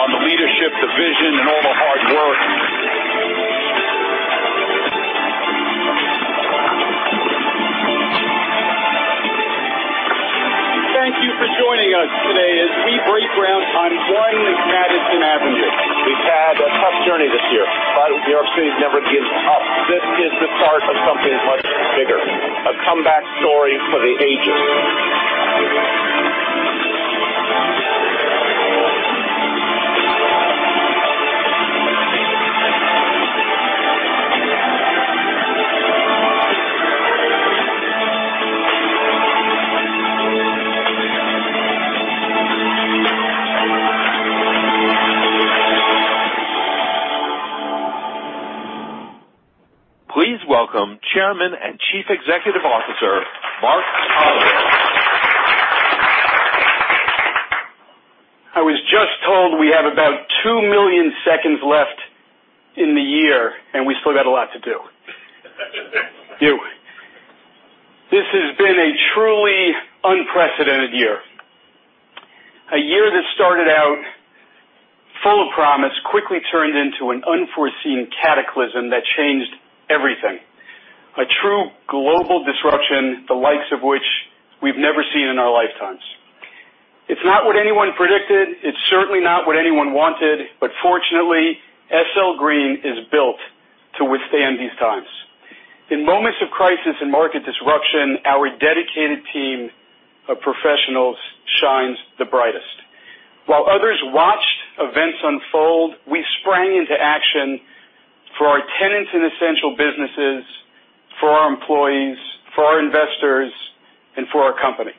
Today marks the milestone, the testament on the leadership, the vision, and all the hard work. Thank you for joining us today as we break ground on One Madison Avenue. We've had a tough journey this year. New York City never gives up. This is the start of something much bigger, a comeback story for the ages. Please welcome Chairman and Chief Executive Officer, Marc Holliday. I was just told we have about 2 million seconds left in the year, we still got a lot to do. This has been a truly unprecedented year. A year that started out full of promise, quickly turned into an unforeseen cataclysm that changed everything. A true global disruption, the likes of which we've never seen in our lifetimes. It's not what anyone predicted. It's certainly not what anyone wanted. Fortunately, SL Green is built to withstand these times. In moments of crisis and market disruption, our dedicated team of professionals shines the brightest. While others watched events unfold, we sprang into action for our tenants and essential businesses, for our employees, for our investors, and for our company.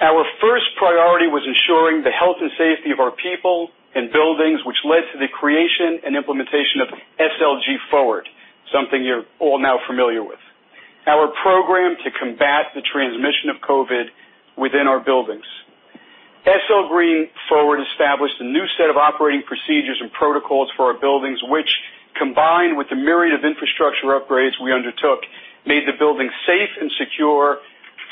Our first priority was ensuring the health and safety of our people and buildings, which led to the creation and implementation of SLG Forward, something you're all now familiar with. Our program to combat the transmission of COVID within our buildings. SL Green Forward established a new set of operating procedures and protocols for our buildings, which, combined with the myriad of infrastructure upgrades we undertook, made the building safe and secure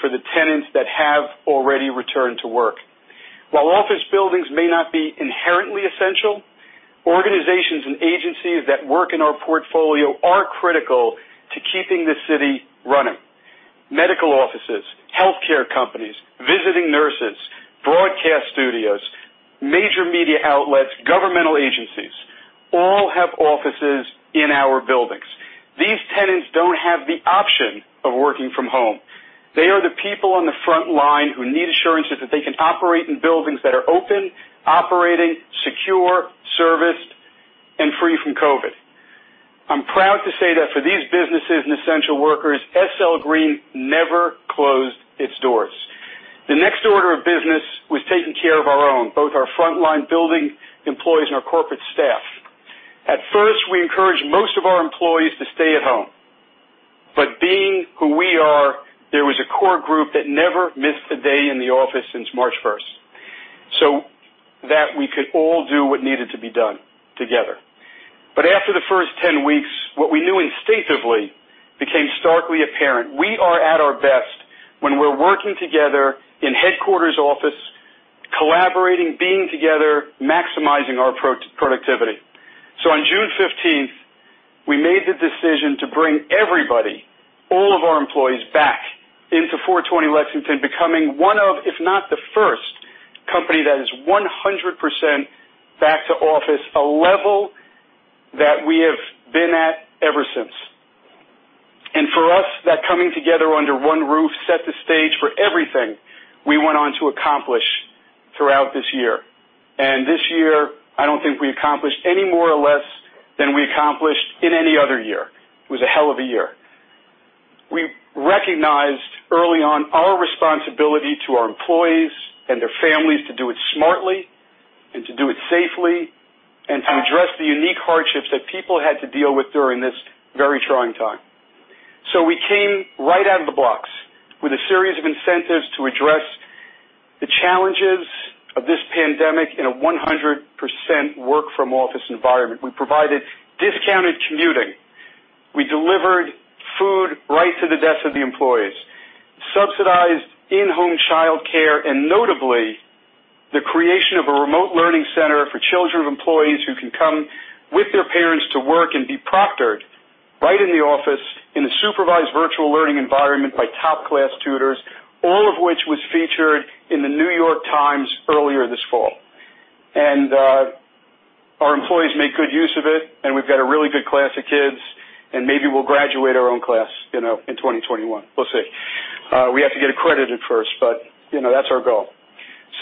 for the tenants that have already returned to work. While office buildings may not be inherently essential, organizations and agencies that work in our portfolio are critical to keeping this city running. Medical offices, healthcare companies, visiting nurses, broadcast studios, major media outlets, governmental agencies, all have offices in our buildings. These tenants don't have the option of working from home. They are the people on the front line who need assurances that they can operate in buildings that are open, operating, secure, serviced, and free from COVID. I'm proud to say that for these businesses and essential workers, SL Green never closed its doors. The next order of business was taking care of our own, both our frontline building employees and our corporate staff. At first, we encouraged most of our employees to stay at home. Being who we are, there was a core group that never missed a day in the office since March first, so that we could all do what needed to be done together. After the first 10 weeks, what we knew instinctively became starkly apparent. We are at our best when we're working together in headquarters office, collaborating, being together, maximizing our productivity. On June 15th, we made the decision to bring everybody, all of our employees back into 420 Lexington becoming one of, if not the first, company that is 100% back to office, a level that we have been at ever since. For us, that coming together under one roof set the stage for everything we went on to accomplish throughout this year. This year, I don't think we accomplished any more or less than we accomplished in any other year. It was a hell of a year. We recognized early on our responsibility to our employees and their families to do it smartly and to do it safely and to address the unique hardships that people had to deal with during this very trying time. We came right out of the blocks with a series of incentives to address the challenges of this pandemic in a 100% work from office environment. We provided discounted commuting. We delivered food right to the desks of the employees, subsidized in-home childcare, and notably, the creation of a remote learning center for children of employees who can come with their parents to work and be proctored right in the office in a supervised virtual learning environment by top-class tutors, all of which was featured in The New York Times earlier this fall. Our employees make good use of it, and we've got a really good class of kids, and maybe we'll graduate our own class in 2021. We'll see. We have to get accredited first, but that's our goal.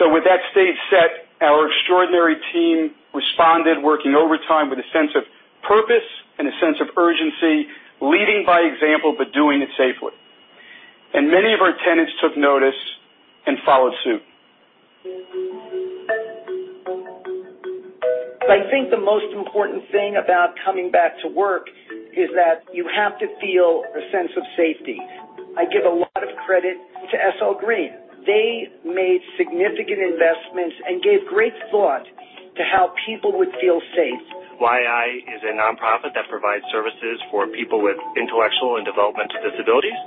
With that stage set, our extraordinary team responded, working overtime with a sense of purpose and a sense of urgency, leading by example, but doing it safely. Many of our tenants took notice and followed suit. I think the most important thing about coming back to work is that you have to feel a sense of safety. I give a lot of credit to SL Green. They made significant investments and gave great thought to how people would feel safe. YAI is a nonprofit that provides services for people with intellectual and developmental disabilities.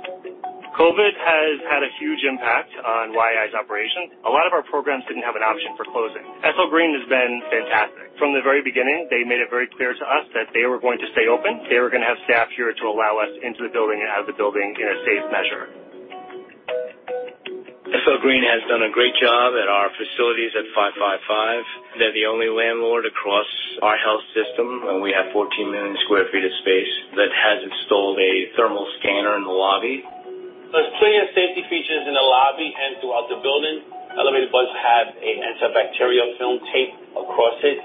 COVID has had a huge impact on YAI's operations. A lot of our programs didn't have an option for closing. SL Green has been fantastic. From the very beginning, they made it very clear to us that they were going to stay open, they were going to have staff here to allow us into the building and out of the building in a safe measure. SL Green has done a great job at our facilities at 555. They're the only landlord across our health system, and we have 14 million sq ft of space that has installed a thermal scanner in the lobby. There's plenty of safety features in the lobby and throughout the building. Elevator buttons have an antibacterial film tape across it.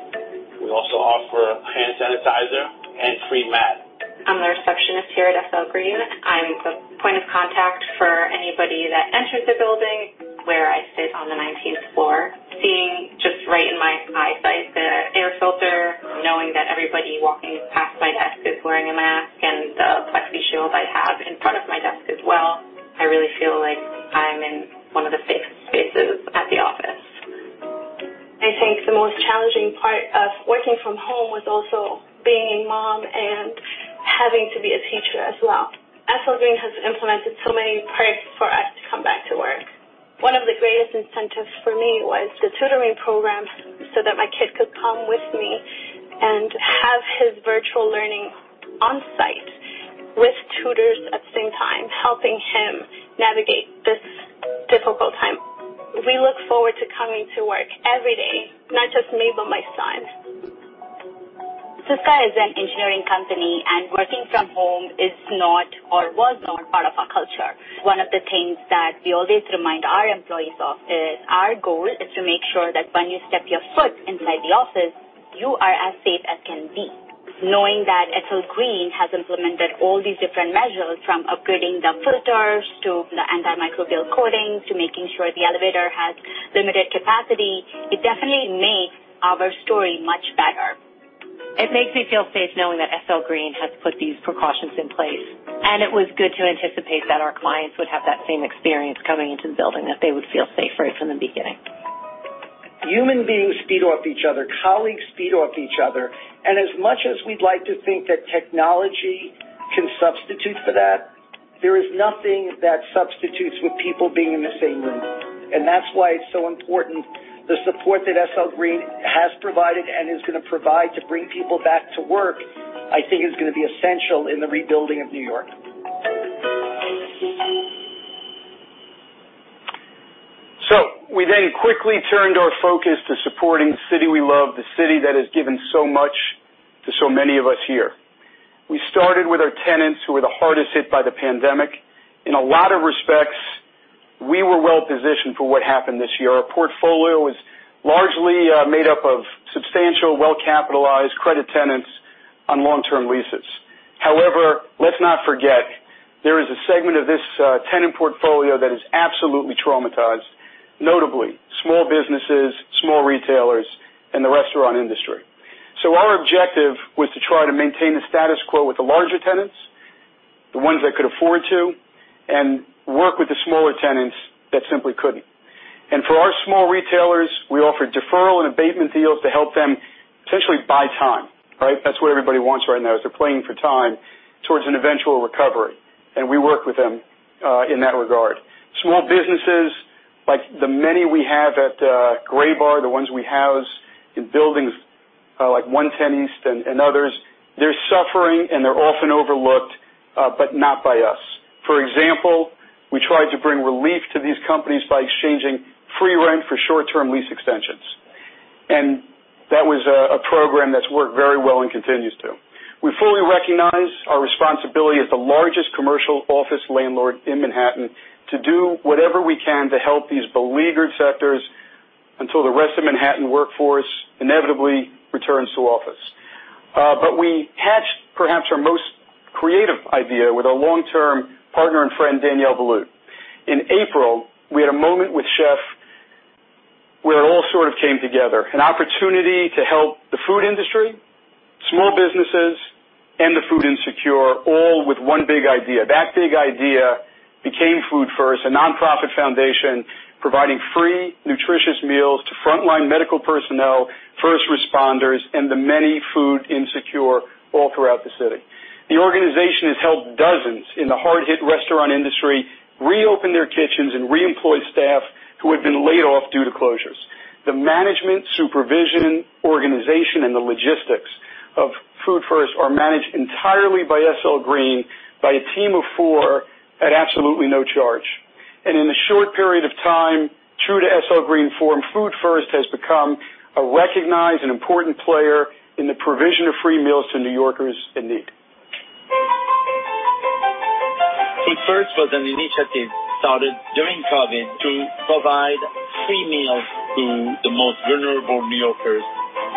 We also offer hand sanitizer and free masks. I'm the receptionist here at SL Green. I'm the point of contact for anybody that enters the building. Where I sit on the 19th floor, seeing just right in my eyesight the air filter, knowing that everybody walking past my desk is wearing a mask, and the plexi shield I have in front of my desk as well, I really feel like I'm in one of the safest spaces at the office. I think the most challenging part of working from home was also being a mom and having to be a teacher as well. SL Green has implemented so many perks for us to come back to work. One of the greatest incentives for me was the tutoring program so that my kid could come with me and have his virtual learning on-site with tutors at the same time, helping him navigate this difficult time. We look forward to coming to work every day, not just me, but my son. Syska is an engineering company, working from home is not or was not part of our culture. One of the things that we always remind our employees of is our goal is to make sure that when you step your foot inside the office, you are as safe as can be. Knowing that SL Green has implemented all these different measures, from upgrading the filters to the antimicrobial coatings to making sure the elevator has limited capacity, it definitely makes our story much better. It makes me feel safe knowing that SL Green has put these precautions in place, and it was good to anticipate that our clients would have that same experience coming into the building, that they would feel safe right from the beginning. Human beings feed off each other. Colleagues feed off each other. As much as we'd like to think that technology can substitute for that, there is nothing that substitutes for people being in the same room. That's why it's so important the support that SL Green has provided and is going to provide to bring people back to work, I think is going to be essential in the rebuilding of New York. We then quickly turned our focus to supporting the city we love, the city that has given so much to so many of us here. We started with our tenants who were the hardest hit by the pandemic. In a lot of respects, we were well positioned for what happened this year. Our portfolio is largely made up of substantial, well-capitalized credit tenants on long-term leases. However, let's not forget, there is a segment of this tenant portfolio that is absolutely traumatized, notably small businesses, small retailers, and the restaurant industry. Our objective was to try to maintain the status quo with the larger tenants, the ones that could afford to, and work with the smaller tenants that simply couldn't. For our small retailers, we offered deferral and abatement deals to help them essentially buy time, right? That's what everybody wants right now, is they're playing for time towards an eventual recovery. We work with them in that regard. Small businesses like the many we have at Graybar, the ones we house in buildings like 110 East and others, they're suffering. They're often overlooked, but not by us. For example, we tried to bring relief to these companies by exchanging free rent for short-term lease extensions. That was a program that's worked very well and continues to. We fully recognize our responsibility as the largest commercial office landlord in Manhattan to do whatever we can to help these beleaguered sectors until the rest of Manhattan workforce inevitably returns to office. We hatched perhaps our most creative idea with our long-term partner and friend, Daniel Boulud. In April, we had a moment with Chef where it all sort of came together, an opportunity to help the food industry, small businesses, and the food insecure, all with one big idea. That big idea became Food First, a nonprofit foundation providing free, nutritious meals to frontline medical personnel, first responders, and the many food insecure all throughout the city. The organization has helped dozens in the hard-hit restaurant industry reopen their kitchens and reemploy staff who had been laid off due to closures. The management, supervision, organization, and the logistics of Food First are managed entirely by SL Green, by a team of four at absolutely no charge. In a short period of time, true to SL Green form, Food First has become a recognized and important player in the provision of free meals to New Yorkers in need. Food First was an initiative started during COVID to provide free meals to the most vulnerable New Yorkers,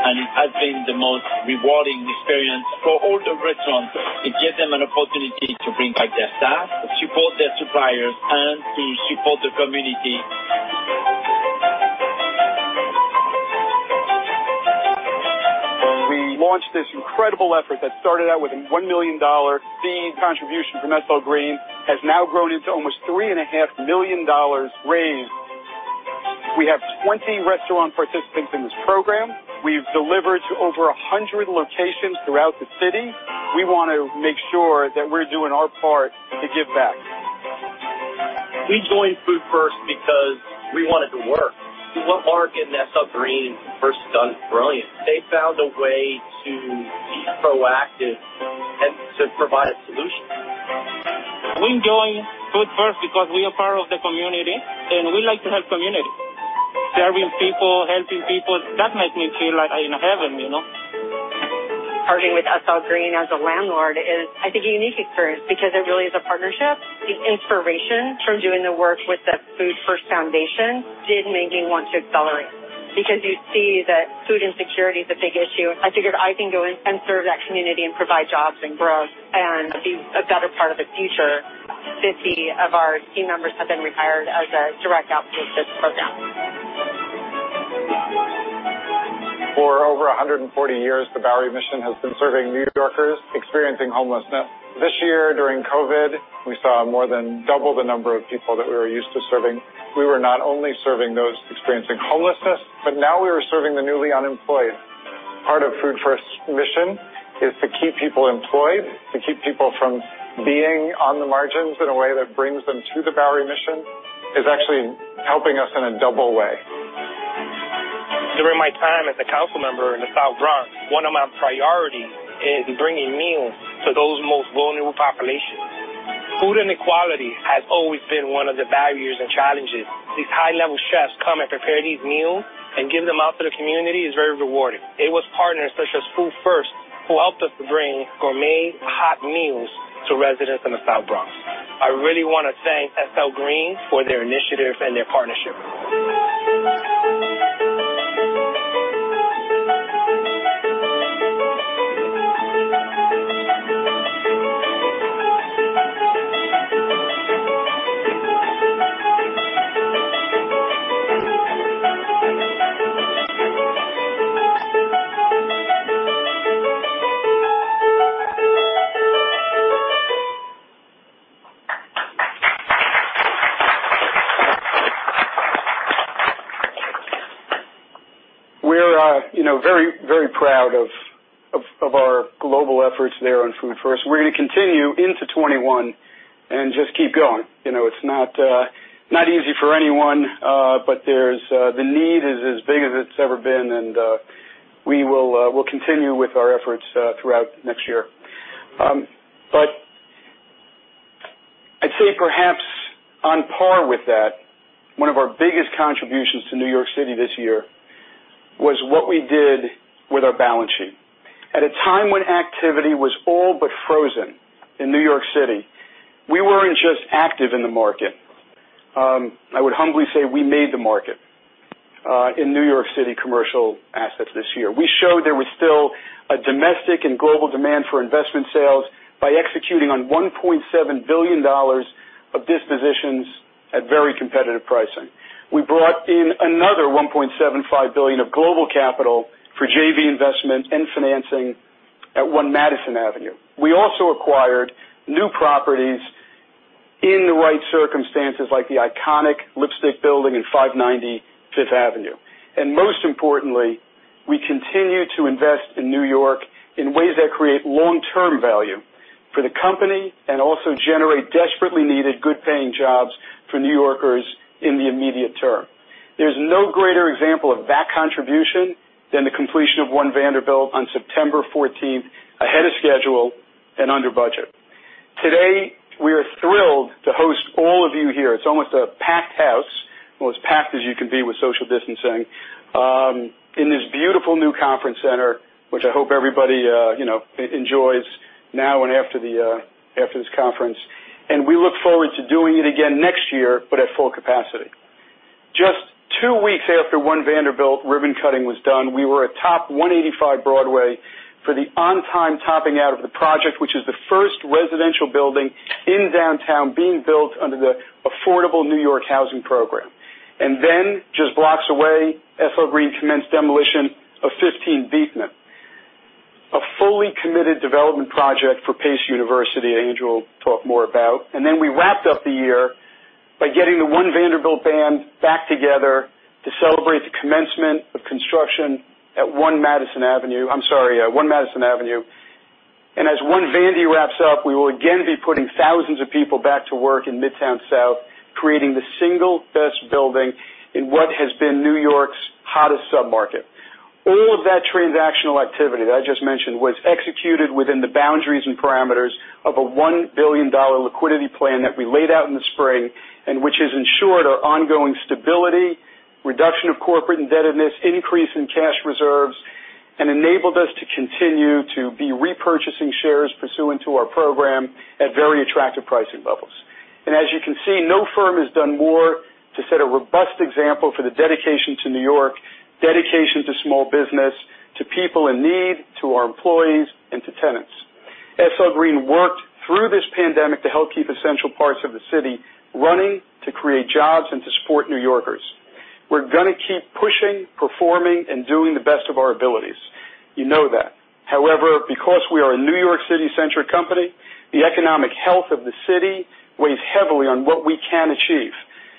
and it has been the most rewarding experience for all the restaurants. It gives them an opportunity to bring back their staff, support their suppliers, and to support the community. Launched this incredible effort that started out with a $1 million seed contribution from SL Green, has now grown into almost $3.5 million raised. We have 20 restaurant participants in this program. We've delivered to over 100 locations throughout the city. We want to make sure that we're doing our part to give back. We joined Food First because we wanted to work. What Marc and SL Green first done is brilliant. They found a way to be proactive and to provide a solution. We joined Food First because we are part of the community, and we like to help community. Serving people, helping people, that makes me feel like I'm in heaven. Partnering with SL Green as a landlord is, I think, a unique experience because it really is a partnership. The inspiration from doing the work with the Food First did make me want to accelerate, because you see that food insecurity is a big issue. I figured I can go in and serve that community and provide jobs and growth and be a better part of the future. 50 of our team members have been rehired as a direct output of this program. For over 140 years, the Bowery Mission has been serving New Yorkers experiencing homelessness. This year, during COVID, we saw more than double the number of people that we were used to serving. We were not only serving those experiencing homelessness, but now we were serving the newly unemployed. Part of Food First's mission is to keep people employed, to keep people from being on the margins in a way that brings them to the Bowery Mission, is actually helping us in a double way. During my time as a council member in the South Bronx, one of my priorities is bringing meals to those most vulnerable populations. Food inequality has always been one of the barriers and challenges. These high-level chefs come and prepare these meals and give them out to the community is very rewarding. It was partners such as Food First who helped us to bring gourmet hot meals to residents in the South Bronx. I really want to thank SL Green for their initiative and their partnership. We're very proud of our global efforts there on Food First. We're going to continue into 2021 and just keep going. It's not easy for anyone, but the need is as big as it's ever been, and we'll continue with our efforts throughout next year. I'd say perhaps on par with that, one of our biggest contributions to New York City this year was what we did with our balance sheet. At a time when activity was all but frozen in New York City, we weren't just active in the market. I would humbly say we made the market in New York City commercial assets this year. We showed there was still a domestic and global demand for investment sales by executing on $1.7 billion of dispositions at very competitive pricing. We brought in another $1.75 billion of global capital for JV investment and financing at one Madison Avenue. We also acquired new properties in the right circumstances, like the iconic Lipstick Building and 590 Fifth Avenue. Most importantly, we continue to invest in New York in ways that create long-term value for the company and also generate desperately needed good-paying jobs for New Yorkers in the immediate term. There's no greater example of that contribution than the completion of One Vanderbilt on September 14th, ahead of schedule and under budget. Today, we are thrilled to host all of you here. It's almost a packed house, well, as packed as you can be with social distancing, in this beautiful new conference center, which I hope everybody enjoys now and after this conference. We look forward to doing it again next year, but at full capacity. Just two weeks after One Vanderbilt ribbon cutting was done, we were at Top 185 Broadway for the on-time topping out of the project, which is the first residential building in Downtown being built under the Affordable New York Housing program. Just blocks away, SL Green commenced demolition of 15 Beekman, a fully committed development project for Pace University Andrew will talk more about. We wrapped up the year by getting the One Vanderbilt band back together to celebrate the commencement of construction at One Madison Avenue. As One Vandy wraps up, we will again be putting thousands of people back to work in Midtown South, creating the single best building in what has been New York's hottest submarket. All of that transactional activity that I just mentioned was executed within the boundaries and parameters of a $1 billion liquidity plan that we laid out in the spring and which has ensured our ongoing stability, reduction of corporate indebtedness, increase in cash reserves, and enabled us to continue to be repurchasing shares pursuant to our program at very attractive pricing levels. As you can see, no firm has done more to set a robust example for the dedication to New York, dedication to small business, to people in need, to our employees, and to tenants. SL Green worked through this pandemic to help keep essential parts of the city running, to create jobs, and to support New Yorkers. We're going to keep pushing, performing, and doing the best of our abilities. You know that. However, because we are a New York City-centric company, the economic health of the city weighs heavily on what we can achieve.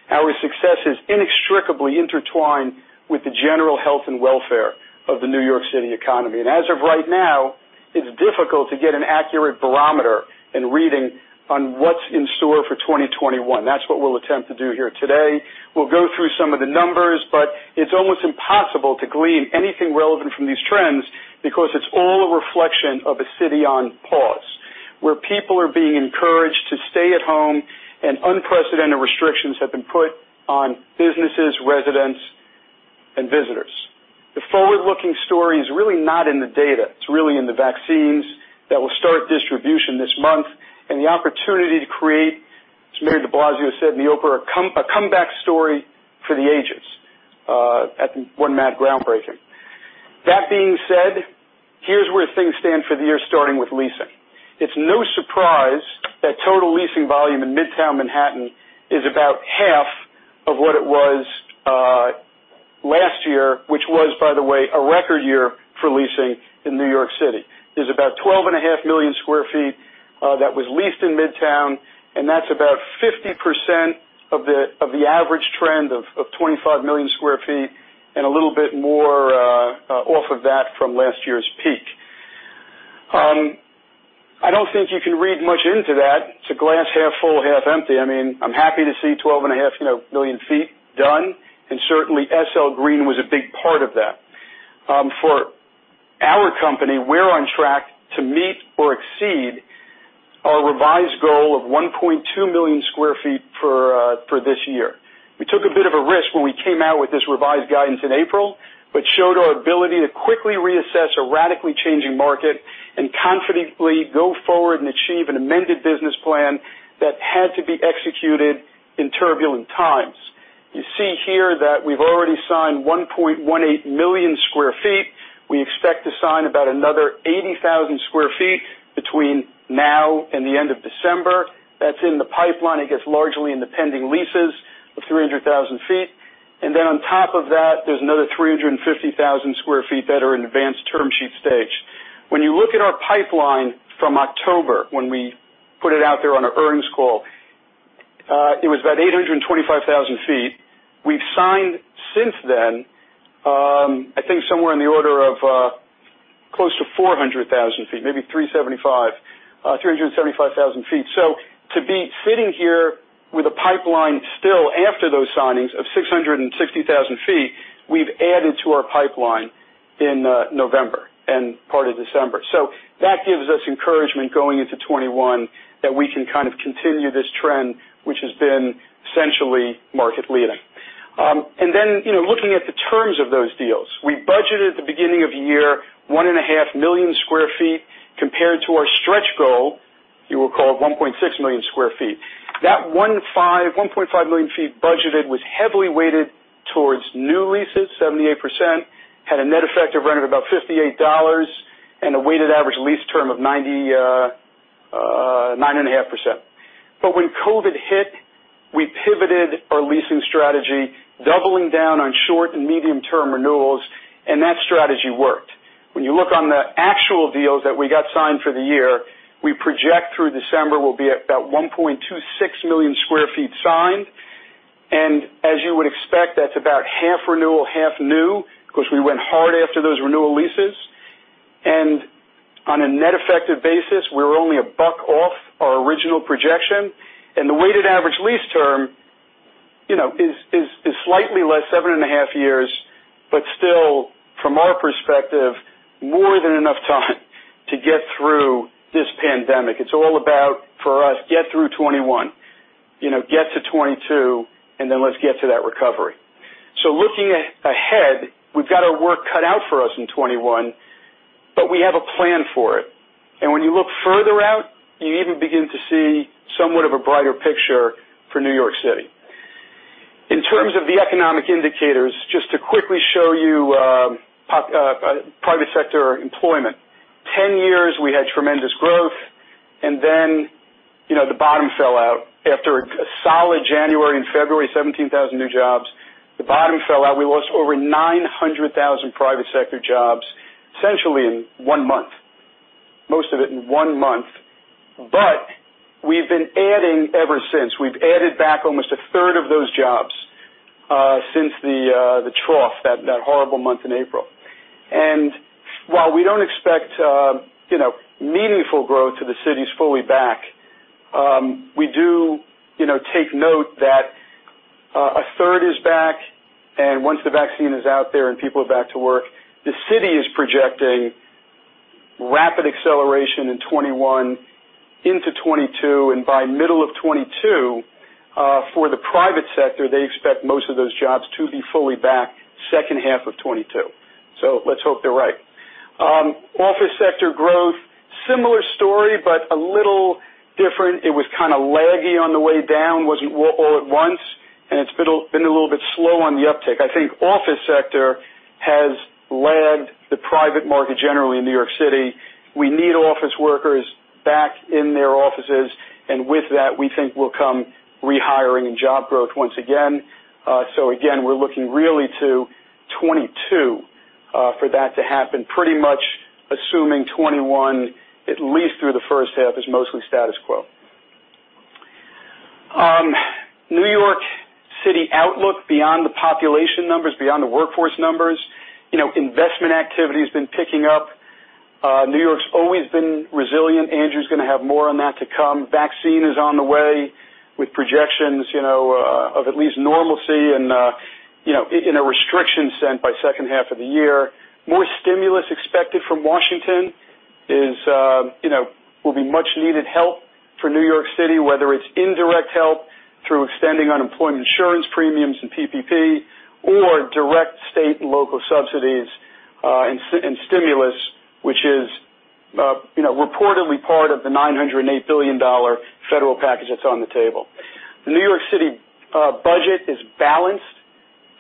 Our success is inextricably intertwined with the general health and welfare of the New York City economy. As of right now, it's difficult to get an accurate barometer and reading on what's in store for 2021. That's what we'll attempt to do here today. We'll go through some of the numbers, but it's almost impossible to glean anything relevant from these trends because it's all a reflection of a city on pause, where people are being encouraged to stay at home, and unprecedented restrictions have been put on businesses, residents, and visitors. The forward-looking story is really not in the data. It's really in the vaccines that will start distribution this month, and the opportunity to create, as Mayor de Blasio said in the opener, "A comeback story for the ages," at One Vanderbilt groundbreaking. That being said, here's where things stand for the year, starting with leasing. It's no surprise that total leasing volume in Midtown Manhattan is about half of what it was last year, which was, by the way, a record year for leasing in New York City. There's about 12.5 million square feet that was leased in Midtown, and that's about 50% of the average trend of 25 million square feet, and a little bit more off of that from last year's peak. I don't think you can read much into that. It's a glass half full, half empty. I'm happy to see 12.5 million feet done, and certainly SL Green was a big part of that. For our company, we're on track to meet or exceed our revised goal of 1.2 million square feet for this year. We took a bit of a risk when we came out with this revised guidance in April, but showed our ability to quickly reassess a radically changing market and confidently go forward and achieve an amended business plan that had to be executed in turbulent times. You see here that we've already signed 1.18 million square feet. We expect to sign about another 80,000 square feet between now and the end of December. That's in the pipeline. It gets largely in the pending leases of 300,000 feet. On top of that, there's another 350,000 square feet that are in advanced term sheet stage. When you look at our pipeline from October, when we put it out there on our earnings call, it was about 825,000 feet. We've signed since then, I think somewhere in the order of close to 400,000 sq ft, maybe 375,000 sq ft. To be sitting here with a pipeline still after those signings of 660,000 sq ft we've added to our pipeline in November and part of December. That gives us encouragement going into 2021 that we can kind of continue this trend, which has been essentially market leading. Looking at the terms of those deals, we budgeted at the beginning of the year, 1.5 million sq ft compared to our stretch goal, you will call it 1.6 million sq ft. That 1.5 million sq ft budgeted was heavily weighted towards new leases, 78%, had a net effective rent of about $58, and a weighted average lease term of 99.5%. When COVID hit, we pivoted our leasing strategy, doubling down on short and medium term renewals, and that strategy worked. When you look on the actual deals that we got signed for the year, we project through December we'll be at about 1.26 million sq ft signed. As you would expect, that's about half renewal, half new, because we went hard after those renewal leases. On a net effective basis, we're only a buck off our original projection. The weighted average lease term is slightly less, 7.5 years, but still, from our perspective, more than enough time to get through this pandemic. It's all about, for us, get through 2021, get to 2022, then let's get to that recovery. Looking ahead, we've got our work cut out for us in 2021, but we have a plan for it. When you look further out, you even begin to see somewhat of a brighter picture for New York City. In terms of the economic indicators, just to quickly show you private sector employment. 10 years, we had tremendous growth, and then the bottom fell out after a solid January and February, 17,000 new jobs. The bottom fell out. We lost over 900,000 private sector jobs, essentially in one month, most of it in one month. We've been adding ever since. We've added back almost a third of those jobs since the trough, that horrible month in April. While we don't expect meaningful growth till the city's fully back, we do take note that a third is back, and once the vaccine is out there and people are back to work, the city is projecting rapid acceleration in 2021 into 2022, and by middle of 2022, for the private sector, they expect most of those jobs to be fully back second half of 2022. Let's hope they're right. Office sector growth, similar story, but a little different. It was kind of laggy on the way down, wasn't all at once, and it's been a little bit slow on the uptick. I think office sector has lagged the private market generally in New York City. We need office workers back in their offices, and with that, we think will come rehiring and job growth once again. Again, we're looking really to 2022 for that to happen, pretty much assuming 2021, at least through the first half, is mostly status quo. New York City outlook beyond the population numbers, beyond the workforce numbers. Investment activity has been picking up. New York's always been resilient. Andrew's going to have more on that to come. Vaccine is on the way with projections of at least normalcy and in a restriction sense by second half of the year. More stimulus expected from Washington will be much needed help for New York City, whether it's indirect help through extending unemployment insurance premiums and PPP or direct state and local subsidies, and stimulus, which is reportedly part of the $908 billion federal package that's on the table. The New York City budget is balanced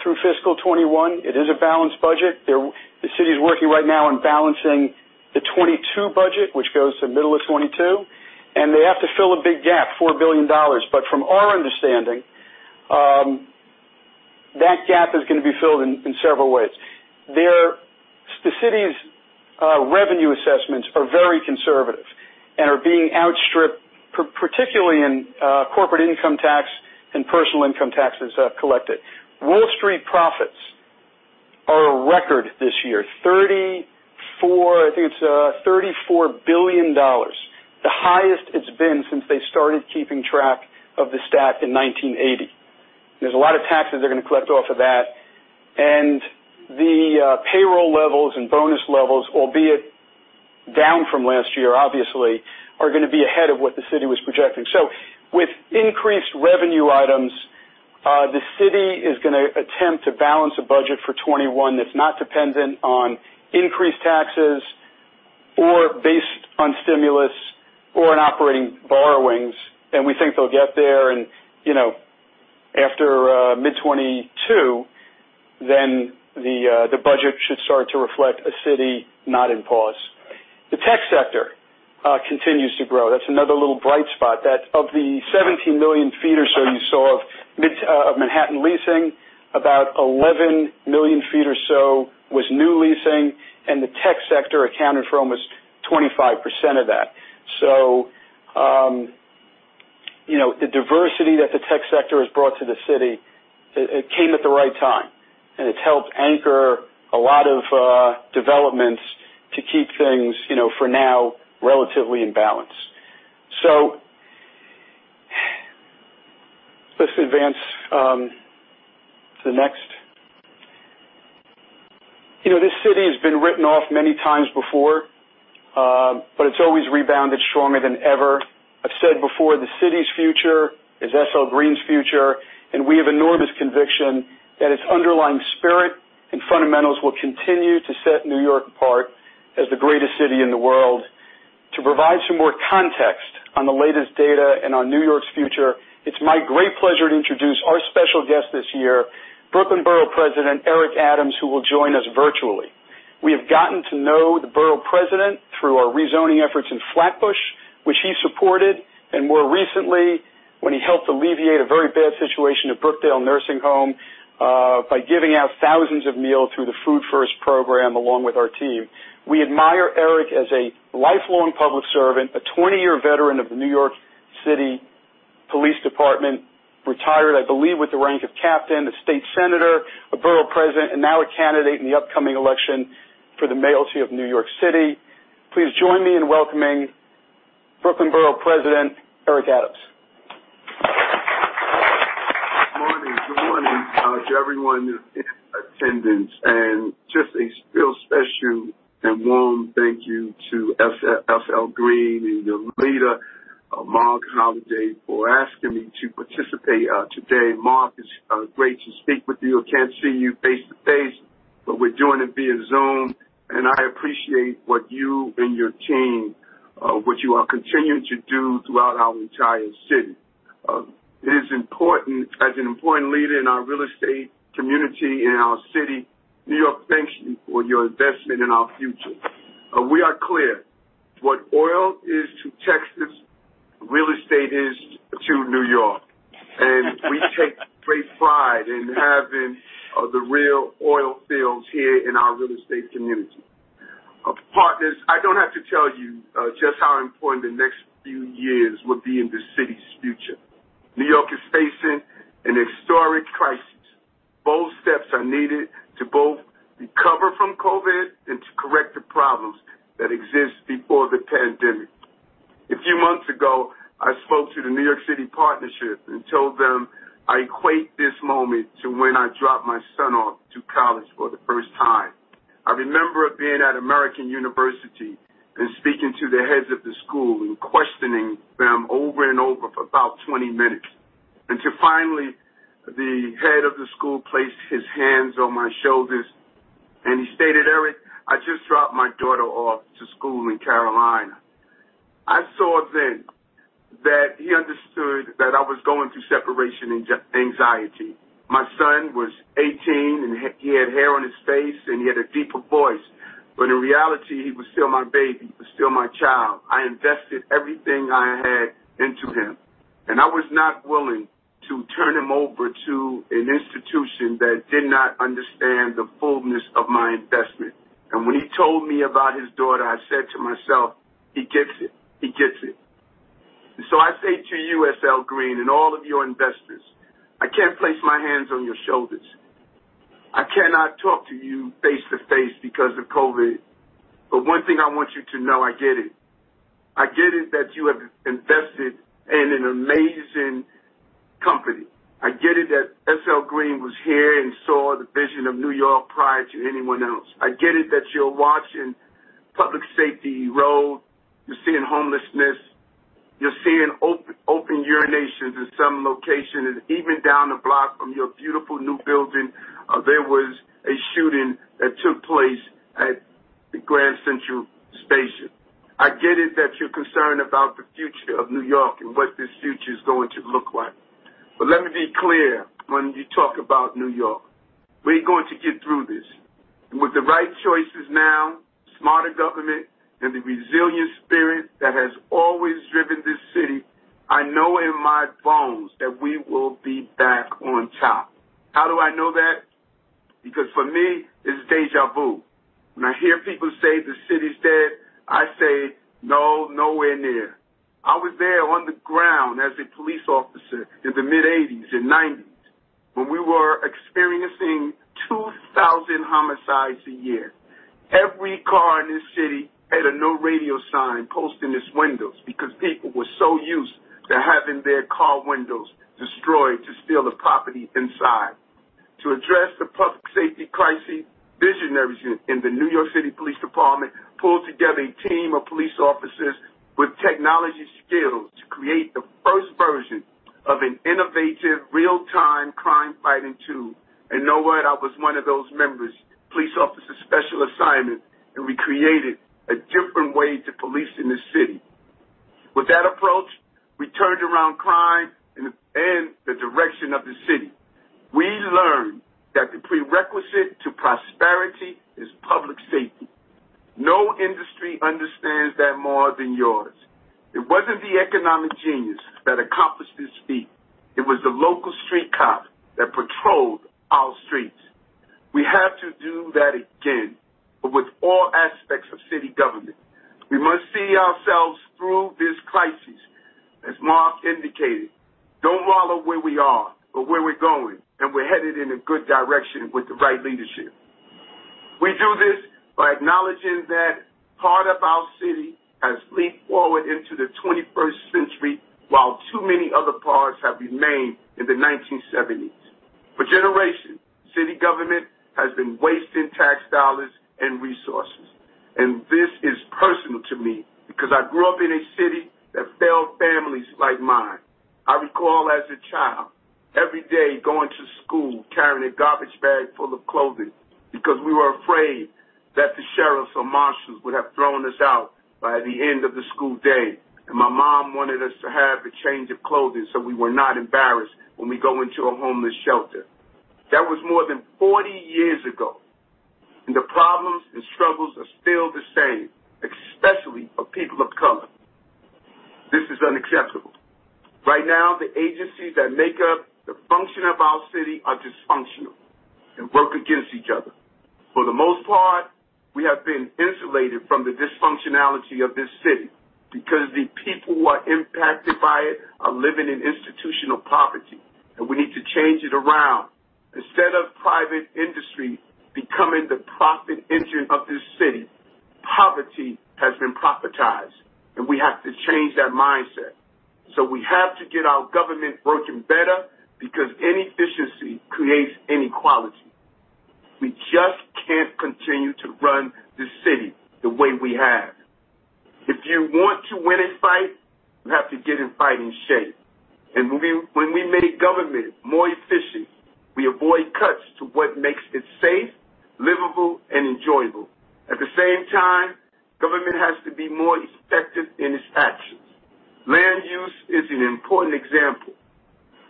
through fiscal 2021. It is a balanced budget. The city's working right now on balancing the 2022 budget, which goes to the middle of 2022, and they have to fill a big gap, $4 billion. From our understanding, that gap is going to be filled in several ways. The city's revenue assessments are very conservative and are being outstripped, particularly in corporate income tax and personal income taxes collected. Wall Street profits are a record this year, I think it's $34 billion, the highest it's been since they started keeping track of the stat in 1980. There's a lot of taxes they're going to collect off of that, and the payroll levels and bonus levels, albeit down from last year, obviously, are going to be ahead of what the city was projecting. With increased revenue items, the city is going to attempt to balance a budget for 2021 that's not dependent on increased taxes or based on stimulus or on operating borrowings. We think they'll get there and after mid 2022, then the budget should start to reflect a city not in pause. The tech sector continues to grow. That's another little bright spot. That of the 17 million feet or so you saw of Manhattan leasing, about 11 million feet or so was new leasing, the tech sector accounted for almost 25% of that. The diversity that the tech sector has brought to the city, it came at the right time, and it's helped anchor a lot of developments to keep things, for now, relatively in balance. Let's advance to the next. This city has been written off many times before, it's always rebounded stronger than ever. I've said before, the city's future is SL Green's future, we have enormous conviction that its underlying spirit and fundamentals will continue to set New York apart as the greatest city in the world. To provide some more context on the latest data and on New York's future, it's my great pleasure to introduce our special guest this year, Brooklyn Borough President Eric Adams, who will join us virtually. We have gotten to know the Borough President through our rezoning efforts in Flatbush, which he supported, and more recently when he helped alleviate a very bad situation at Brookdale Nursing Home, by giving out thousands of meals through the Food First program, along with our team. We admire Eric as a lifelong public servant, a 20-year veteran of the New York City Police Department, retired, I believe, with the rank of captain, a state senator, a Borough President, and now a candidate in the upcoming election for the mayoralty of New York City. Please join me in welcoming Brooklyn Borough President Eric Adams. Good morning to everyone in attendance, just a real special and warm thank you to SL Green and your leader, Marc Holliday, for asking me to participate today. Marc, it's great to speak with you. I can't see you face to face, we're joining via Zoom, I appreciate what you and your team are continuing to do throughout our entire city. It is important as an important leader in our real estate community and our city, New York thanks you for your investment in our future. We are clear. What oil is to Texas, real estate is to New York. We take great pride in having the real oil fields here in our real estate community. Partners, I don't have to tell you just how important the next few years will be in this city's future. New York is facing an historic crisis. Bold steps are needed to both recover from COVID and to correct the problems that exist before the pandemic. A few months ago, I spoke to the New York City Partnership and told them I equate this moment to when I dropped my son off to college for the first time. I remember being at American University and speaking to the heads of the school and questioning them over and over for about 20 minutes. The head of the school placed his hands on my shoulders and he stated, "Eric, I just dropped my daughter off to school in Carolina." I saw then that he understood that I was going through separation anxiety. My son was 18, and he had hair on his face, and he had a deeper voice, but in reality, he was still my baby, he was still my child. I invested everything I had into him, I was not willing to turn him over to an institution that did not understand the fullness of my investment. When he told me about his daughter, I said to myself, "He gets it." I say to you, SL Green, and all of your investors, I can’t place my hands on your shoulders. I cannot talk to you face-to-face because of COVID. One thing I want you to know, I get it. I get it that you have invested in an amazing company. I get it that SL Green was here and saw the vision of New York prior to anyone else. I get it that you’re watching public safety erode. You’re seeing homelessness. You’re seeing open urinations in some locations. Even down the block from your beautiful new building, there was a shooting that took place at the Grand Central Station. Let me be clear when you talk about New York, we’re going to get through this. With the right choices now, smarter government, and the resilient spirit that has always driven this city, I know in my bones that we will be back on top. How do I know that? Because for me, this is deja vu. When I hear people say the city’s dead, I say, "No, nowhere near." I was there on the ground as a police officer in the mid-'80s and '90s, when we were experiencing 2,000 homicides a year. Every car in this city had a no radio sign posted in its windows because people were so used to having their car windows destroyed to steal the property inside. To address the public safety crisis, visionaries in the New York City Police Department pulled together a team of police officers with technology skills to create the first version of an innovative real-time crime-fighting tool. Know what? I was one of those members, police officer, special assignment. We created a different way to police in this city. With that approach, we turned around crime and the direction of the city. We learned that the prerequisite to prosperity is public safety. No industry understands that more than yours. It wasn’t the economic genius that accomplished this feat. It was the local street cop that patrolled our streets. We have to do that again, but with all aspects of city government. We must see ourselves through this crisis. As Marc indicated, don’t wallow where we are, but where we’re going, and we’re headed in a good direction with the right leadership. We do this by acknowledging that part of our city has leaped forward into the 21st century, while too many other parts have remained in the 1970s. For generations, city government has been wasting tax dollars and resources, and this is personal to me because I grew up in a city that failed families like mine. I recall as a child, every day going to school carrying a garbage bag full of clothing because we were afraid that the sheriffs or marshals would have thrown us out by the end of the school day, and my mom wanted us to have a change of clothing so we were not embarrassed when we go into a homeless shelter. That was more than 40 years ago, and the problems and struggles are still the same, especially for people of color. This is unacceptable. Right now, the agencies that make up the function of our city are dysfunctional and work against each other. For the most part, we have been insulated from the dysfunctionality of this city because the people who are impacted by it are living in institutional poverty, and we need to change it around. Instead of private industry becoming the profit engine of this city, poverty has been profitized, and we have to change that mindset. We have to get our government working better because inefficiency creates inequality. We just can’t continue to run this city the way we have. If you want to win a fight, you have to get in fighting shape. When we make government more efficient, we avoid cuts to what makes it safe, livable, and enjoyable. At the same time, government has to be more effective in its actions. Land use is an important example.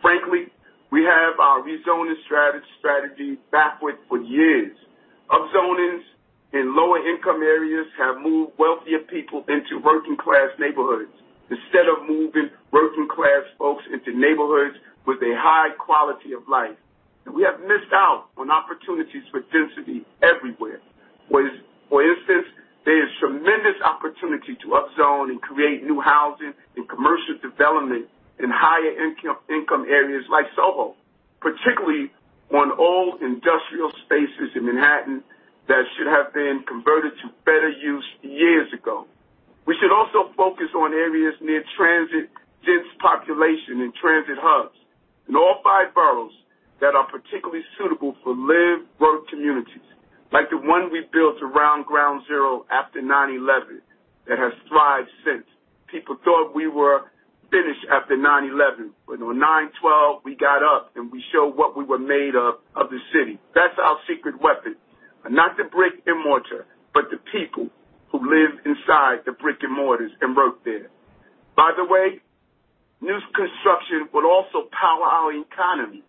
Frankly, we have our rezoning strategy backwards for years. Up zonings in lower income areas have moved wealthier people into working-class neighborhoods, instead of moving working-class folks into neighborhoods with a high quality of life. We have missed out on opportunities for density everywhere. For instance, there is tremendous opportunity to up zone and create new housing and commercial development in higher income areas like SoHo, particularly on old industrial spaces in Manhattan that should have been converted to better use years ago. We should also focus on areas near transit, dense population, and transit hubs in all five boroughs that are particularly suitable for live-work communities. One we built around Ground Zero after 9/11 that has thrived since. People thought we were finished after 9/11. On 9/12, we got up, and we showed what we were made of the city. That's our secret weapon. Not the brick and mortar, but the people who live inside the brick and mortars and work there. By the way, new construction would also power our economy.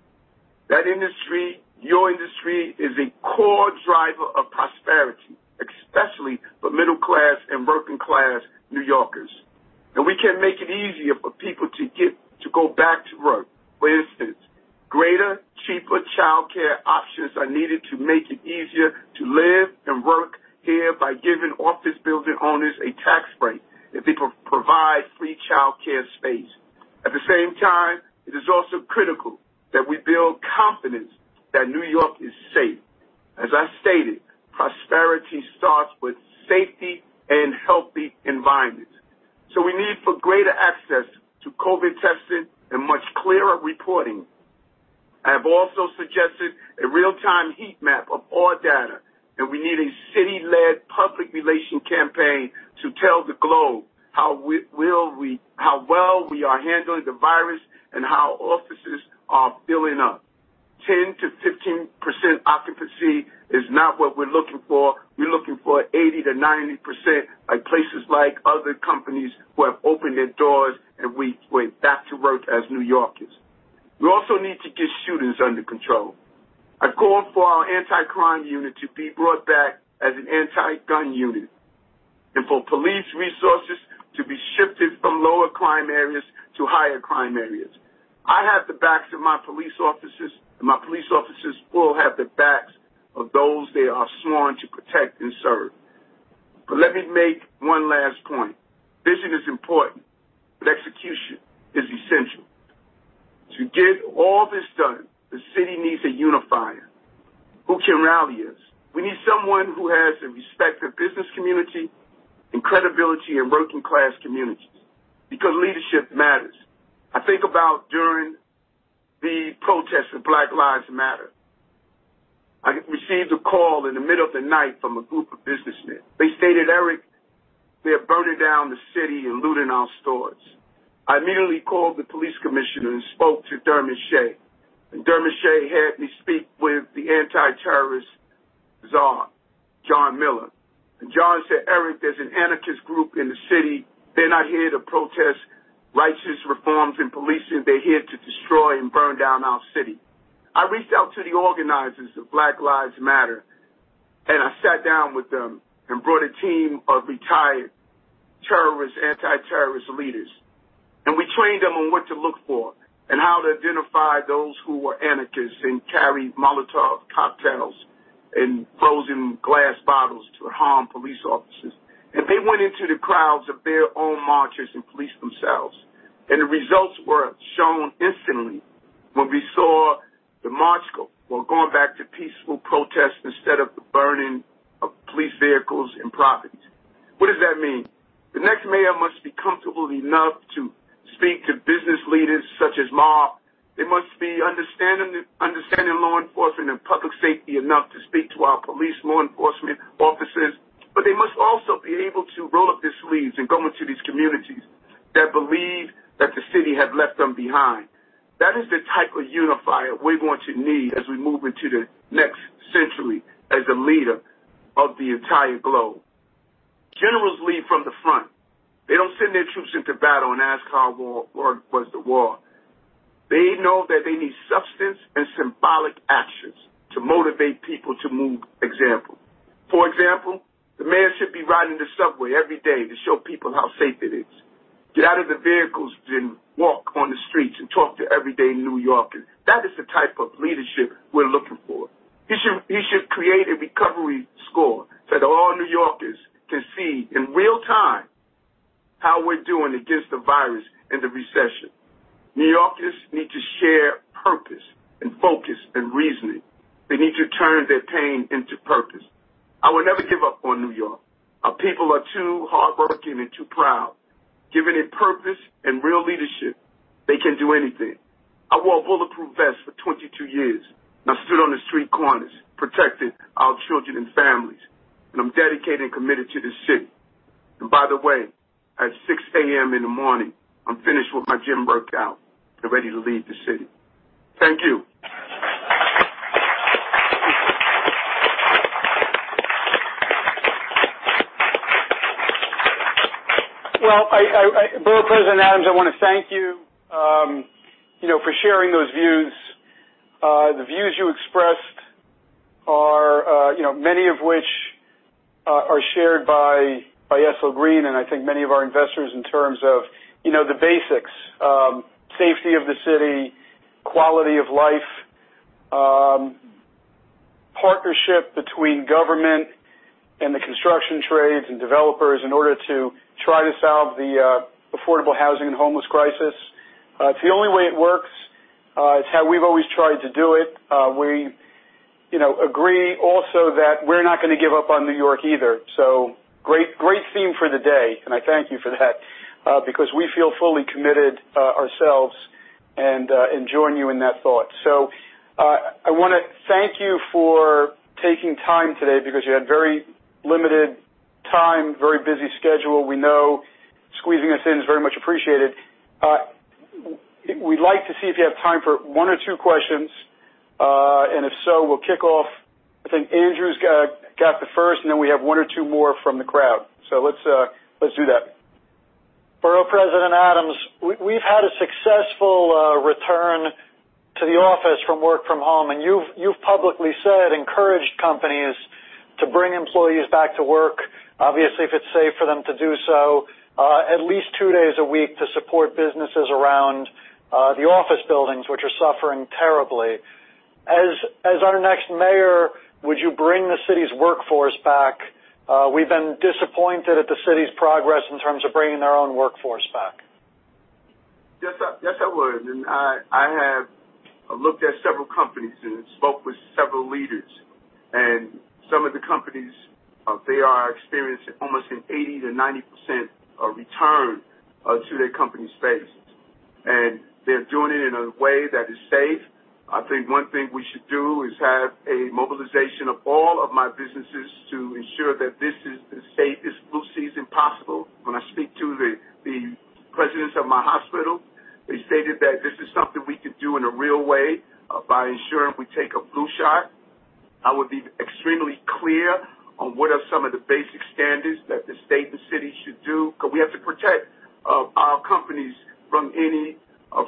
That industry, your industry, is a core driver of prosperity, especially for middle-class and working-class New Yorkers. We can make it easier for people to go back to work. For instance, greater, cheaper childcare options are needed to make it easier to live and work here by giving office building owners a tax break if they provide free childcare space. At the same time, it is also critical that we build confidence that New York is safe. As I stated, prosperity starts with safety and healthy environments. We need for greater access to COVID testing and much clearer reporting. I have also suggested a real-time heat map of all data, and we need a city-led public relation campaign to tell the globe how well we are handling the virus and how offices are filling up. 10%-15% occupancy is not what we're looking for. We're looking for 80%-90% by places like other companies who have opened their doors. We went back to work as New Yorkers. We also need to get shootings under control. I called for our anti-crime unit to be brought back as an anti-gun unit and for police resources to be shifted from lower crime areas to higher crime areas. I have the backs of my police officers. My police officers all have the backs of those they are sworn to protect and serve. Let me make one last point. Vision is important, execution is essential. To get all this done, the city needs a unifier who can rally us. We need someone who has the respect of the business community and credibility in working-class communities because leadership matters. I think about during the protests of Black Lives Matter. I received a call in the middle of the night from a group of businessmen. They stated, "Eric, they are burning down the city and looting our stores." I immediately called the police commissioner and spoke to Dermot Shea. Dermot Shea had me speak with the anti-terrorist czar, John Miller. John said, "Eric, there's an anarchist group in the city. They're not here to protest righteous reforms in policing. They're here to destroy and burn down our city." I reached out to the organizers of Black Lives Matter. I sat down with them and brought a team of retired anti-terrorist leaders, and we trained them on what to look for and how to identify those who were anarchists and carried Molotov cocktails and throws in glass bottles to harm police officers. They went into the crowds of their own marchers and policed themselves. The results were shown instantly when we saw the march were going back to peaceful protests instead of the burning of police vehicles and properties. What does that mean? The next mayor must be comfortable enough to speak to business leaders such as Marc. They must be understanding law enforcement and public safety enough to speak to our police law enforcement officers, they must also be able to roll up their sleeves and go into these communities that believe that the city has left them behind. That is the type of unifier we're going to need as we move into the next century as a leader of the entire globe. Generals lead from the front. They don't send their troops into battle and ask how was the war. They know that they need substance and symbolic actions to motivate people to move example. For example, the mayor should be riding the subway every day to show people how safe it is. Get out of the vehicles and walk on the streets and talk to everyday New Yorkers. That is the type of leadership we're looking for. He should create a recovery score that all New Yorkers can see in real time how we're doing against the virus and the recession. New Yorkers need to share purpose and focus and reasoning. They need to turn their pain into purpose. I will never give up on New York. Our people are too hardworking and too proud. Given a purpose and real leadership, they can do anything. I wore a bulletproof vest for 22 years, and I stood on the street corners protecting our children and families, and I'm dedicated and committed to this city. By the way, at 6:00 A.M. in the morning, I'm finished with my gym workout and ready to lead this city. Thank you. Well, Borough President Adams, I want to thank you for sharing those views. The views you expressed, many of which are shared by SL Green and I think many of our investors in terms of the basics, safety of the city, quality of life, partnership between government and the construction trades and developers in order to try to solve the affordable housing and homeless crisis. It's the only way it works. It's how we've always tried to do it. We agree also that we're not going to give up on New York either. Great theme for the day, and I thank you for that, because we feel fully committed ourselves Join you in that thought. I want to thank you for taking time today because you had very limited time, very busy schedule, we know. Squeezing us in is very much appreciated. We'd like to see if you have time for one or two questions, and if so, we'll kick off. I think Andrew's got the first, and then we have one or two more from the crowd. Let's do that. Borough President Adams, we've had a successful return to the office from work from home, and you've publicly said, encouraged companies to bring employees back to work, obviously, if it's safe for them to do so, at least two days a week to support businesses around the office buildings, which are suffering terribly. As our next mayor, would you bring the city's workforce back? We've been disappointed at the city's progress in terms of bringing their own workforce back. Yes, I would. I have looked at several companies and spoke with several leaders. Some of the companies, they are experiencing almost an 80%-90% return to their company space, and they're doing it in a way that is safe. I think one thing we should do is have a mobilization of all of my businesses to ensure that this is the safest flu season possible. When I speak to the presidents of my hospital, they stated that this is something we could do in a real way by ensuring we take a flu shot. I would be extremely clear on what are some of the basic standards that the state and city should do, because we have to protect our companies from any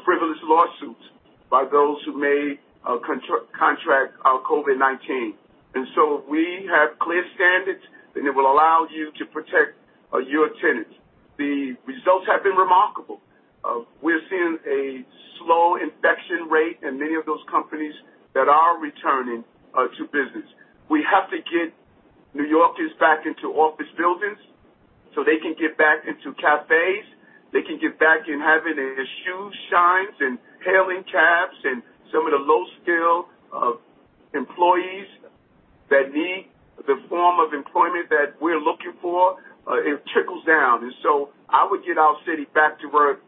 frivolous lawsuits by those who may contract COVID-19. If we have clear standards, it will allow you to protect your tenants. The results have been remarkable. We're seeing a slow infection rate in many of those companies that are returning to business. We have to get New Yorkers back into office buildings so they can get back into cafes, they can get back in having their shoe shines and hailing cabs and some of the low-skill employees that need the form of employment that we're looking for. It trickles down. I would get our city back to work,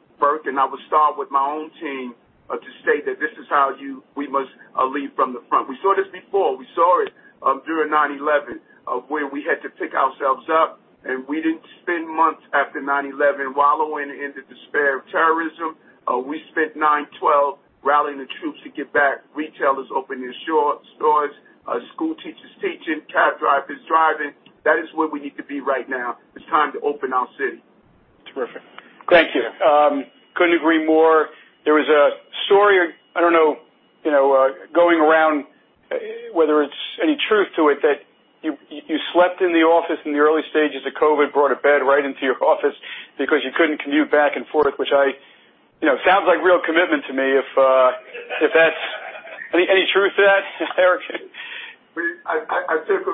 and I would start with my own team to state that this is how we must lead from the front. We saw this before. We saw it during 9/11, where we had to pick ourselves up, and we didn't spend months after 9/11 wallowing in the despair of terrorism. We spent 9/12 rallying the troops to get back retailers opening their stores, school teachers teaching, cab drivers driving. That is where we need to be right now. It is time to open our city. Terrific. Thank you. Couldn't agree more. There was a story, I don't know, going around, whether it's any truth to it, that you slept in the office in the early stages of COVID, brought a bed right into your office because you couldn't commute back and forth, which sounds like real commitment to me, if that's any truth to that, Eric? I took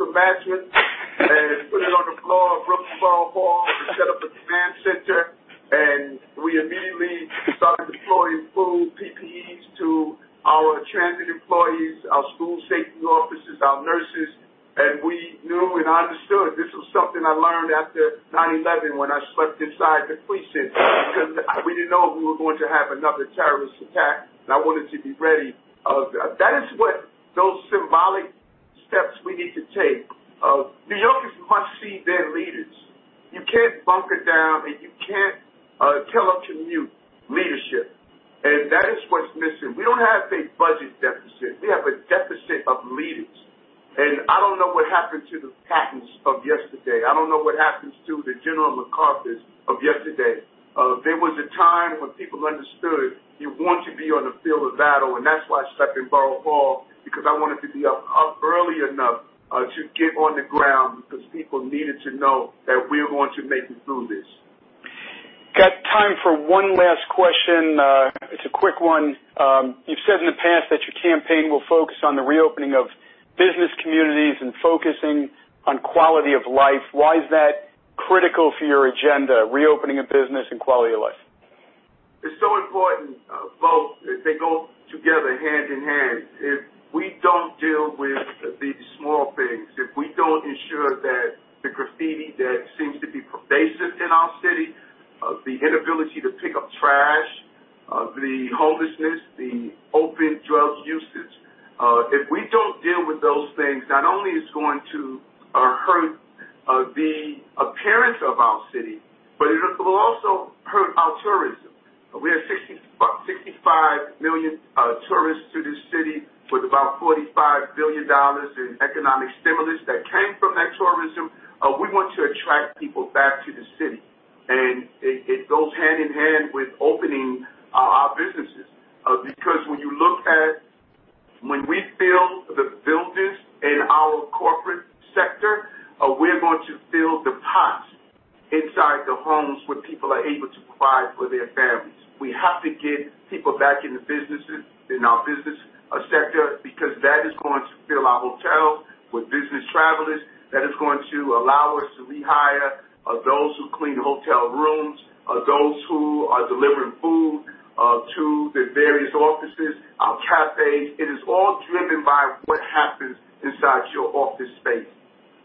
a mattress and put it on the floor of Brooklyn Borough Hall and set up a command center. We immediately started deploying full PPEs to our transit employees, our school safety officers, our nurses. We knew and understood this was something I learned after 9/11 when I slept inside the precinct, because we didn't know if we were going to have another terrorist attack. I wanted to be ready. That is what those symbolic steps we need to take. New Yorkers must see their leaders. You can't bunker down, and you can't tell them to mute leadership. That is what's missing. We don't have a budget deficit. We have a deficit of leaders. I don't know what happened to the Pattons of yesterday. I don't know what happens to the General MacArthurs of yesterday. There was a time when people understood you want to be on the field of battle, and that's why I slept in Borough Hall, because I wanted to be up early enough to get on the ground because people needed to know that we are going to make it through this. Got time for one last question. It's a quick one. You've said in the past that your campaign will focus on the reopening of business communities and focusing on quality of life. Why is that critical for your agenda, reopening of business and quality of life? It's important, both, they go together hand in hand. If we don't deal with the small things, if we don't ensure that the graffiti that seems to be pervasive in our city, the inability to pick up trash, the homelessness, the open drug usage, if we don't deal with those things, not only it's going to hurt the appearance of our city, but it will also hurt our tourism. We had 65 million tourists to this city with about $45 billion in economic stimulus that came from that tourism. We want to attract people back to the city, it goes hand in hand with opening our businesses because when you look at when we fill the buildings in our corporate sector, we're going to fill the pots inside the homes where people are able to provide for their families. We have to get people back in the businesses, in our business sector because that is going to fill our hotels with business travelers. That is going to allow us to rehire those who clean hotel rooms, those who are delivering food to the various offices, our cafes. It is all driven by what happens inside your office space.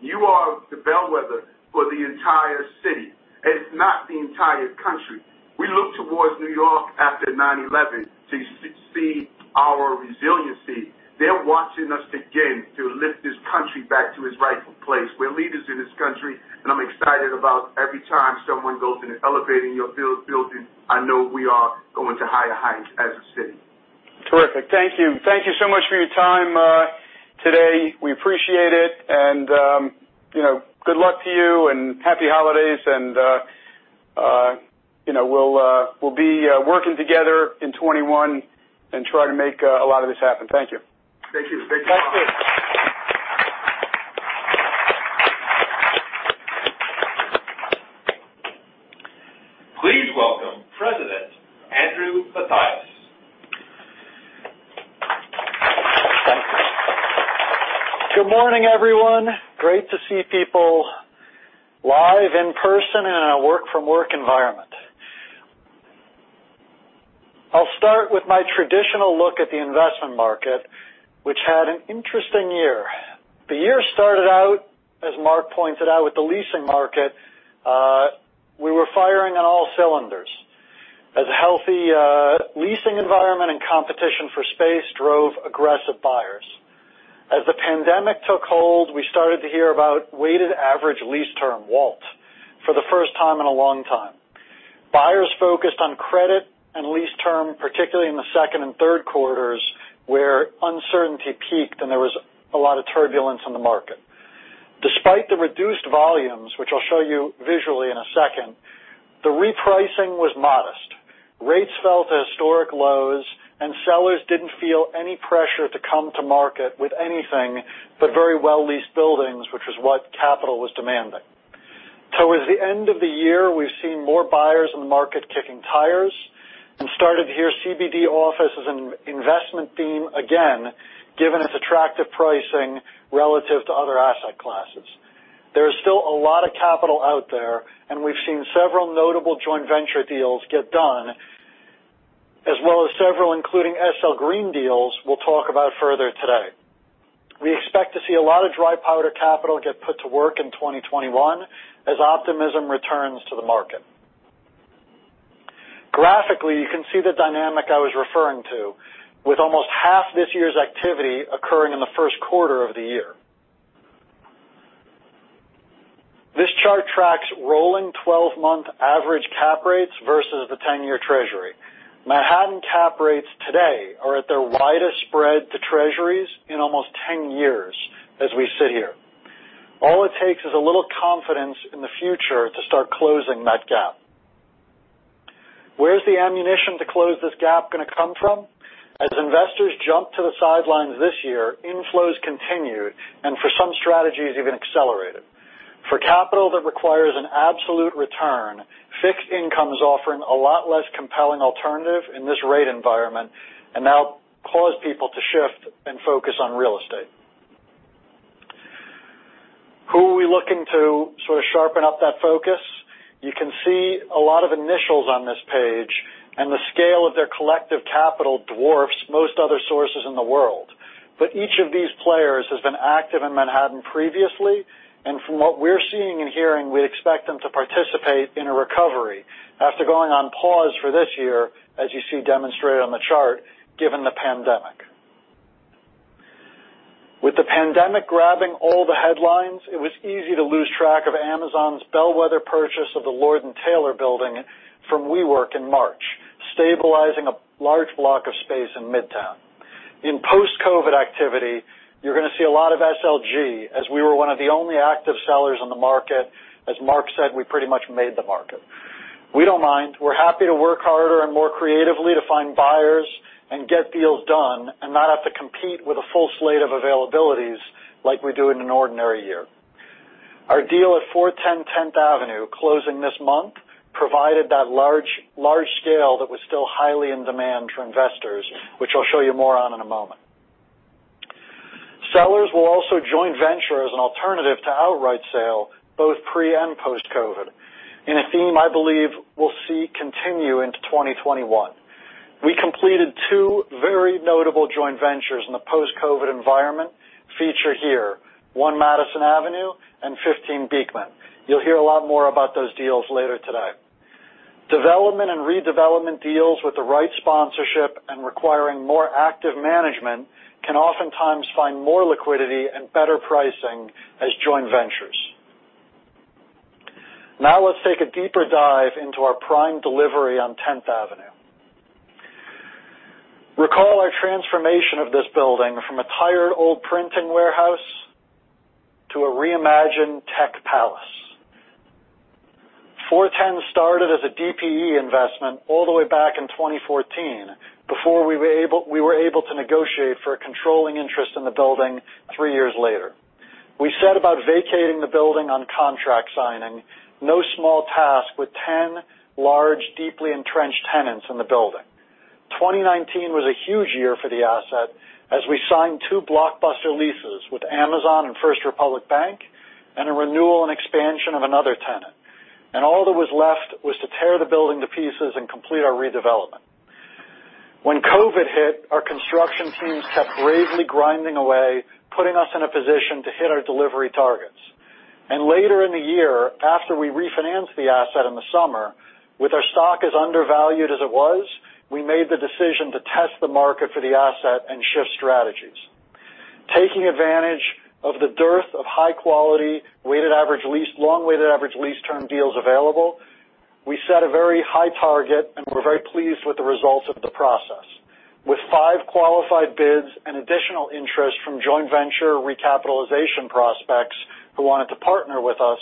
You are the bellwether for the entire city, and it's not the entire country. We look towards New York after 9/11 to see our resiliency. They're watching us again to lift this country back to its rightful place. We're leaders in this country, and I'm excited about every time someone goes into elevating your building. I know we are going to higher heights as a city. Terrific. Thank you. Thank you so much for your time today. We appreciate it. Good luck to you, and happy holidays. We'll be working together in 2021 and try to make a lot of this happen. Thank you. Thank you. Thank you, Marc. Please welcome President Andrew Mathias. Good morning, everyone. Great to see people live in person in a work from work environment. I'll start with my traditional look at the investment market, which had an interesting year. The year started out, as Marc pointed out, with the leasing market. We were firing on all cylinders as a healthy leasing environment and competition for space drove aggressive buyers. As the pandemic took hold, we started to hear about weighted average lease term, WALT, for the first time in a long time. Buyers focused on credit and lease term, particularly in the second and third quarters, where uncertainty peaked and there was a lot of turbulence in the market. Despite the reduced volumes, which I'll show you visually in a second, the repricing was modest. Rates fell to historic lows, sellers didn't feel any pressure to come to market with anything but very well-leased buildings, which was what capital was demanding. Towards the end of the year, we've seen more buyers in the market kicking tires and started to hear CBD office as an investment theme again, given its attractive pricing relative to other asset classes. There is still a lot of capital out there, we've seen several notable joint venture deals get done, as well as several, including SL Green deals we'll talk about further today. We expect to see a lot of dry powder capital get put to work in 2021 as optimism returns to the market. Graphically, you can see the dynamic I was referring to with almost half this year's activity occurring in the first quarter of the year. This chart tracks rolling 12-month average cap rates versus the 10-year Treasury. Manhattan cap rates today are at their widest spread to Treasuries in almost 10 years as we sit here. All it takes is a little confidence in the future to start closing that gap. Where's the ammunition to close this gap going to come from? As investors jumped to the sidelines this year, inflows continued, and for some strategies, even accelerated. For capital that requires an absolute return, fixed income is offering a lot less compelling alternative in this rate environment and now cause people to shift and focus on real estate. Who are we looking to sort of sharpen up that focus? You can see a lot of initials on this page, and the scale of their collective capital dwarfs most other sources in the world. Each of these players has been active in Manhattan previously, and from what we're seeing and hearing, we expect them to participate in a recovery after going on pause for this year, as you see demonstrated on the chart, given the pandemic. With the pandemic grabbing all the headlines, it was easy to lose track of Amazon's bellwether purchase of the Lord & Taylor building from WeWork in March, stabilizing a large block of space in Midtown. In post-COVID activity, you're going to see a lot of SLG, as we were one of the only active sellers on the market. As Marc said, we pretty much made the market. We don't mind. We're happy to work harder and more creatively to find buyers and get deals done and not have to compete with a full slate of availabilities like we do in an ordinary year. Our deal at 410 Tenth Avenue closing this month provided that large scale that was still highly in demand for investors, which I'll show you more on in a moment. Sellers will also joint venture as an alternative to outright sale, both pre and post-COVID, in a theme I believe we'll see continue into 2021. We completed two very notable joint ventures in the post-COVID environment featured here, One Madison Avenue and 15 Beekman. You'll hear a lot more about those deals later today. Development and redevelopment deals with the right sponsorship and requiring more active management can oftentimes find more liquidity and better pricing as joint ventures. Now let's take a deeper dive into our prime delivery on Tenth Avenue. Recall our transformation of this building from a tired old printing warehouse to a reimagined tech palace. 410 started as a DPE investment all the way back in 2014, before we were able to negotiate for a controlling interest in the building three years later. We set about vacating the building on contract signing. No small task with 10 large, deeply entrenched tenants in the building. 2019 was a huge year for the asset as we signed two blockbuster leases with Amazon and First Republic Bank and a renewal and expansion of another tenant. All that was left was to tear the building to pieces and complete our redevelopment. When COVID hit, our construction teams kept bravely grinding away, putting us in a position to hit our delivery targets. Later in the year, after we refinanced the asset in the summer, with our stock as undervalued as it was, we made the decision to test the market for the asset and shift strategies. Taking advantage of the dearth of high-quality, long weighted average lease term deals available, we set a very high target, and we're very pleased with the results of the process. With five qualified bids and additional interest from joint venture recapitalization prospects who wanted to partner with us,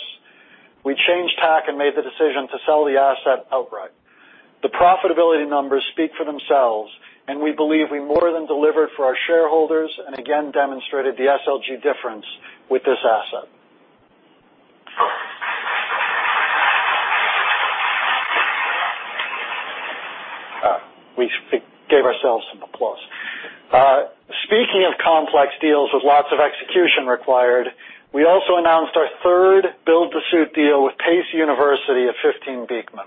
we changed tack and made the decision to sell the asset outright. The profitability numbers speak for themselves, and we believe we more than delivered for our shareholders, and again demonstrated the SLG difference with this asset. We gave ourselves some applause. Speaking of complex deals with lots of execution required, we also announced our third build to suit deal with Pace University at 15 Beekman.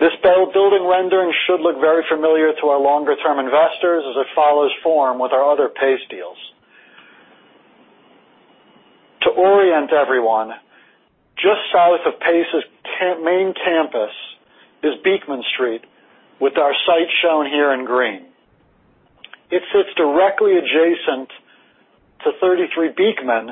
This building rendering should look very familiar to our longer-term investors as it follows form with our other Pace deals. To orient everyone, just south of Pace's main campus is Beekman Street, with our site shown here in green. It sits directly adjacent to 33 Beekman,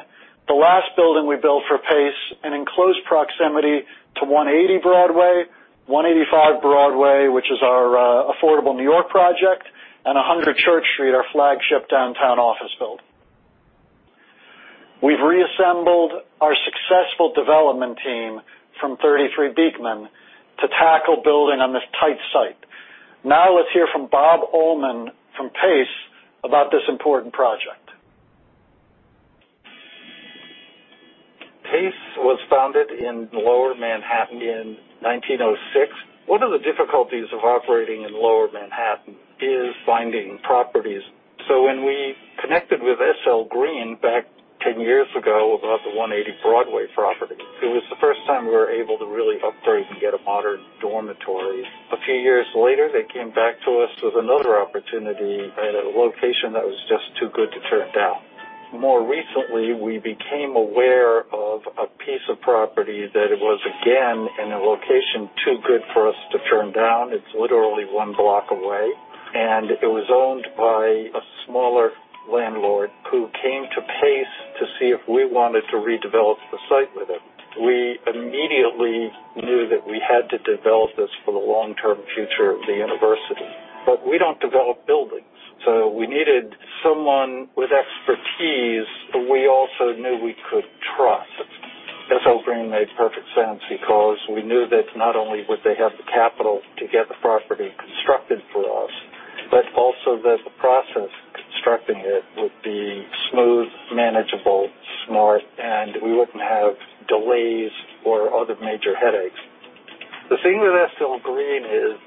the last building we built for Pace, and in close proximity to 180 Broadway, 185 Broadway, which is our Affordable New York project, and 100 Church Street, our flagship downtown office building. We've reassembled our successful development team from 33 Beekman to tackle building on this tight site. Now let's hear from Bob Ullman from Pace about this important project. Pace was founded in lower Manhattan in 1906. One of the difficulties of operating in lower Manhattan is finding properties. When we connected with SL Green back 10 years ago about the 180 Broadway property, it was the first time we were able to really upgrade and get a modern dormitory. A few years later, they came back to us with another opportunity at a location that was just too good to turn down. More recently, we became aware of a piece of property that it was, again, in a location too good for us to turn down. It's literally one block away, and it was owned by a smaller landlord who came to Pace to see if we wanted to redevelop the site with him. We immediately knew that we had to develop this for the long-term future of the university. We don't develop buildings, so we needed someone with expertise who we also knew we could trust. SL Green made perfect sense because we knew that not only would they have the capital to get the property constructed for us, but also that the process of constructing it would be smooth, manageable, smart, and we wouldn't have delays or other major headaches. The thing with SL Green is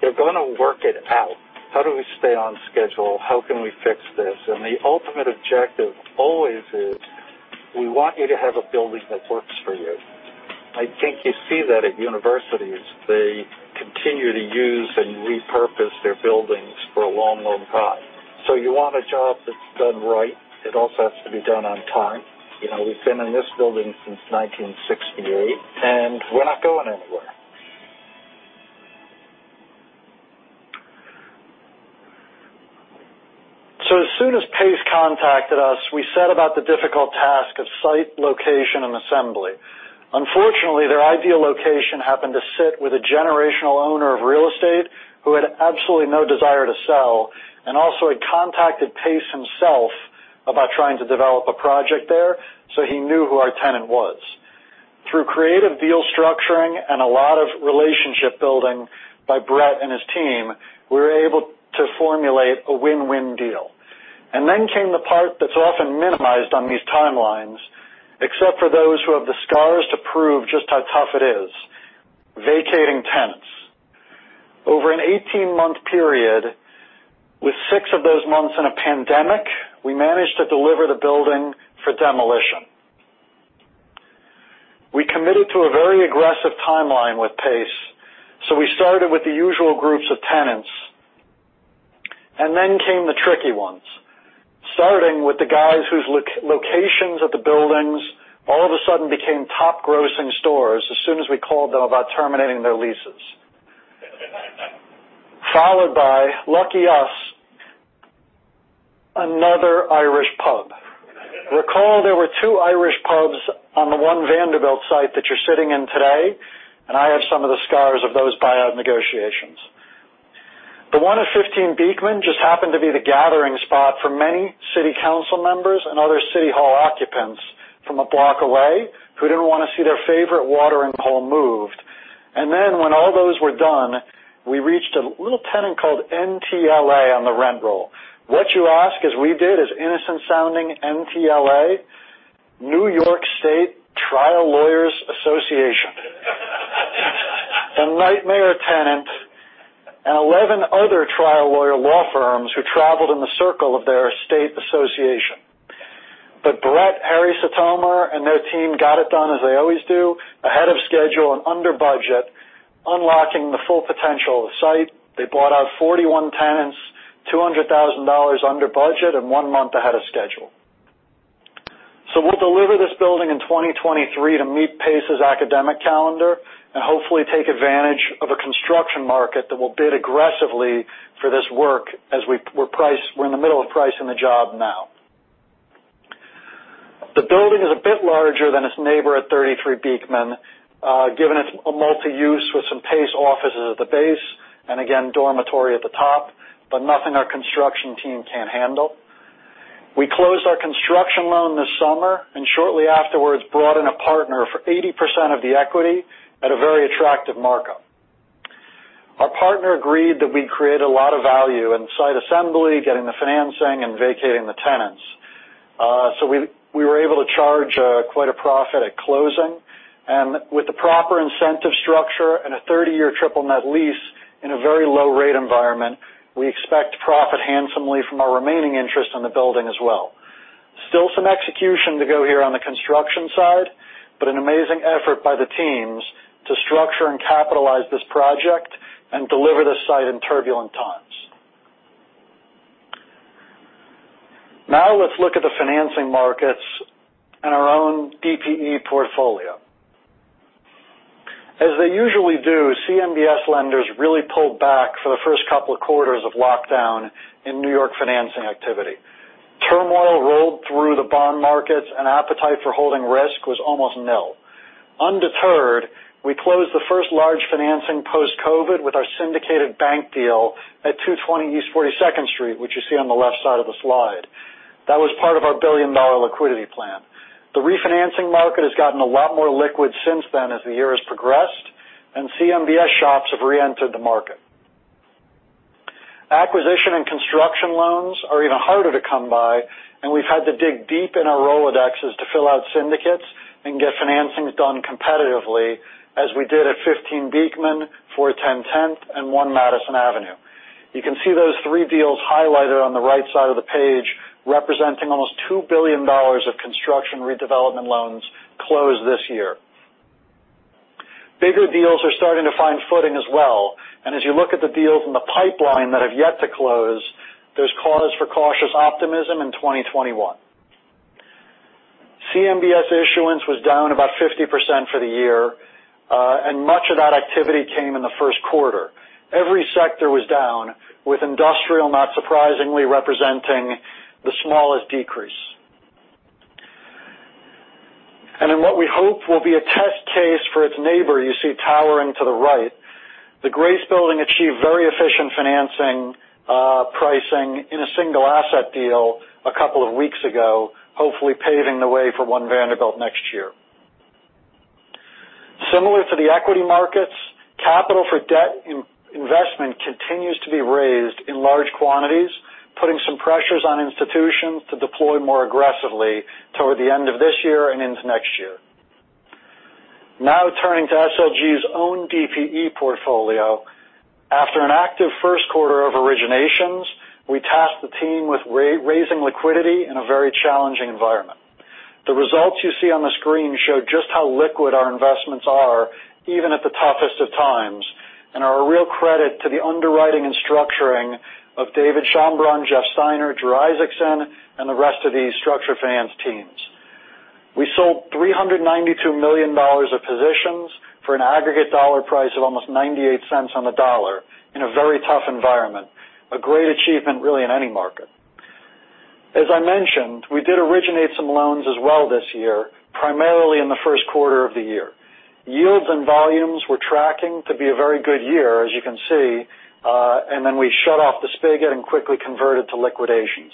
they're going to work it out. How do we stay on schedule? How can we fix this? The ultimate objective always is, we want you to have a building that works for you. I think you see that at universities. They continue to use and repurpose their buildings for a long, long time. You want a job that's done right. It also has to be done on time. We've been in this building since 1968, and we're not going anywhere. As soon as Pace contacted us, we set about the difficult task of site location and assembly. Unfortunately, their ideal location happened to sit with a generational owner of real estate who had absolutely no desire to sell, and also had contacted Pace himself about trying to develop a project there, so he knew who our tenant was. Through creative deal structuring and a lot of relationship building by Brett and his team, we were able to formulate a win-win deal. Then came the part that's often minimized on these timelines, except for those who have the scars to prove just how tough it is, vacating tenants. Over an 18-month period, with six of those months in a pandemic, we managed to deliver the building for demolition. We committed to a very aggressive timeline with Pace. We started with the usual groups of tenants. Then came the tricky ones. Starting with the guys whose locations at the buildings all of a sudden became top grossing stores as soon as we called them about terminating their leases. Followed by, lucky us, another Irish pub. Recall there were two Irish pubs on the One Vanderbilt site that you're sitting in today. I have some of the scars of those buyout negotiations. The one at 15 Beekman just happened to be the gathering spot for many city council members and other City Hall occupants from a block away who didn't want to see their favorite watering hole moved. When all those were done, we reached a little tenant called NYSTLA on the rent roll. What, you ask, as we did, is innocent sounding NYSTLA? New York State Trial Lawyers Association. A nightmare tenant, and 11 other trial lawyer law firms who traveled in the circle of their state association. Harrison Sitomer and their team got it done as they always do, ahead of schedule and under budget, unlocking the full potential of the site. They bought out 41 tenants, $200,000 under budget, and one month ahead of schedule. We'll deliver this building in 2023 to meet Pace's academic calendar, and hopefully take advantage of a construction market that will bid aggressively for this work, as we're in the middle of pricing the job now. The building is a bit larger than its neighbor at 33 Beekman, given it's a multi-use with some Pace offices at the base, and again, dormitory at the top, but nothing our construction team can't handle. We closed our construction loan this summer, and shortly afterwards brought in a partner for 80% of the equity at a very attractive markup. Our partner agreed that we create a lot of value in site assembly, getting the financing, and vacating the tenants. We were able to charge quite a profit at closing. With the proper incentive structure and a 30-year triple net lease in a very low rate environment, we expect to profit handsomely from our remaining interest in the building as well. Still some execution to go here on the construction side, but an amazing effort by the teams to structure and capitalize this project and deliver this site in turbulent times. Now let's look at the financing markets and our own DPE portfolio. As they usually do, CMBS lenders really pulled back for the first couple of quarters of lockdown in New York financing activity. Turmoil rolled through the bond markets, and appetite for holding risk was almost nil. Undeterred, we closed the first large financing post-COVID with our syndicated bank deal at 220 East 42nd Street, which you see on the left side of the slide. That was part of our $1 billion liquidity plan. The refinancing market has gotten a lot more liquid since then as the year has progressed, and CMBS shops have re-entered the market. Acquisition and construction loans are even harder to come by, and we've had to dig deep in our Rolodexes to fill out syndicates and get financings done competitively, as we did at 15 Beekman, 410 Tenth, and 1 Madison Avenue. You can see those three deals highlighted on the right side of the page, representing almost $2 billion of construction redevelopment loans closed this year. Bigger deals are starting to find footing as well, as you look at the deals in the pipeline that have yet to close, there's cause for cautious optimism in 2021. CMBS issuance was down about 50% for the year, and much of that activity came in the first quarter. Every sector was down, with industrial, not surprisingly, representing the smallest decrease. In what we hope will be a test case for its neighbor you see towering to the right, the Grace Building achieved very efficient financing pricing in a single asset deal a couple of weeks ago, hopefully paving the way for One Vanderbilt next year. Similar to the equity markets, capital for debt investment continues to be raised in large quantities, putting some pressures on institutions to deploy more aggressively toward the end of this year and into next year. Turning to SLG's own DPE portfolio. After an active first quarter of originations, we tasked the team with raising liquidity in a very challenging environment. The results you see on the screen show just how liquid our investments are, even at the toughest of times, and are a real credit to the underwriting and structuring of David Schonbraun, Jeff Steiner, Drew Isaacson, and the rest of the structure finance teams. We sold $392 million of positions for an aggregate dollar price of almost $0.98 on the dollar in a very tough environment. A great achievement, really, in any market. As I mentioned, we did originate some loans as well this year, primarily in the 1st quarter of the year. Yields and volumes were tracking to be a very good year, as you can see, and then we shut off the spigot and quickly converted to liquidations.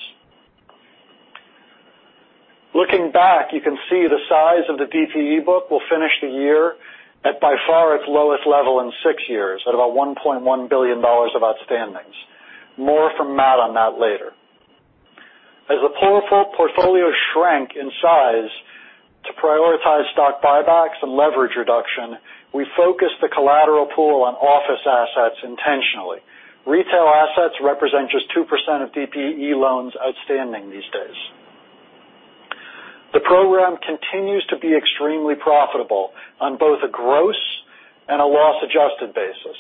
Looking back, you can see the size of the DPE book will finish the year at by far its lowest level in six years, at about $1.1 billion of outstandings. More from Matt on that later. As the portfolio shrank in size to prioritize stock buybacks and leverage reduction, we focused the collateral pool on office assets intentionally. Retail assets represent just 2% of DPE loans outstanding these days. The program continues to be extremely profitable on both a gross and a loss-adjusted basis.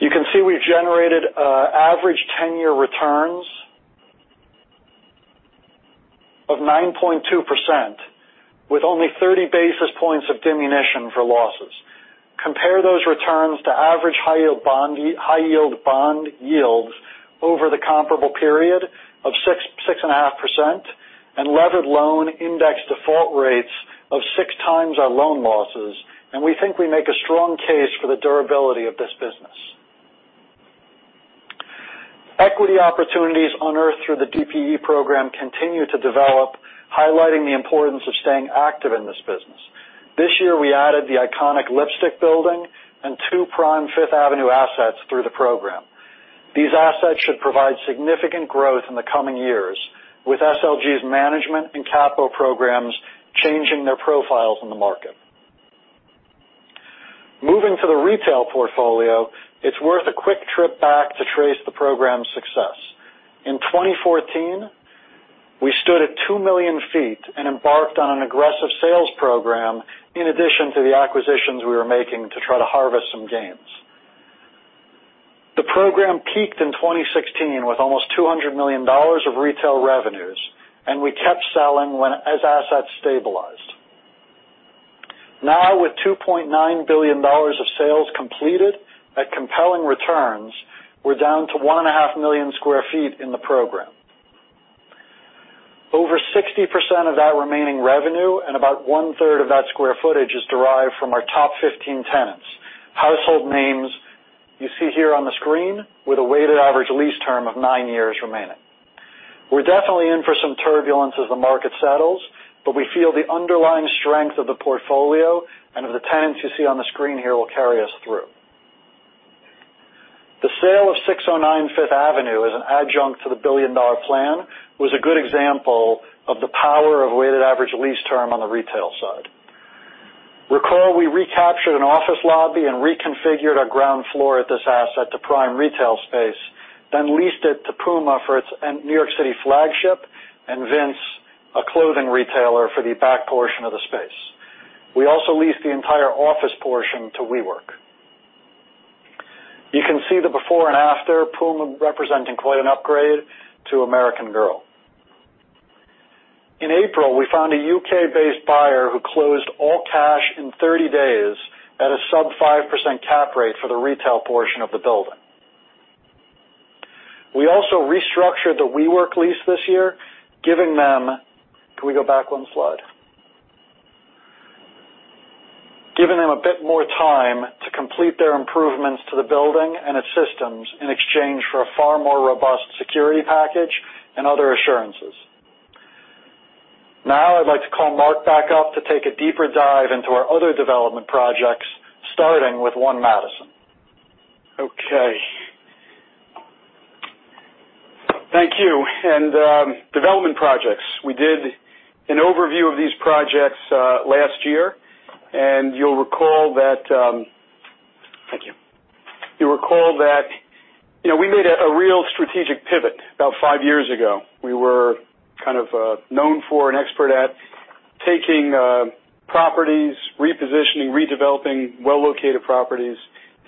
You can see we've generated average 10-year returns of 9.2%, with only 30 basis points of diminution for losses. Compare those returns to average high-yield bond yields over the comparable period of 6.5%, and levered loan index default rates of six times our loan losses, and we think we make a strong case for the durability of this business. Equity opportunities unearthed through the DPE program continue to develop, highlighting the importance of staying active in this business. This year, we added the iconic Lipstick Building and two prime Fifth Avenue assets through the program. These assets should provide significant growth in the coming years, with SLG's management and capital programs changing their profiles in the market. Moving to the retail portfolio, it's worth a quick trip back to trace the program's success. In 2014, we stood at 2 million feet and embarked on an aggressive sales program in addition to the acquisitions we were making to try to harvest some gains. The program peaked in 2016 with almost $200 million of retail revenues, and we kept selling as assets stabilized. Now, with $2.9 billion of sales completed at compelling returns, we're down to one and a half million square feet in the program. Over 60% of that remaining revenue and about one-third of that square footage is derived from our top 15 tenants. Household names you see here on the screen, with a weighted average lease term of nine years remaining. We're definitely in for some turbulence as the market settles, but we feel the underlying strength of the portfolio and of the tenants you see on the screen here will carry us through. The sale of 609 Fifth Avenue as an adjunct to the billion-dollar plan was a good example of the power of weighted average lease term on the retail side. Recall, we recaptured an office lobby and reconfigured a ground floor at this asset to prime retail space, then leased it to Puma for its New York City flagship, and Vince, a clothing retailer, for the back portion of the space. We also leased the entire office portion to WeWork. You can see the before and after, Puma representing quite an upgrade to American Girl. In April, we found a U.K.-based buyer who closed all cash in 30 days at a sub 5% cap rate for the retail portion of the building. We also restructured the WeWork lease this year. Can we go back one slide? Giving them a bit more time to complete their improvements to the building and its systems in exchange for a far more robust security package and other assurances. I'd like to call Marc back up to take a deeper dive into our other development projects, starting with one Madison. Okay. Thank you. Development projects. We did an overview of these projects last year, and you'll recall that we made a real strategic pivot about five years ago. We were kind of known for and expert at taking properties, repositioning, redeveloping well-located properties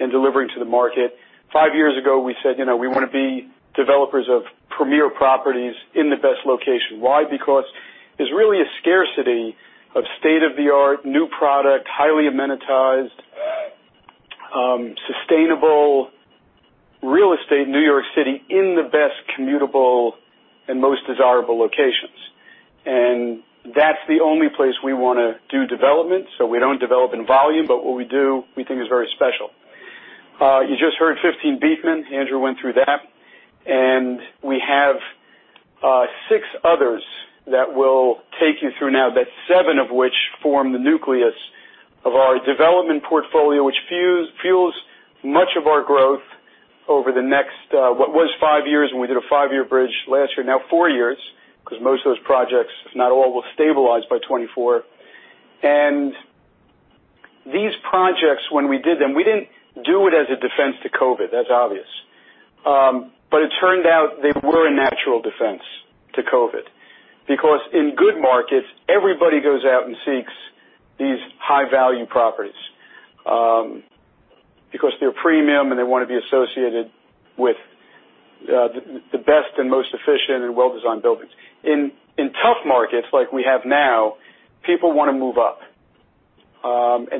and delivering to the market. five years ago, we said we want to be developers of premier properties in the best location. Why? Because there's really a scarcity of state-of-the-art, new product, highly amenitized, sustainable real estate in New York City in the best commutable and most desirable locations. That's the only place we want to do development, so we don't develop in volume, but what we do, we think is very special. You just heard 15 Beekman, Andrew went through that, and we have six others that we'll take you through now, that seven of which form the nucleus of our development portfolio, which fuels much of our growth over the next, what was five years, and we did a five-year bridge last year. Now four years, because most of those projects, if not all, will stabilize by 2024. These projects, when we did them, we didn't do it as a defense to COVID, that's obvious. It turned out they were a natural defense to COVID, because in good markets, everybody goes out and seeks these high-value properties, because they're premium and they want to be associated with the best and most efficient and well-designed buildings. In tough markets like we have now, people want to move up.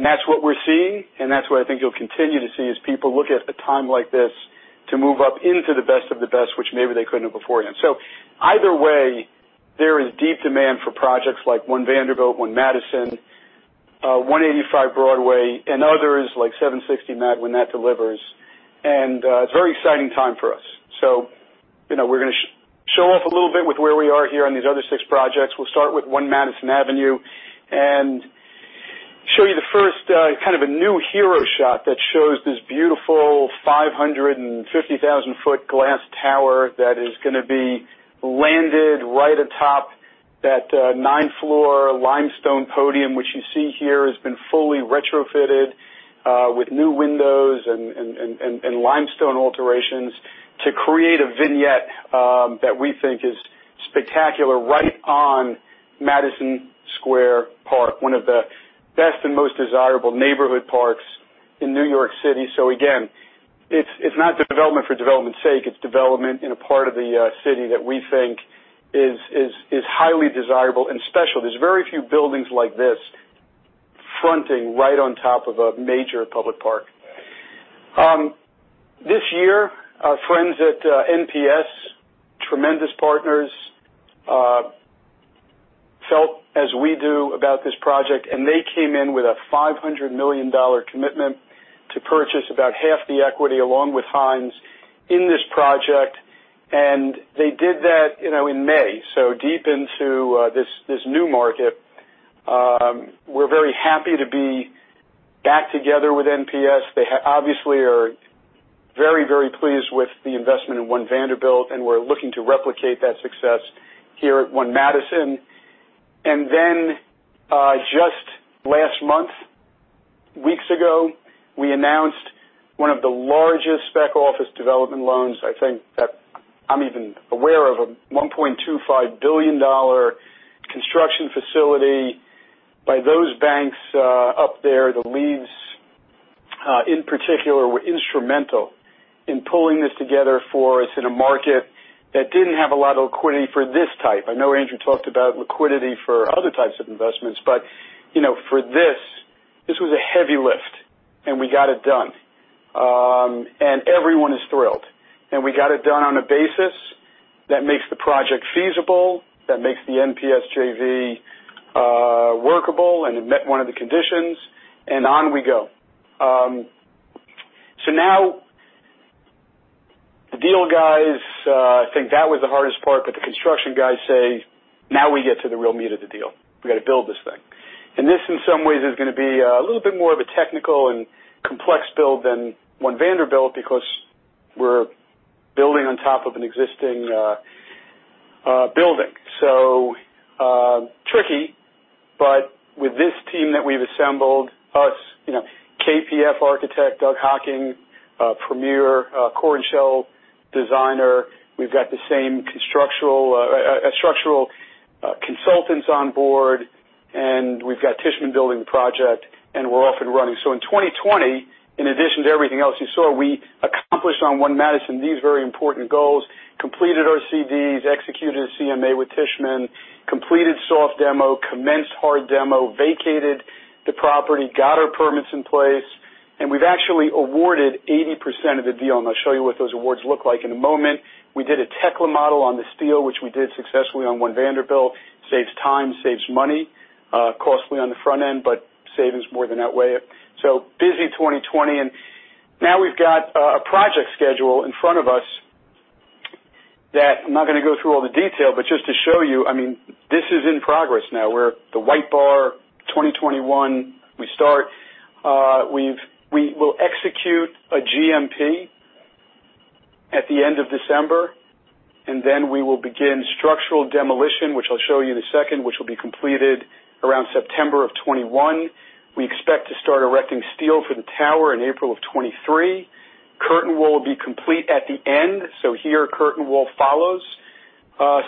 That's what we're seeing, that's what I think you'll continue to see, is people look at a time like this to move up into the best of the best, which maybe they couldn't have beforehand. Either way, there is deep demand for projects like One Vanderbilt, One Madison, 185 Broadway and others like 760 Mad when that delivers. It's a very exciting time for us. We're going to show off a little bit with where we are here on these other six projects. We'll start with one Madison Avenue and show you the first kind of a new hero shot that shows this beautiful 550,000-foot glass tower that is going to be landed right atop that nine-floor limestone podium, which you see here has been fully retrofitted, with new windows and limestone alterations to create a vignette that we think is spectacular right on Madison Square Park, one of the best and most desirable neighborhood parks in New York City. Again, it's not development for development's sake. It's development in a part of the city that we think is highly desirable and special. There's very few buildings like this fronting right on top of a major public park. This year, our friends at NPS, tremendous partners, felt as we do about this project. They came in with a $500 million commitment to purchase about half the equity, along with Hines, in this project. They did that in May, deep into this new market. We're very happy to be back together with NPS. They obviously are at One Vanderbilt. We're looking to replicate that success here at One Madison. Just last month, weeks ago, we announced one of the largest spec office development loans, I think that I'm even aware of, a $1.25 billion construction facility by those banks up there. The leads, in particular, were instrumental in pulling this together for us in a market that didn't have a lot of liquidity for this type. I know Andrew talked about liquidity for other types of investments, but for this was a heavy lift, and we got it done. Everyone is thrilled. We got it done on a basis that makes the project feasible, that makes the NPS JV workable, and it met one of the conditions, and on we go. Now, the deal guys think that was the hardest part, but the construction guys say, now we get to the real meat of the deal. We got to build this thing. This, in some ways, is going to be a little bit more of a technical and complex build than One Vanderbilt because we're building on top of an existing building. Tricky, but with this team that we've assembled, us, KPF Architect, Doug Hocking, premier core and shell designer. We've got the same structural consultants on board, and we've got Tishman building the project, and we're off and running. In 2020, in addition to everything else you saw, we accomplished on One Madison these very important goals, completed our CDs, executed a CMA with Tishman, completed soft demo, commenced hard demo, vacated the property, got our permits in place, and we've actually awarded 80% of the deal, and I'll show you what those awards look like in a moment. We did a Tekla model on the steel, which we did successfully on One Vanderbilt. Saves time, saves money. Costly on the front end, but savings more than outweigh it. Busy 2020, and now we've got a project schedule in front of us that I'm not going to go through all the detail, but just to show you, this is in progress now, where the white bar, 2021, we start. We will execute a GMP at the end of December, and then we will begin structural demolition, which I'll show you in a second, which will be completed around September of 2021. We expect to start erecting steel for the tower in April of 2023. Curtain wall will be complete at the end. Here, curtain wall follows.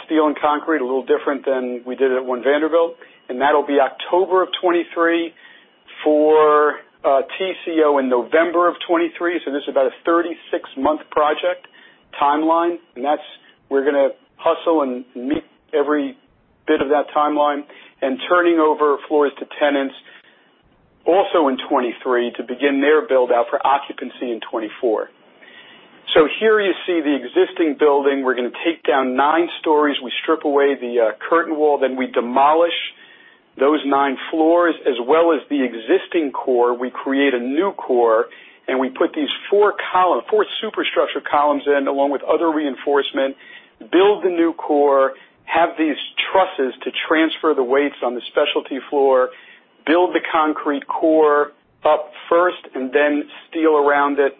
Steel and concrete, a little different than we did at One Vanderbilt. That'll be October of 2023. For TCO in November of 2023. This is about a 36-month project timeline. We're going to hustle and meet every bit of that timeline. Turning over floors to tenants also in 2023 to begin their build-out for occupancy in 2024. Here you see the existing building. We're going to take down nine stories. We strip away the curtain wall, then we demolish those nine floors as well as the existing core. We create a new core, and we put these four superstructure columns in, along with other reinforcement, build the new core, have these trusses to transfer the weights on the specialty floor, build the concrete core up first and then steel around it,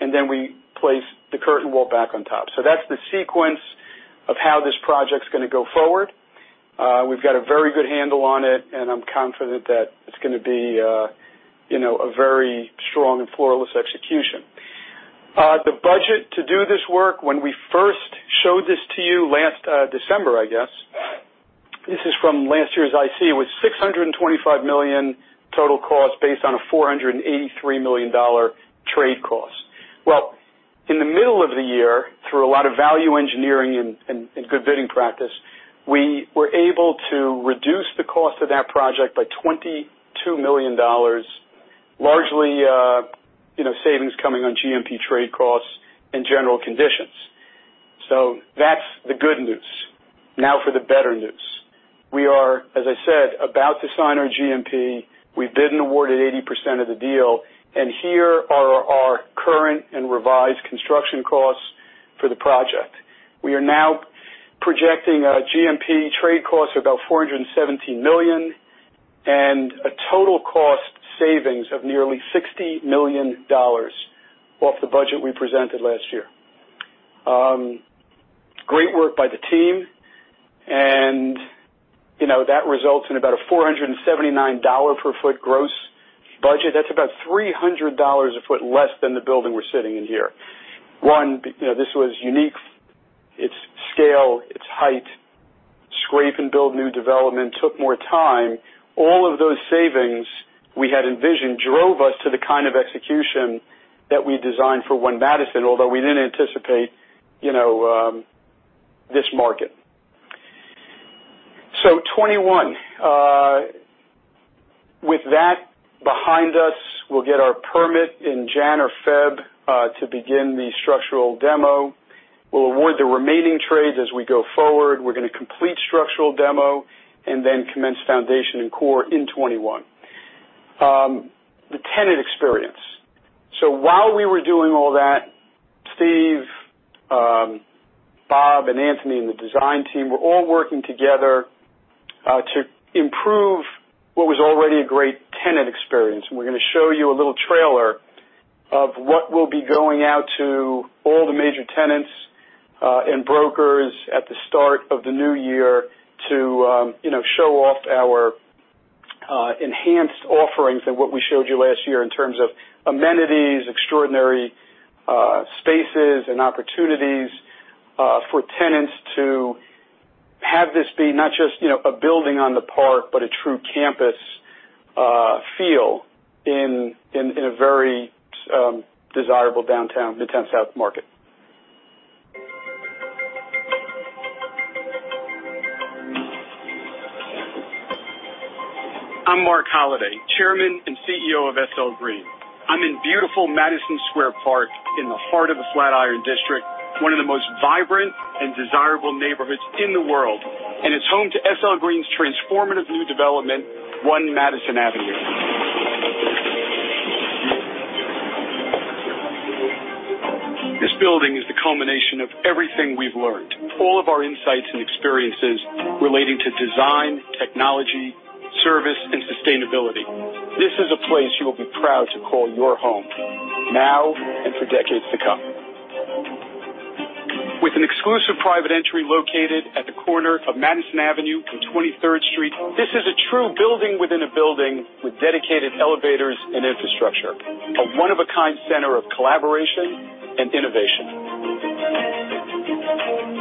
and then we place the curtain wall back on top. That's the sequence of how this project's going to go forward. We've got a very good handle on it, and I'm confident that it's going to be a very strong and flawless execution. The budget to do this work, when we first showed this to you last December, I guess. This is from last year's IC. It was $625 million total cost based on a $483 million trade cost. In the middle of the year, through a lot of value engineering and good bidding practice, we were able to reduce the cost of that project by $22 million. Largely, savings coming on GMP trade costs and general conditions. That's the good news. Now for the better news. We are, as I said, about to sign our GMP. We bid and awarded 80% of the deal, here are our current and revised construction costs for the project. We are now projecting a GMP trade cost of about $417 million, a total cost savings of nearly $60 million off the budget we presented last year. Great work by the team. That results in about a $479 per foot gross budget. That's about $300 a foot less than the building we're sitting in here. One, this was unique. Its scale, its height, scrape and build new development took more time. All of those savings we had envisioned drove us to the kind of execution that we designed for One Madison, although we didn't anticipate this market. 2021. With that behind us, we'll get our permit in January or February to begin the structural demo. We'll award the remaining trades as we go forward. We're going to complete structural demo and then commence foundation and core in 2021. The tenant experience. While we were doing all that, Steve, Bob, and Anthony, and the design team were all working together to improve what was already a great tenant experience. We're going to show you a little trailer of what will be going out to all the major tenants and brokers at the start of the new year to show off our enhanced offerings and what we showed you last year in terms of amenities, extraordinary spaces, and opportunities for tenants to have this be not just a building on the park, but a true campus feel in a very desirable downtown Midtown South market. I'm Marc Holliday, Chairman and CEO of SL Green. I'm in beautiful Madison Square Park in the heart of the Flatiron District, one of the most vibrant and desirable neighborhoods in the world. It's home to SL Green's transformative new development, One Madison Avenue. This building is the culmination of everything we've learned, all of our insights and experiences relating to design, technology, service, and sustainability. This is a place you will be proud to call your home now and for decades to come. With an exclusive private entry located at the corner of Madison Avenue and 23rd Street, this is a true building within a building with dedicated elevators and infrastructure. A one-of-a-kind center of collaboration and innovation.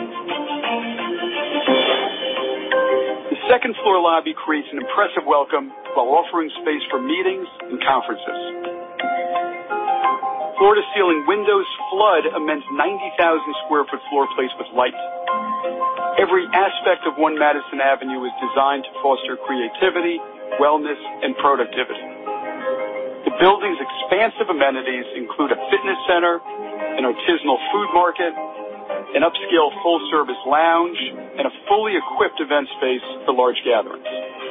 The second-floor lobby creates an impressive welcome, while offering space for meetings and conferences. Floor-to-ceiling windows flood immense 90,000 square foot floor place with light. Every aspect of One Madison Avenue is designed to foster creativity, wellness, and productivity. The building's expansive amenities include a fitness center, an artisanal food market, an upscale full-service lounge, and a fully equipped event space for large gatherings.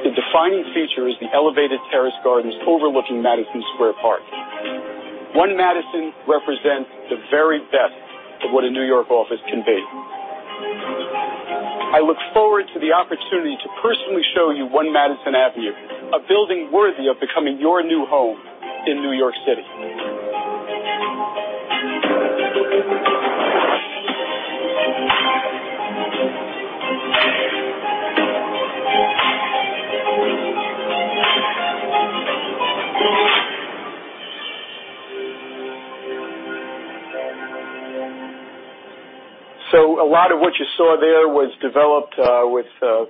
The defining feature is the elevated terrace gardens overlooking Madison Square Park. One Madison represents the very best of what a New York office can be. I look forward to the opportunity to personally show you One Madison Avenue, a building worthy of becoming your new home in New York City. A lot of what you saw there was developed with a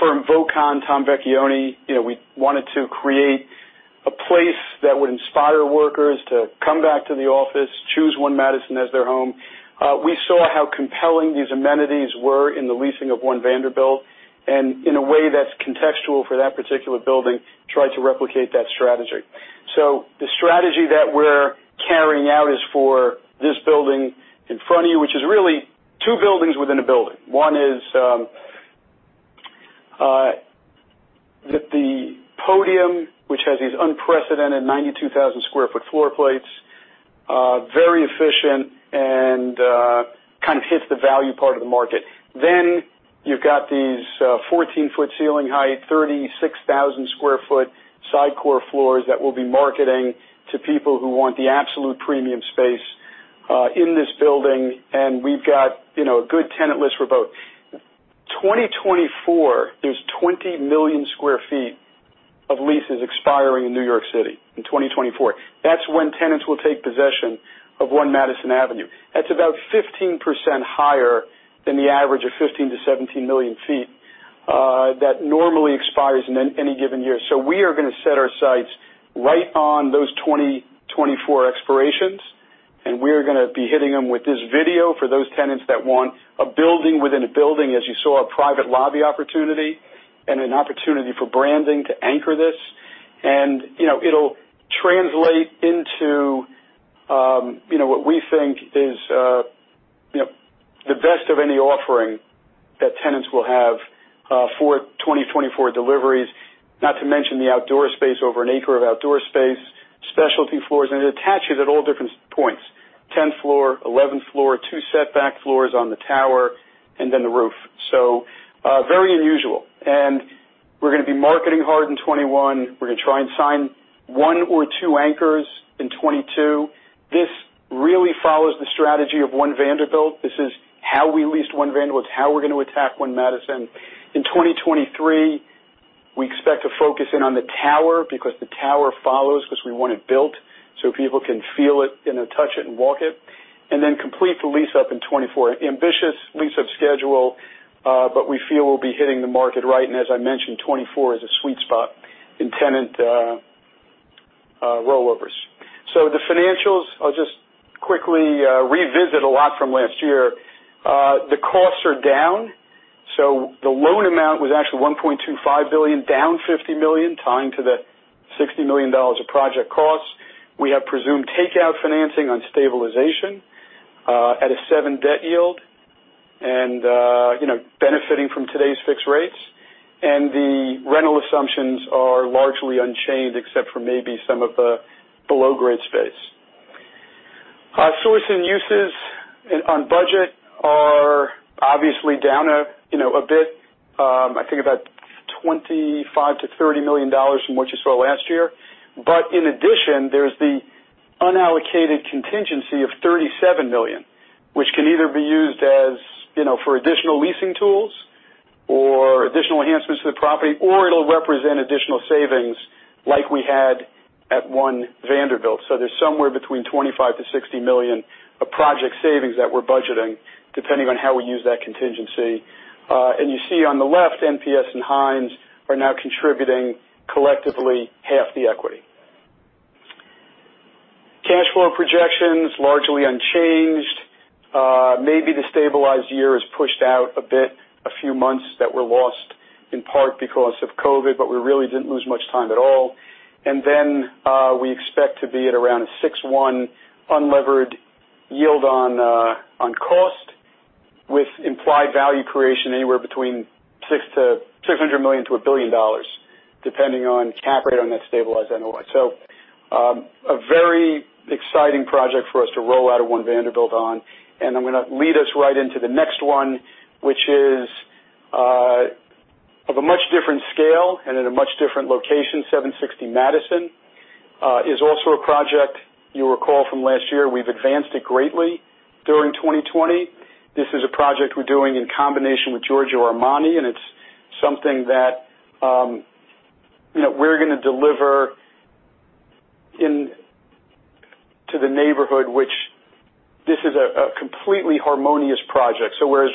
firm, Vocon, Tom Vecchione. We wanted to create a place that would inspire workers to come back to the office, choose One Madison as their home. We saw how compelling these amenities were in the leasing of One Vanderbilt, and in a way that's contextual for that particular building, try to replicate that strategy. The strategy that we're carrying out is for this building in front of you, which is really two buildings within a building. One is the podium, which has these unprecedented 92,000 sq ft floor plates, very efficient, and kind of hits the value part of the market. You've got these 14-foot ceiling height, 36,000 square foot side core floors that we'll be marketing to people who want the absolute premium space in this building, and we've got a good tenant list for both. 2024, there's 20 million square feet of leases expiring in New York City in 2024. That's when tenants will take possession of One Madison Avenue. That's about 15% higher than the average of 15-17 million feet that normally expires in any given year. We are going to set our sights right on those 2024 expirations, and we are going to be hitting them with this video for those tenants that want a building within a building, as you saw, a private lobby opportunity and an opportunity for branding to anchor this. It'll translate into what we think is the best of any offering that tenants will have for 2024 deliveries, not to mention the outdoor space, over an acre of outdoor space, specialty floors, and it attaches at all different points, tenth floor, eleventh floor, two setback floors on the tower, and then the roof. Very unusual. We're going to be marketing hard in 2021. We're going to try and sign one or two anchors in 2022. This really follows the strategy of One Vanderbilt. This is how we leased One Vanderbilt. It's how we're going to attack One Madison. In 2023, we expect to focus in on the tower because the tower follows because we want it built so people can feel it, touch it, and walk it, and then complete the lease up in 2024. Ambitious lease-up schedule, we feel we'll be hitting the market right, and as I mentioned, 2024 is a sweet spot in tenant rollovers. The financials, I'll just quickly revisit a lot from last year. The costs are down. The loan amount was actually $1.25 billion, down $50 million, tying to the $60 million of project costs. We have presumed takeout financing on stabilization at a seven debt yield and benefiting from today's fixed rates. The rental assumptions are largely unchanged, except for maybe some of the below-grade space. Source and uses on budget are obviously down a bit, I think about $25 million-$30 million from what you saw last year. In addition, there's the unallocated contingency of $37 million, which can either be used for additional leasing tools or additional enhancements to the property, or it'll represent additional savings like we had at One Vanderbilt. There's somewhere between $25 million-$60 million of project savings that we're budgeting, depending on how we use that contingency. You see on the left, NPS and Hines are now contributing collectively half the equity. Cash flow projections, largely unchanged. Maybe the stabilized year is pushed out a bit, a few months that were lost in part because of COVID, but we really didn't lose much time at all. Then we expect to be at around a 6.1 unlevered yield on cost, with implied value creation anywhere between $600 million-$1 billion, depending on cap rate on that stabilized NOI. A very exciting project for us to roll out of One Vanderbilt on, and I'm going to lead us right into the next one, which is of a much different scale and in a much different location. 760 Madison is also a project you'll recall from last year. We've advanced it greatly during 2020. This is a project we're doing in combination with Giorgio Armani, and it's something that we're going to deliver to the neighborhood. This is a completely harmonious project. Whereas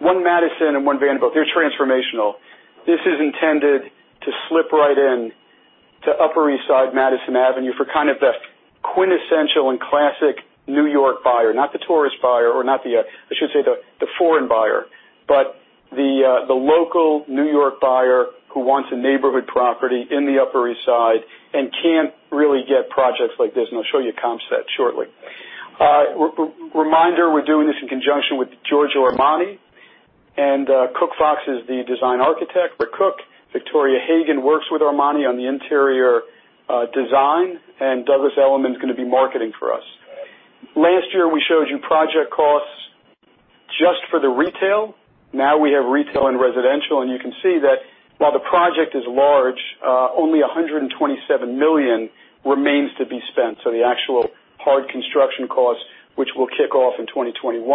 One Madison and One Vanderbilt, they're transformational, this is intended to slip right in to Upper East Side Madison Avenue for the quintessential and classic New York buyer. Not the tourist buyer, or I should say, the foreign buyer, but the local New York buyer who wants a neighborhood property in the Upper East Side and can't really get projects like this, and I'll show you comps of that shortly. A reminder, we're doing this in conjunction with Giorgio Armani, and Cookfox is the design architect. Rick Cook, Victoria Hagan works with Armani on the interior design. Douglas Elliman's going to be marketing for us. Last year, we showed you project costs just for the retail. Now we have retail and residential. You can see that while the project is large, only $127 million remains to be spent. The actual hard construction cost, which will kick off in 2021,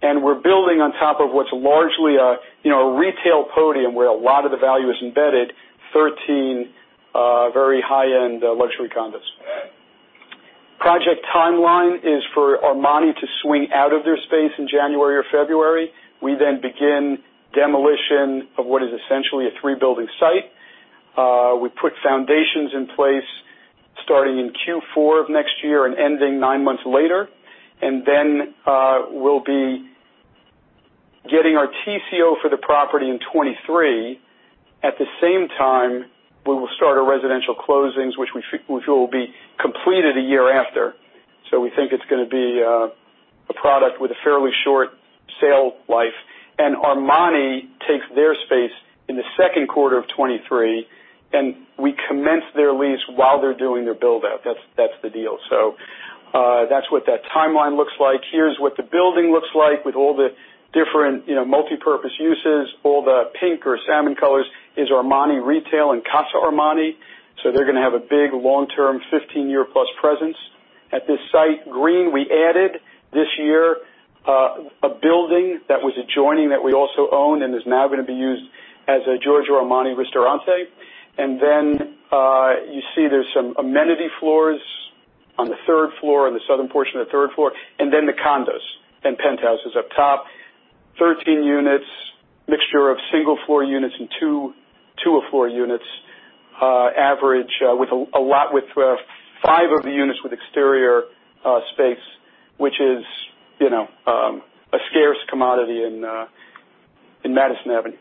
and we're building on top of what's largely a retail podium where a lot of the value is embedded, 13 very high-end luxury condos. Project timeline is for Armani to swing out of their space in January or February. We begin demolition of what is essentially a three-building site. We put foundations in place starting in Q4 of next year and ending nine months later. We'll be getting our TCO for the property in 2023. At the same time, we will start our residential closings, which will be completed a year after. We think it's going to be a product with a fairly short sale life. Armani takes their space in the second quarter of 2023, and we commence their lease while they're doing their build-out. That's the deal. That's what that timeline looks like. Here's what the building looks like with all the different multipurpose uses. All the pink or salmon colors is Armani retail and Armani/Casa. They're going to have a big long-term, 15-year-plus presence at this site. Green, we added this year, a building that was adjoining that we also own and is now going to be used as a Armani/Ristorante. You see there's some amenity floors on the third floor, on the southern portion of the third floor, and then the condos and penthouses up top. 13 units, mixture of single-floor units and two-floor units, average with five of the units with exterior space, which is a scarce commodity in Madison Avenue.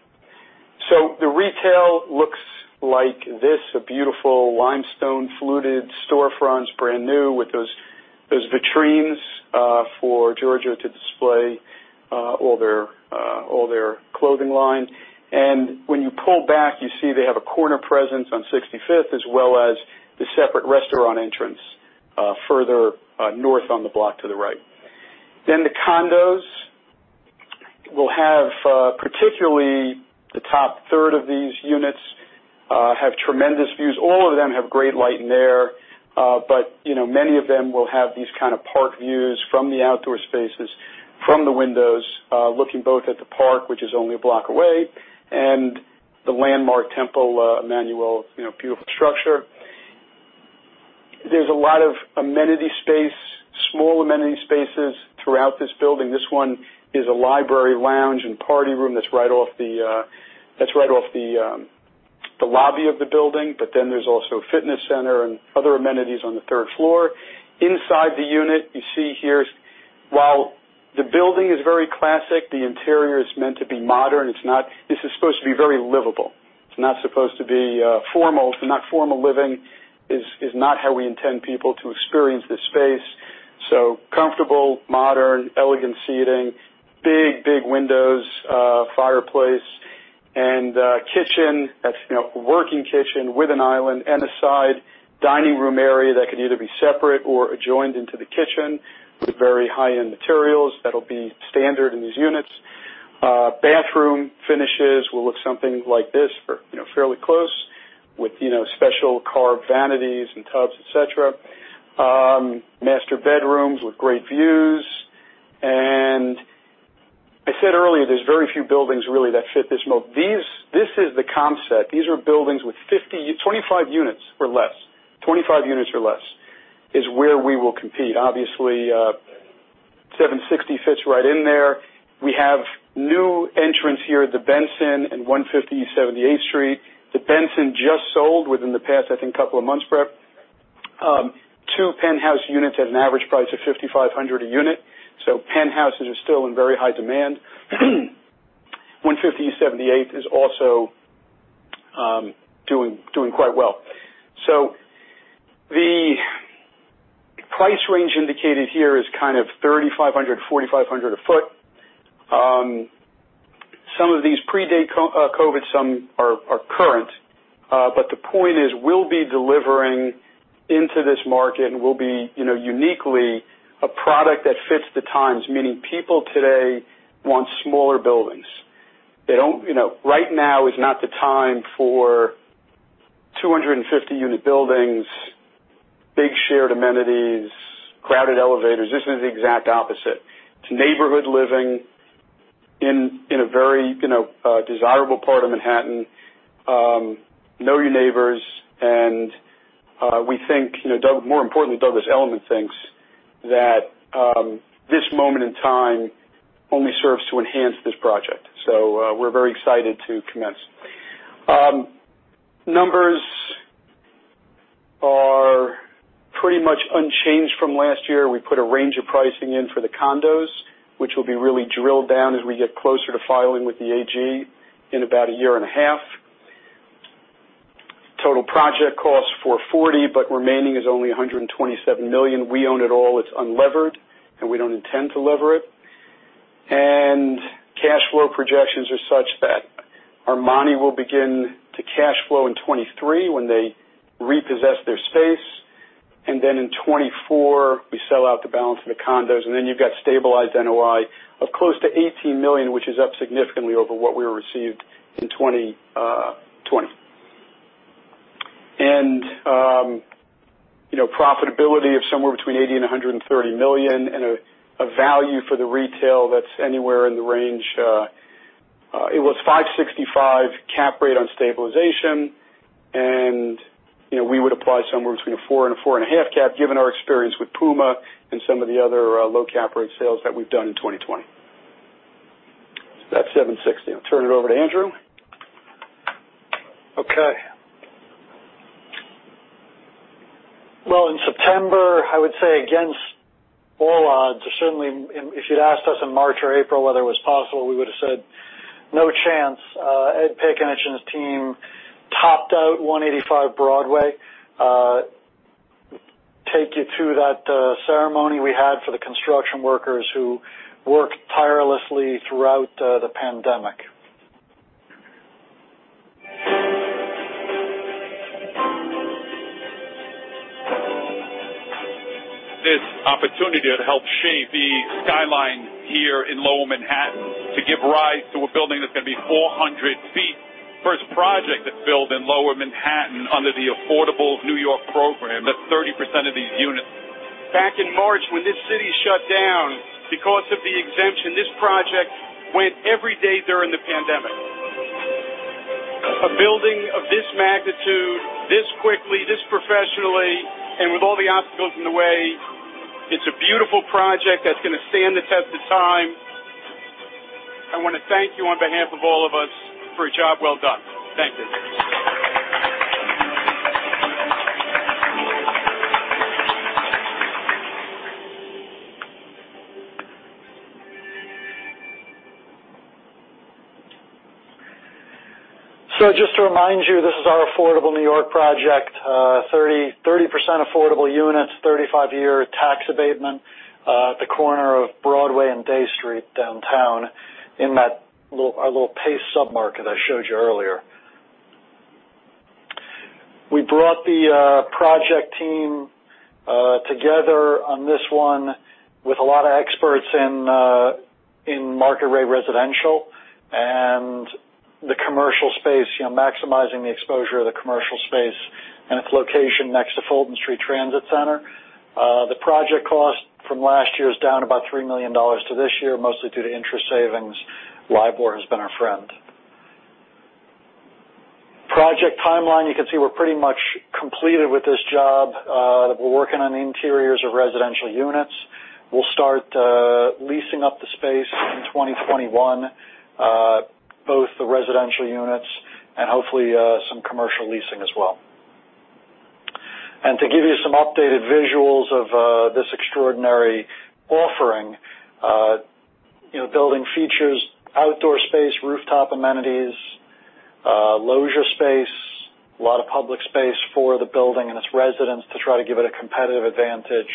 The retail looks like this, a beautiful limestone fluted storefront. It's brand new with those vitrines for Giorgio to display all their clothing lines. When you pull back, you see they have a corner presence on 65th, as well as the separate restaurant entrance further north on the block to the right. The condos will have, particularly the top third of these units, have tremendous views. All of them have great light and air. Many of them will have these kind of park views from the outdoor spaces, from the windows, looking both at the park, which is only one block away, and the landmark Temple Emanu-El, beautiful structure. There's a lot of amenity space, small amenity spaces throughout this building. This one is a library lounge and party room that's right off the lobby of the building. There's also a fitness center and other amenities on the third floor. Inside the unit, you see here, while the building is very classic, the interior is meant to be modern. This is supposed to be very livable. It's not supposed to be formal. Formal living is not how we intend people to experience this space. Comfortable, modern, elegant seating, big windows, fireplace and kitchen, that's working kitchen with an island and a side dining room area that can either be separate or adjoined into the kitchen with very high-end materials. That'll be standard in these units. Bathroom finishes will look something like this, or fairly close, with special carved vanities and tubs, et cetera. Master bedrooms with great views. I said earlier, there's very few buildings really that fit this mold. This is the comp set. These are buildings with 25 units or less. 25 units or less is where we will compete. Obviously, 760 fits right in there. We have new entrants here at The Benson and 150 East 78th Street. The Benson just sold within the past, I think, couple of months, Brett. Two penthouse units at an average price of $5,500 a unit. Penthouses are still in very high demand. 150 East 78th is also doing quite well. The price range indicated here is kind of $3,500-$4,500 a foot. Some of these predate COVID, some are current. The point is, we'll be delivering into this market and we'll be uniquely a product that fits the times, meaning people today want smaller buildings. Right now is not the time for 250-unit buildings, big shared amenities, crowded elevators. This is the exact opposite. It's neighborhood living in a very desirable part of Manhattan. Know your neighbors, we think, more importantly, Douglas Elliman thinks that this moment in time only serves to enhance this project. We're very excited to commence. Numbers are pretty much unchanged from last year. We put a range of pricing in for the condos, which will be really drilled down as we get closer to filing with the AG in about a year and a half. Total project cost, $440, but remaining is only $127 million. We own it all. It's unlevered, and we don't intend to lever it. Cash flow projections are such that Armani will begin to cash flow in 2023 when they repossess their space. In 2024, we sell out the balance of the condos, and then you've got stabilized NOI of close to $18 million, which is up significantly over what we received in 2020. Profitability of somewhere between $80 and $130 million, a value for the retail that's anywhere in the range. It was 565 cap rate on stabilization. We would apply somewhere between a 4% and a 4.5% cap, given our experience with Puma and some of the other low cap rate sales that we've done in 2020. That's $760. I'll turn it over to Andrew. Well, in September, I would say against all odds, certainly if you'd asked us in March or April whether it was possible, we would have said, "No chance." Edward Piccinich and his team topped out 185 Broadway. Take you through that ceremony we had for the construction workers who worked tirelessly throughout the pandemic. This opportunity to help shape the skyline here in Lower Manhattan, to give rise to a building that's going to be 400 feet. First project that's built in Lower Manhattan under the Affordable New York program. That's 30% of these units. Back in March, when this city shut down because of the exemption, this project went every day during the pandemic. A building of this magnitude, this quickly, this professionally, and with all the obstacles in the way. It's a beautiful project that's going to stand the test of time. I want to thank you on behalf of all of us for a job well done. Thank you. Just to remind you, this is our Affordable New York project. 30% affordable units, 35-year tax abatement, the corner of Broadway and Dey Street downtown in our little Pace sub-market I showed you earlier. We brought the project team together on this one with a lot of experts in market-rate residential and the commercial space, maximizing the exposure of the commercial space, and its location next to Fulton Street Transit Center. The project cost from last year is down about $3 million to this year, mostly due to interest savings. LIBOR has been our friend. Project timeline. You can see we're pretty much completed with this job. We're working on the interiors of residential units. We'll start leasing up the space in 2021, both the residential units and hopefully some commercial leasing as well. To give you some updated visuals of this extraordinary offering. Building features outdoor space, rooftop amenities, leisure space, a lot of public space for the building and its residents to try to give it a competitive advantage.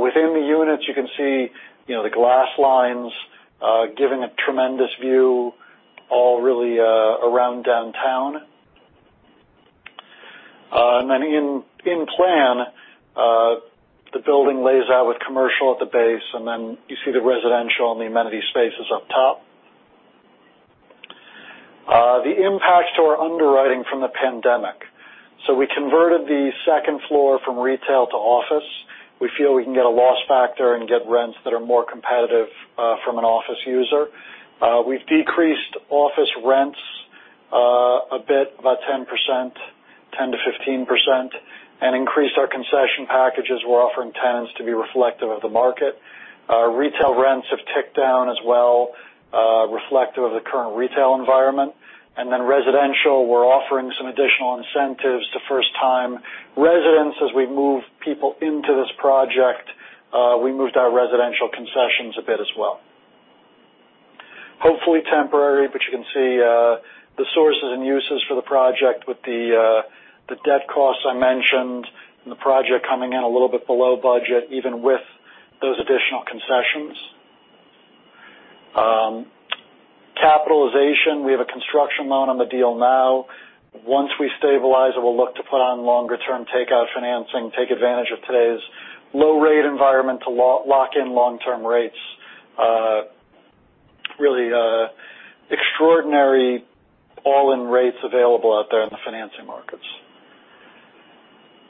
Within the units, you can see the glass lines giving a tremendous view all really around downtown. In plan, the building lays out with commercial at the base, then you see the residential and the amenity spaces up top. The impact to our underwriting from the pandemic. We converted the second floor from retail to office. We feel we can get a loss factor and get rents that are more competitive from an office user. We've decreased office rents a bit, about 10%-15%, and increased our concession packages we're offering tenants to be reflective of the market. Our retail rents have ticked down as well, reflective of the current retail environment. Residential, we're offering some additional incentives to first-time residents as we move people into this project. We moved our residential concessions a bit as well. Hopefully temporary, you can see the sources and uses for the project with the debt costs I mentioned, and the project coming in a little bit below budget, even with those additional concessions. Capitalization, we have a construction loan on the deal now. Once we stabilize it, we'll look to put on longer-term takeout financing, take advantage of today's low-rate environment to lock in long-term rates. Really extraordinary all-in rates available out there in the financing markets.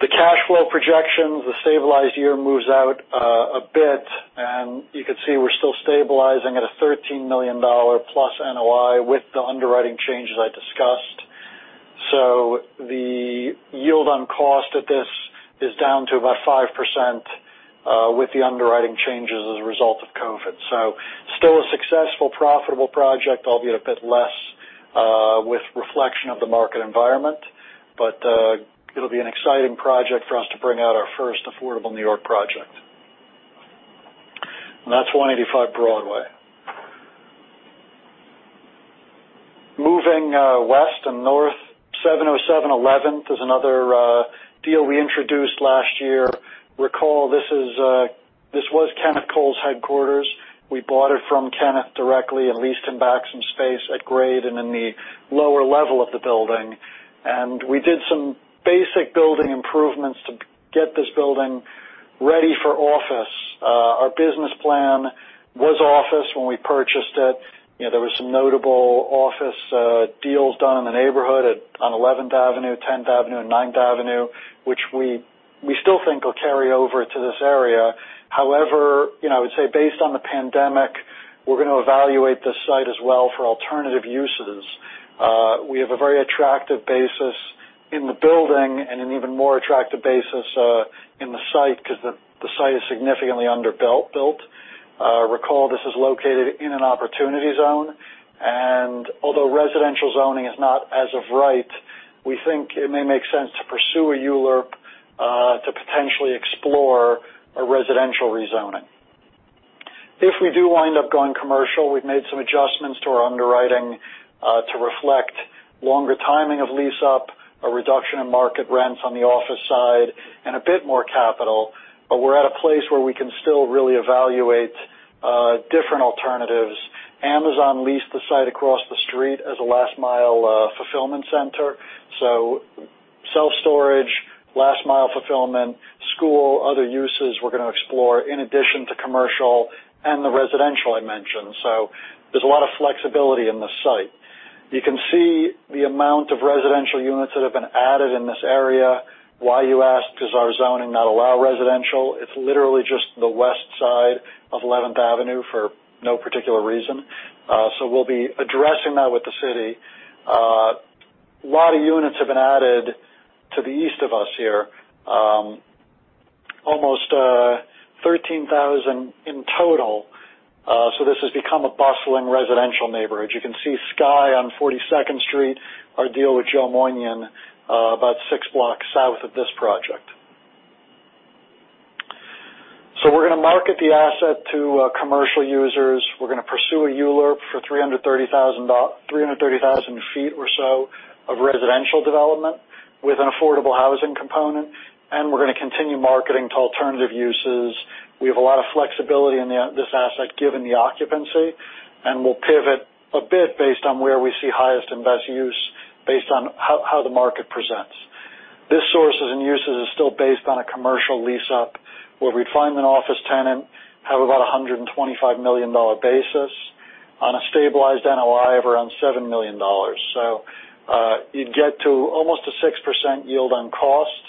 The cash flow projections, the stabilized year moves out a bit, and you can see we're still stabilizing at a $13 million-plus NOI with the underwriting changes I discussed. The yield on cost at this is down to about 5% with the underwriting changes as a result of COVID. Still a successful, profitable project, albeit a bit less with reflection of the market environment. It'll be an exciting project for us to bring out our first Affordable New York project. That's 185 Broadway. Moving west and north, 707 11th is another deal we introduced last year. Recall, this was Kenneth Cole's headquarters. We bought it from Kenneth directly and leased him back some space at grade and in the lower level of the building. We did some basic building improvements to get this building ready for office. Our business plan was office when we purchased it. There were some notable office deals done in the neighborhood on 11th Avenue, 10th Avenue, and 9th Avenue, which we still think will carry over to this area. I would say based on the pandemic, we're going to evaluate this site as well for alternative uses. We have a very attractive basis in the building and an even more attractive basis in the site because the site is significantly underbuilt. Recall, this is located in an opportunity zone, and although residential zoning is not as of right, we think it may make sense to pursue a ULURP to potentially explore a residential rezoning. If we do wind up going commercial, we've made some adjustments to our underwriting to reflect longer timing of lease-up, a reduction in market rents on the office side, and a bit more capital. We're at a place where we can still really evaluate different alternatives. Amazon leased the site across the street as a last-mile fulfillment center. Self-storage, last-mile fulfillment, school, other uses we're going to explore in addition to commercial and the residential I mentioned. There's a lot of flexibility in this site. You can see the amount of residential units that have been added in this area. Why, you ask? Does our zoning not allow residential? It's literally just the west side of 11th Avenue for no particular reason. We'll be addressing that with the city. A lot of units have been added to the east of us here, almost 13,000 in total. This has become a bustling residential neighborhood. You can see Sky on 42nd Street, our deal with Joe Moinian about six blocks south of this project. We're going to market the asset to commercial users. We're going to pursue a ULURP for 330,000 feet or so of residential development with an affordable housing component, and we're going to continue marketing to alternative uses. We have a lot of flexibility in this asset given the occupancy, and we'll pivot a bit based on where we see highest and best use based on how the market presents. This sources and uses is still based on a commercial lease-up where we'd find an office tenant, have about $125 million basis on a stabilized NOI of around $7 million. You'd get to almost a 6% yield on cost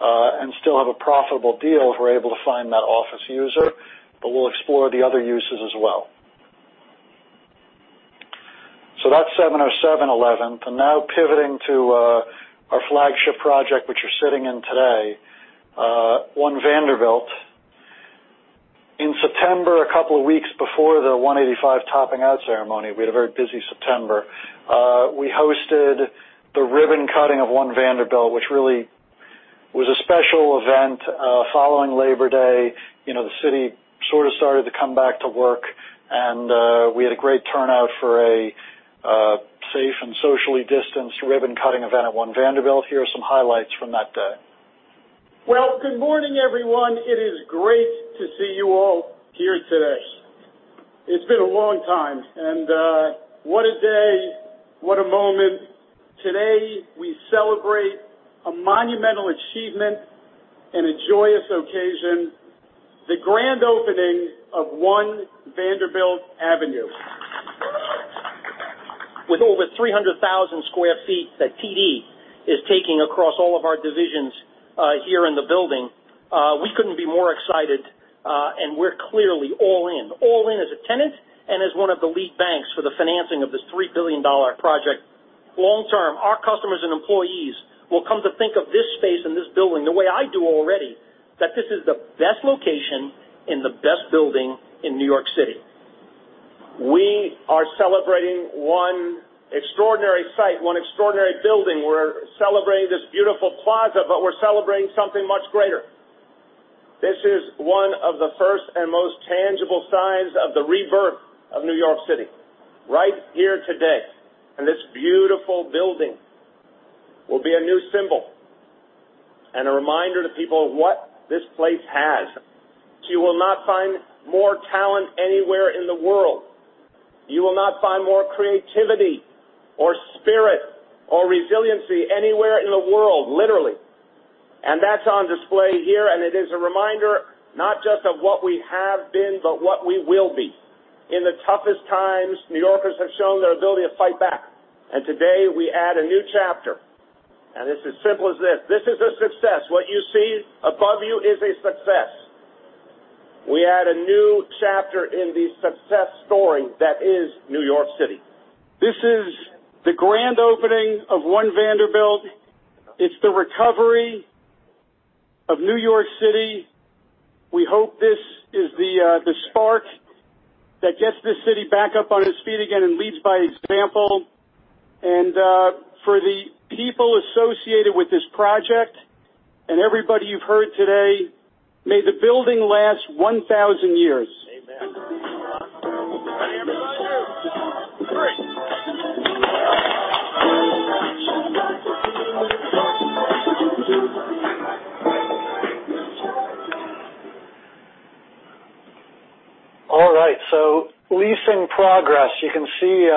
and still have a profitable deal if we're able to find that office user, but we'll explore the other uses as well. That's 707 11th, and now pivoting to our flagship project, which you're sitting in today, One Vanderbilt. In September, a couple of weeks before the 185 topping out ceremony, we had a very busy September. We hosted the ribbon cutting of One Vanderbilt, which really was a special event following Labor Day. The city sort of started to come back to work. We had a great turnout for a safe and socially distanced ribbon cutting event at One Vanderbilt. Here are some highlights from that day. Well, good morning, everyone. It is great to see you all here today. It's been a long time. What a day, what a moment. Today, we celebrate a monumental achievement and a joyous occasion, the grand opening of One Vanderbilt Avenue. With over 300,000 square feet that TD is taking across all of our divisions here in the building, we couldn't be more excited, and we're clearly all in. All in as a tenant, and as one of the lead banks for the financing of this $3 billion project. Long term, our customers and employees will come to think of this space and this building the way I do already, that this is the best location and the best building in New York City. We are celebrating one extraordinary site, one extraordinary building. We're celebrating this beautiful plaza, we're celebrating something much greater. This is one of the first and most tangible signs of the rebirth of New York City right here today. This beautiful building will be a new symbol and a reminder to people what this place has. You will not find more talent anywhere in the world. You will not find more creativity or spirit or resiliency anywhere in the world, literally, that's on display here, it is a reminder not just of what we have been, what we will be. In the toughest times, New Yorkers have shown their ability to fight back, today we add a new chapter, it's as simple as this. This is a success. What you see above you is a success. We add a new chapter in the success story that is New York City. This is the grand opening of One Vanderbilt. It's the recovery of New York City. We hope this is the spark that gets this city back up on its feet again and leads by example. For the people associated with this project and everybody you've heard today, may the building last 1,000 years. Amen. Ready, everybody? One, two, three. All right. Leasing progress. You can see,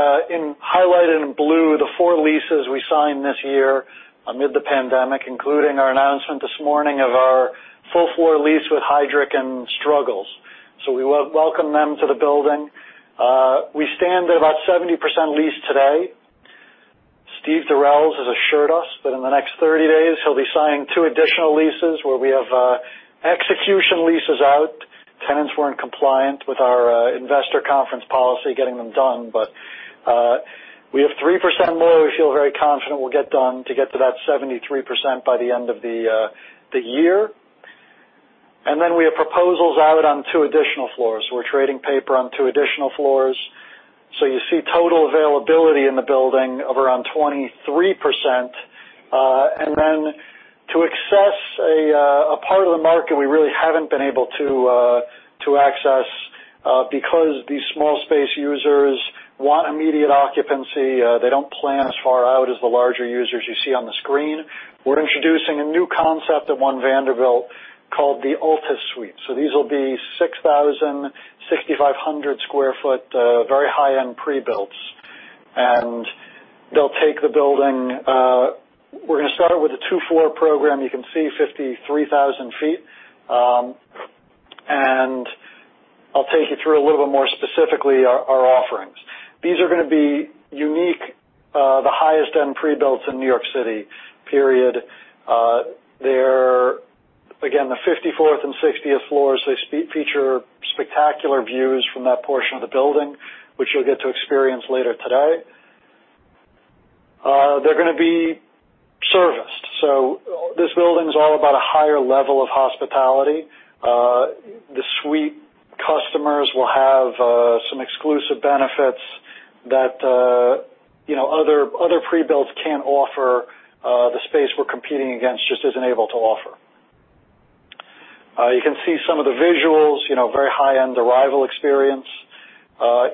highlighted in blue, the four leases we signed this year amid the pandemic, including our announcement this morning of our full floor lease with Heidrick & Struggles. We welcome them to the building. We stand at about 70% leased today. Steven Durels has assured us that in the next 30 days, he'll be signing two additional leases where we have execution leases out. Tenants weren't compliant with our investor conference policy, getting them done. We have 3% more we feel very confident will get done to get to that 73% by the end of the year. We have proposals out on two additional floors. We're trading paper on two additional floors. You see total availability in the building of around 23%. To access a part of the market we really haven't been able to access, because these small space users want immediate occupancy, they don't plan as far out as the larger users you see on the screen. We're introducing a new concept at One Vanderbilt called the Altus Suite. These will be 6,000, 6,500 square foot, very high-end pre-builts, and they'll take the building. We're going to start out with a two-floor program. You can see 53,000 feet. I'll take you through a little bit more specifically our offerings. These are going to be unique, the highest end pre-builts in New York City, period. They're, again, the 54th and 60th floors. They feature spectacular views from that portion of the building, which you'll get to experience later today. They're going to be serviced. This building's all about a higher level of hospitality. The suite customers will have some exclusive benefits that other pre-builts can't offer, the space we're competing against just isn't able to offer. You can see some of the visuals, very high-end arrival experience.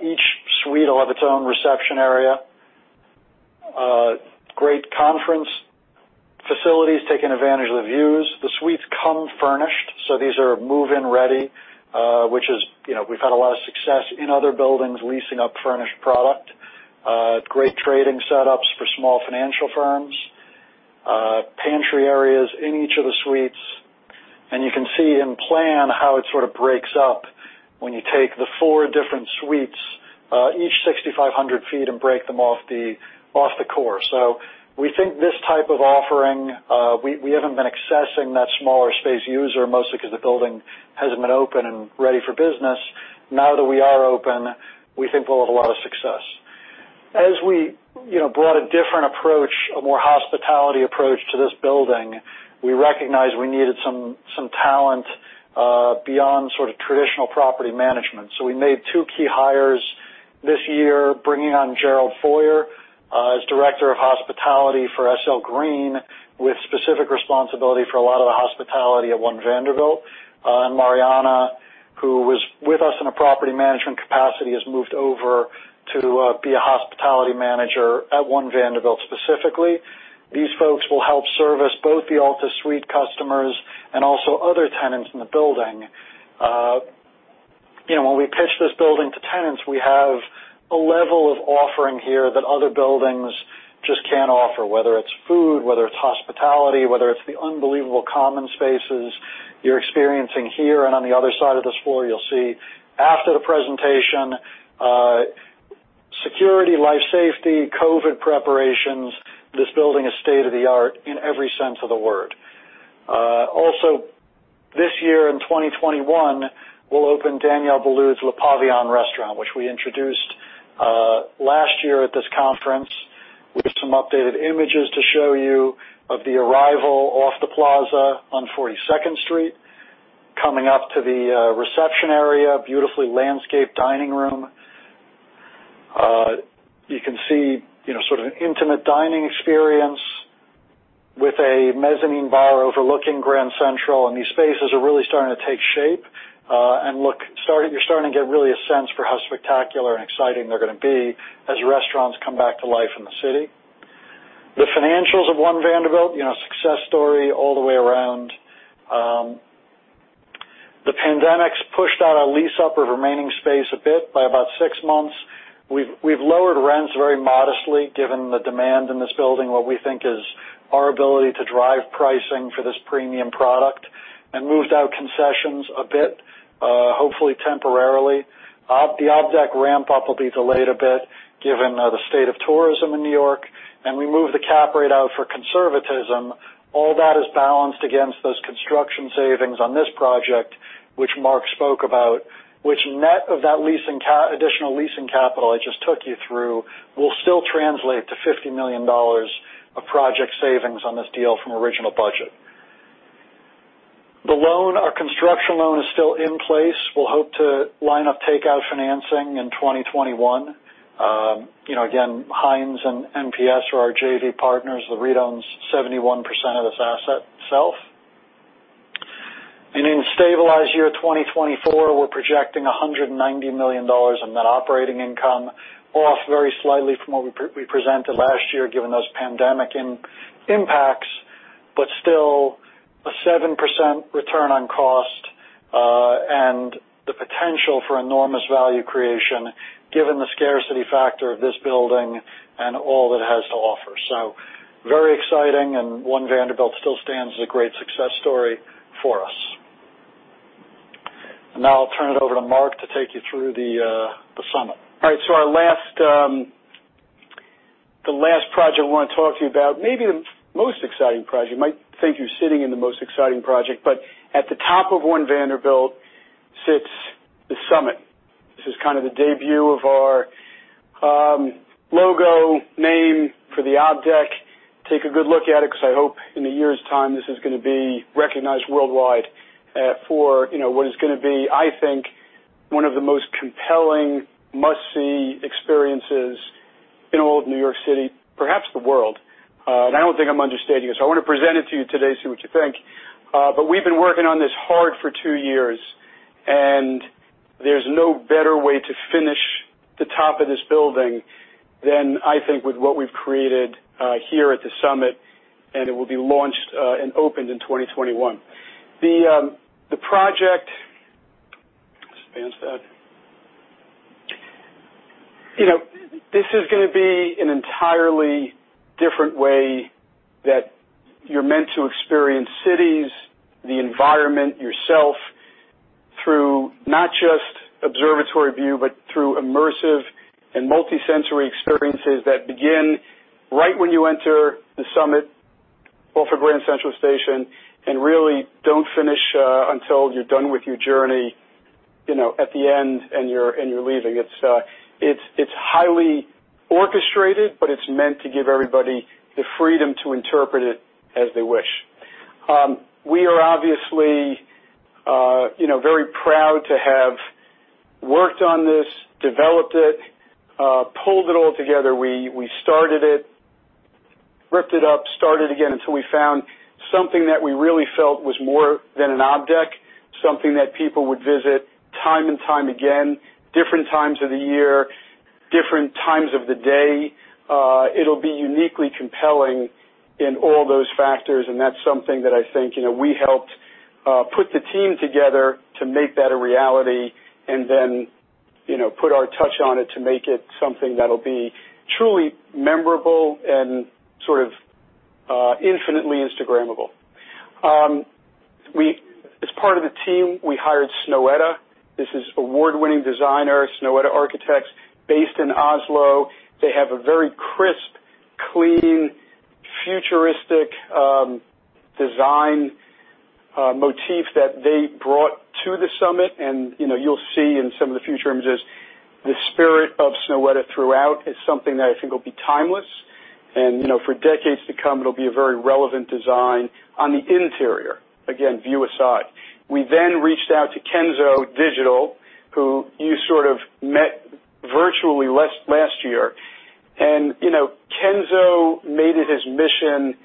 Each suite will have its own reception area. Great conference facilities, taking advantage of the views. The suites come furnished, so these are move-in ready, which we've had a lot of success in other buildings leasing up furnished product. Great trading setups for small financial firms. Pantry areas in each of the suites. You can see in plan how it sort of breaks up when you take the four different suites, each 6,500 feet, and break them off the core. We think this type of offering, we haven't been accessing that smaller space user, mostly because the building hasn't been open and ready for business. Now that we are open, we think we'll have a lot of success. We brought a different approach, a more hospitality approach to this building, we recognized we needed some talent, beyond sort of traditional property management. We made two key hires this year, bringing on Gerald Feurer, as director of hospitality for SL Green, with specific responsibility for a lot of the hospitality at One Vanderbilt, and Mariana in a property management capacity has moved over to be a hospitality manager at One Vanderbilt specifically. These folks will help service both the Altus Suites customers and also other tenants in the building. When we pitch this building to tenants, we have a level of offering here that other buildings just can't offer, whether it's food, whether it's hospitality, whether it's the unbelievable common spaces you're experiencing here and on the other side of this floor, you'll see after the presentation, security, life safety, COVID preparations. This building is state-of-the-art in every sense of the word. Also, this year in 2021, we'll open Daniel Boulud's Le Pavillon Restaurant, which we introduced last year at this conference with some updated images to show you of the arrival off the plaza on 42nd Street, coming up to the reception area, beautifully landscaped dining room. You can see sort of an intimate dining experience with a mezzanine bar overlooking Grand Central, and these spaces are really starting to take shape. You're starting to get really a sense for how spectacular and exciting they're going to be as restaurants come back to life in the city. The financials of One Vanderbilt, a success story all the way around. The pandemic's pushed out our lease-up of remaining space a bit by about six months. We've lowered rents very modestly given the demand in this building, what we think is our ability to drive pricing for this premium product, and moved out concessions a bit, hopefully temporarily. The observ deck ramp-up will be delayed a bit given the state of tourism in New York, and we moved the cap rate out for conservatism. All that is balanced against those construction savings on this project, which Marc spoke about, which net of that additional leasing capital I just took you through, will still translate to $50 million of project savings on this deal from original budget. The loan, our construction loan is still in place. We'll hope to line up takeout financing in 2021. Hines and NPS are our JV partners. The REIT owns 71% of this asset itself. In stabilized year 2024, we're projecting $190 million in net operating income, off very slightly from what we presented last year, given those pandemic impacts, but still a 7% return on cost, and the potential for enormous value creation given the scarcity factor of this building and all it has to offer. Very exciting. One Vanderbilt still stands as a great success story for us. Now I'll turn it over to Marc to take you through the SUMMIT. All right, the last project I want to talk to you about, maybe the most exciting project. You might think you're sitting in the most exciting project, but at the top of One Vanderbilt sits the SUMMIT. This is kind of the debut of our logo name for the observ deck. Take a good look at it because I hope in a year's time, this is going to be recognized worldwide for what is going to be, I think, one of the most compelling must-see experiences in all of New York City, perhaps the world. I don't think I'm understating it. I want to present it to you today, see what you think. We've been working on this hard for two years, and there's no better way to finish the top of this building than I think with what we've created here at SUMMIT, and it will be launched and opened in 2021. The project, advance that. This is going to be an entirely different way that you're meant to experience cities, the environment, yourself through not just observatory view, but through immersive and multi-sensory experiences that begin right when you enter SUMMIT off of Grand Central Station and really don't finish until you're done with your journey at the end and you're leaving. It's highly orchestrated, it's meant to give everybody the freedom to interpret it as they wish. We are obviously very proud to have worked on this, developed it, pulled it all together. We started it, ripped it up, started again until we found something that we really felt was more than an observ deck, something that people would visit time and time again, different times of the year, different times of the day. It'll be uniquely compelling in all those factors, and that's something that I think we helped put the team together to make that a reality and then put our touch on it to make it something that'll be truly memorable and sort of infinitely Instagrammable. As part of the team, we hired Snøhetta. This is award-winning designer, Snøhetta Architects based in Oslo. They have a very crisp, clean, futuristic design motif that they brought to the SUMMIT. You'll see in some of the future images, the spirit of Snøhetta throughout is something that I think will be timeless. For decades to come, it'll be a very relevant design on the interior, again, view aside. We reached out to Kenzo Digital, who you sort of met. Kenzo made it his mission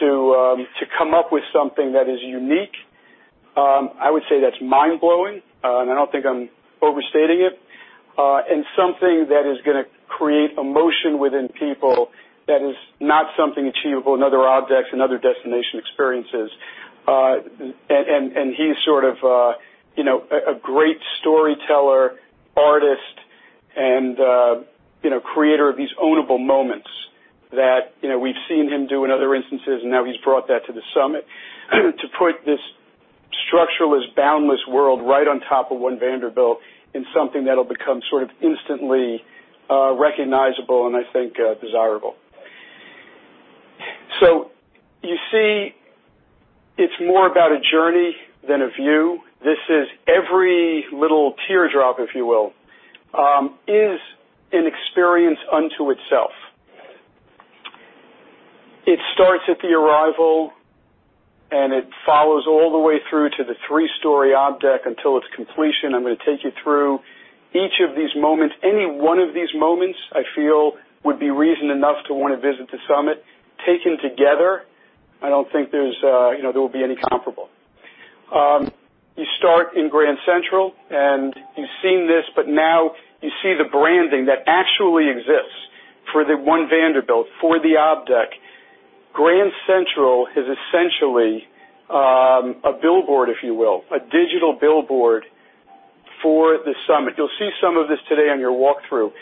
to come up with something that is unique, I would say that's mind-blowing, and I don't think I'm overstating it, and something that is going to create emotion within people that is not something achievable in other objects and other destination experiences. He's sort of a great storyteller, artist, and creator of these ownable moments that we've seen him do in other instances, and now he's brought that to the SUMMIT to put this structuralist, boundless world right on top of One Vanderbilt in something that'll become sort of instantly recognizable, and I think desirable. You see it's more about a journey than a view. This is every little teardrop, if you will, is an experience unto itself. It starts at the arrival, and it follows all the way through to the three-story obs deck until its completion. I'm going to take you through each of these moments. Any one of these moments, I feel, would be reason enough to want to visit the SUMMIT. Taken together, I don't think there will be any comparable. You start in Grand Central, and you've seen this, but now you see the branding that actually exists for the One Vanderbilt, for the obs deck. Grand Central is essentially a billboard, if you will, a digital billboard for the SUMMIT. You'll see some of this today on your walkthrough.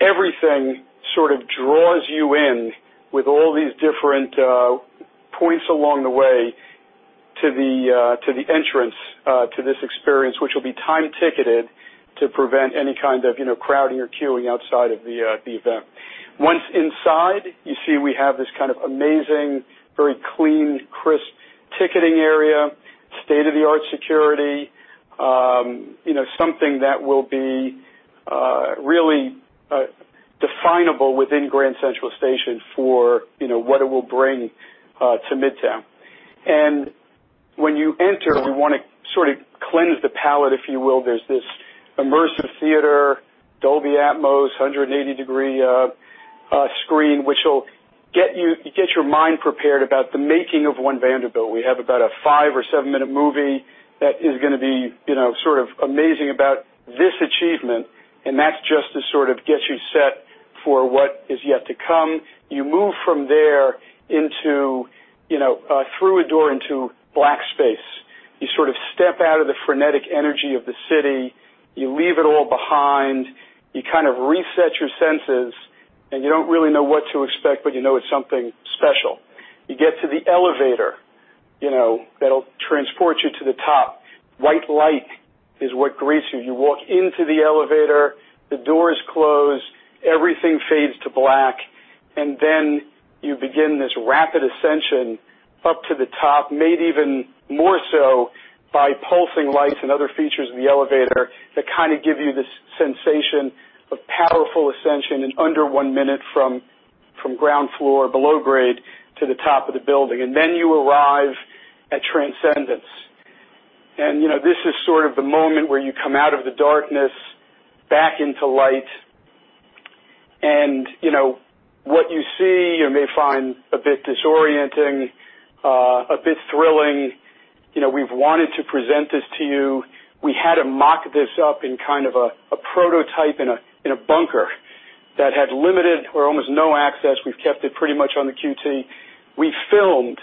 Everything sort of draws you in with all these different points along the way to the entrance to this experience, which will be time-ticketed to prevent any kind of crowding or queuing outside of the event. Once inside, you see we have this kind of amazing, very clean, crisp ticketing area, state-of-the-art security, something that will be really definable within Grand Central Station for what it will bring to Midtown. When you enter, we want to sort of cleanse the palate, if you will. There's this immersive theater, Dolby Atmos, 180-degree screen, which will get your mind prepared about the making of One Vanderbilt. We have about a five or seven-minute movie that is going to be sort of amazing about this achievement. That's just to sort of get you set for what is yet to come. You move from there through a door into black space. You sort of step out of the frenetic energy of the city. You leave it all behind. You kind of reset your senses, and you don't really know what to expect, but you know it's something special. You get to the elevator that'll transport you to the top. White light is what greets you. You walk into the elevator, the doors close, everything fades to black. Then you begin this rapid ascension up to the top, made even more so by pulsing lights and other features of the elevator that kind of give you this sensation of powerful ascension in under one minute from ground floor below grade to the top of the building. Then you arrive at Transcendence. This is sort of the moment where you come out of the darkness back into light. What you see, you may find a bit disorienting, a bit thrilling. We've wanted to present this to you. We had to mock this up in kind of a prototype in a bunker that had limited or almost no access. We've kept it pretty much on the QT. We filmed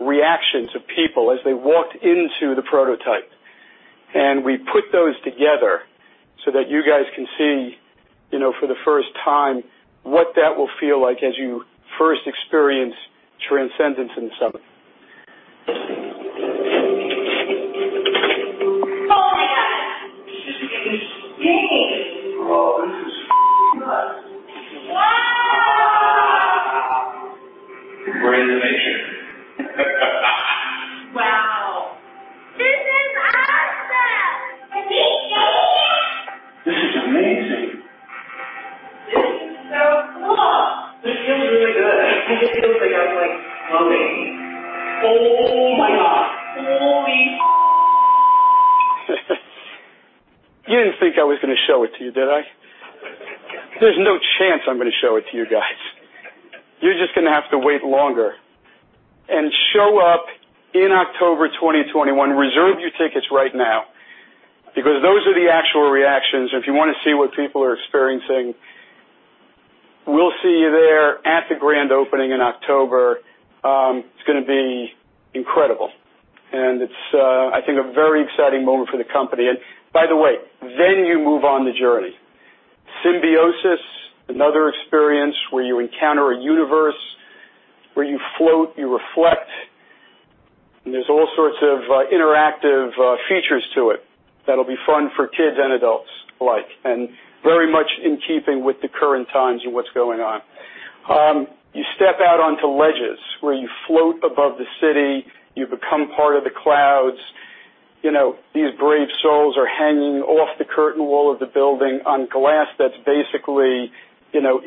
reactions of people as they walked into the prototype, and we put those together so that you guys can see, for the first time, what that will feel like as you first experience Transcendence in the SUMMIT. You didn't think I was going to show it to you, did I? There's no chance I'm going to show it to you guys. You're just going to have to wait longer and show up in October 2021. Reserve your tickets right now because those are the actual reactions, and if you want to see what people are experiencing, we'll see you there at the grand opening in October. It's going to be incredible, and it's, I think, a very exciting moment for the company. By the way, then you move on the journey. Symbiosis, another experience where you encounter a universe, where you float, you reflect, and there's all sorts of interactive features to it that'll be fun for kids and adults alike, and very much in keeping with the current times and what's going on. You step out onto ledges where you float above the city. You become part of the clouds. These brave souls are hanging off the curtain wall of the building on glass that's basically zero.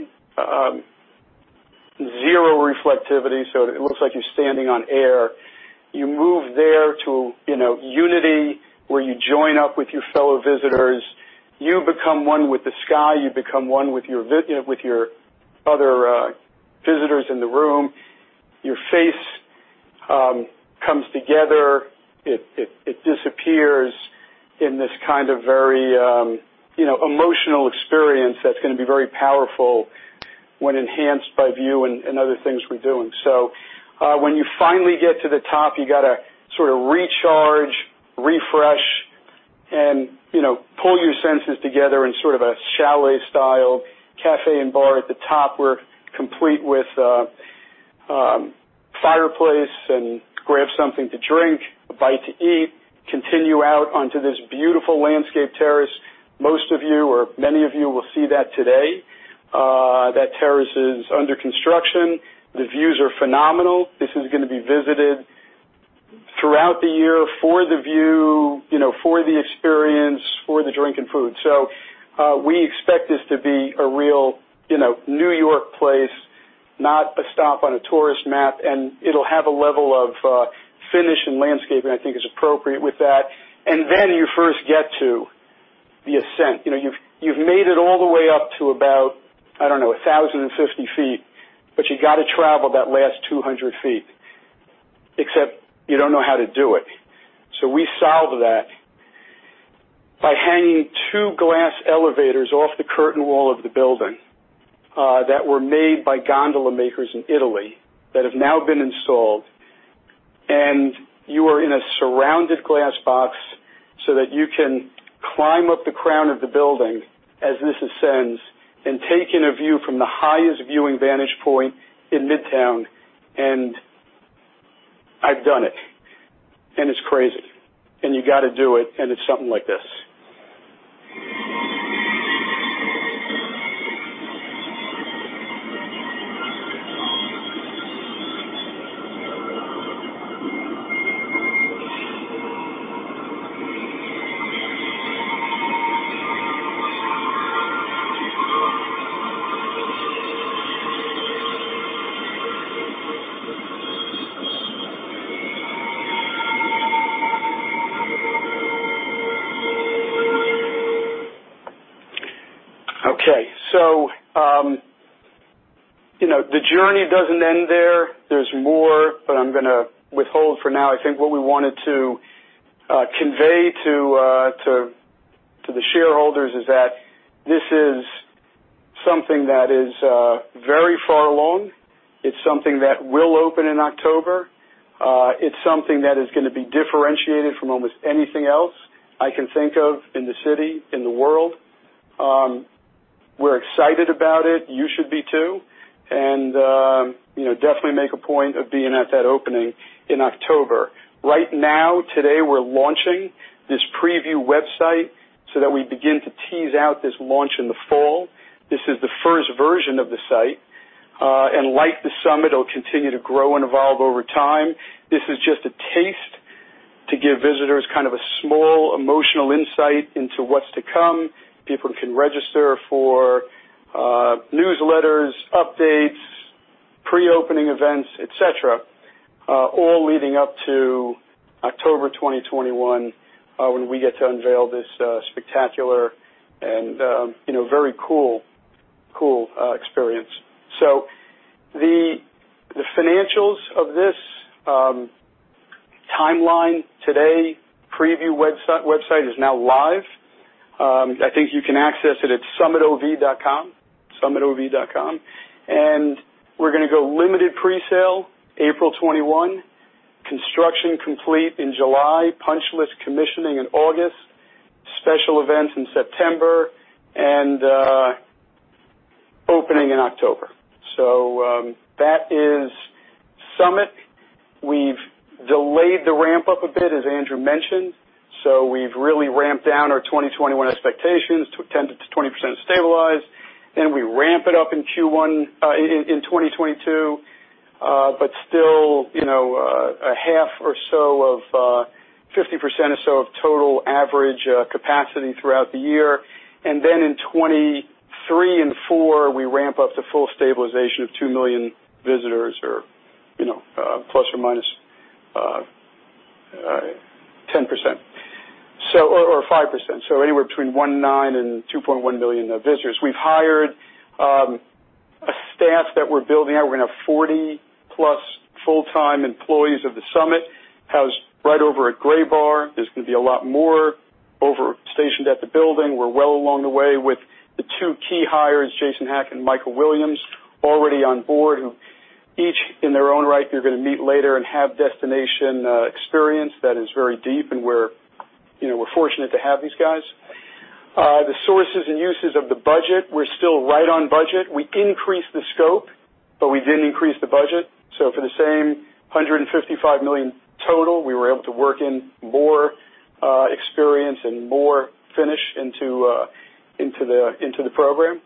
It looks like you're standing on air. You move there to unity, where you join up with your fellow visitors. You become one with the sky. You become one with your other visitors in the room. Your face comes together. It disappears in this very emotional experience that's going to be very powerful when enhanced by view and other things we're doing. When you finally get to the top, you got to recharge, refresh, and pull your senses together in a chalet-style cafe and bar at the top. We're complete with a fireplace and grab something to drink, a bite to eat, continue out onto this beautiful landscaped terrace. Most of you, or many of you, will see that today. That terrace is under construction. The views are phenomenal. This is going to be visited throughout the year for the view, for the experience, for the drink and food. We expect this to be a real New York place, not a stop on a tourist map, and it'll have a level of finish and landscaping I think is appropriate with that. You first get to the ascent. You've made it all the way up to about, I don't know, 1,050 feet, but you got to travel that last 200 feet, except you don't know how to do it. We solved that by hanging two glass elevators off the curtain wall of the building that were made by gondola makers in Italy that have now been installed. You are in a surrounded glass box so that you can climb up the crown of the building as this ascends and take in a view from the highest viewing vantage point in Midtown. I've done it, and it's crazy, and you got to do it, and it's something like this. Okay. The journey doesn't end there. There's more, but I'm going to withhold for now. I think what we wanted to convey to the shareholders is that this is something that is very far along. It's something that will open in October. It's something that is going to be differentiated from almost anything else I can think of in the city, in the world. We're excited about it. You should be, too. Definitely make a point of being at that opening in October. Right now, today, we're launching this preview website so that we begin to tease out this launch in the fall. This is the first version of the site. Like the SUMMIT, it'll continue to grow and evolve over time. This is just a taste to give visitors a small emotional insight into what's to come. People can register for newsletters, updates, pre-opening events, et cetera, all leading up to October 2021, when we get to unveil this spectacular and very cool experience. The financials of this timeline today, preview website is now live. I think you can access it at summitov.com, summitov.com. We're going to go limited presale April 21st, construction complete in July, punch list commissioning in August, special events in September, and opening in October. That is SUMMIT. We've delayed the ramp-up a bit, as Andrew mentioned. We've really ramped down our 2021 expectations to 10%-20% stabilized, then we ramp it up in 2022. Still, 50% or so of total average capacity throughout the year. Then in 2023 and 2024, we ramp up to full stabilization of 2 million visitors or plus or minus 10% or 5%, so anywhere between 1.9 million and 2.1 million visitors. We've hired a staff that we're building out. We're going to have 40-plus full-time employees of SUMMIT, housed right over at Graybar. There's going to be a lot more stationed at the building. We're well along the way with the two key hires, Jason Haack and Michael Williams, already on board, who each in their own right, you're going to meet later, and have destination experience that is very deep, and we're fortunate to have these guys. The sources and uses of the budget, we're still right on budget. We increased the scope. We didn't increase the budget. For the same $155 million total, we were able to work in more experience and more finish into the program.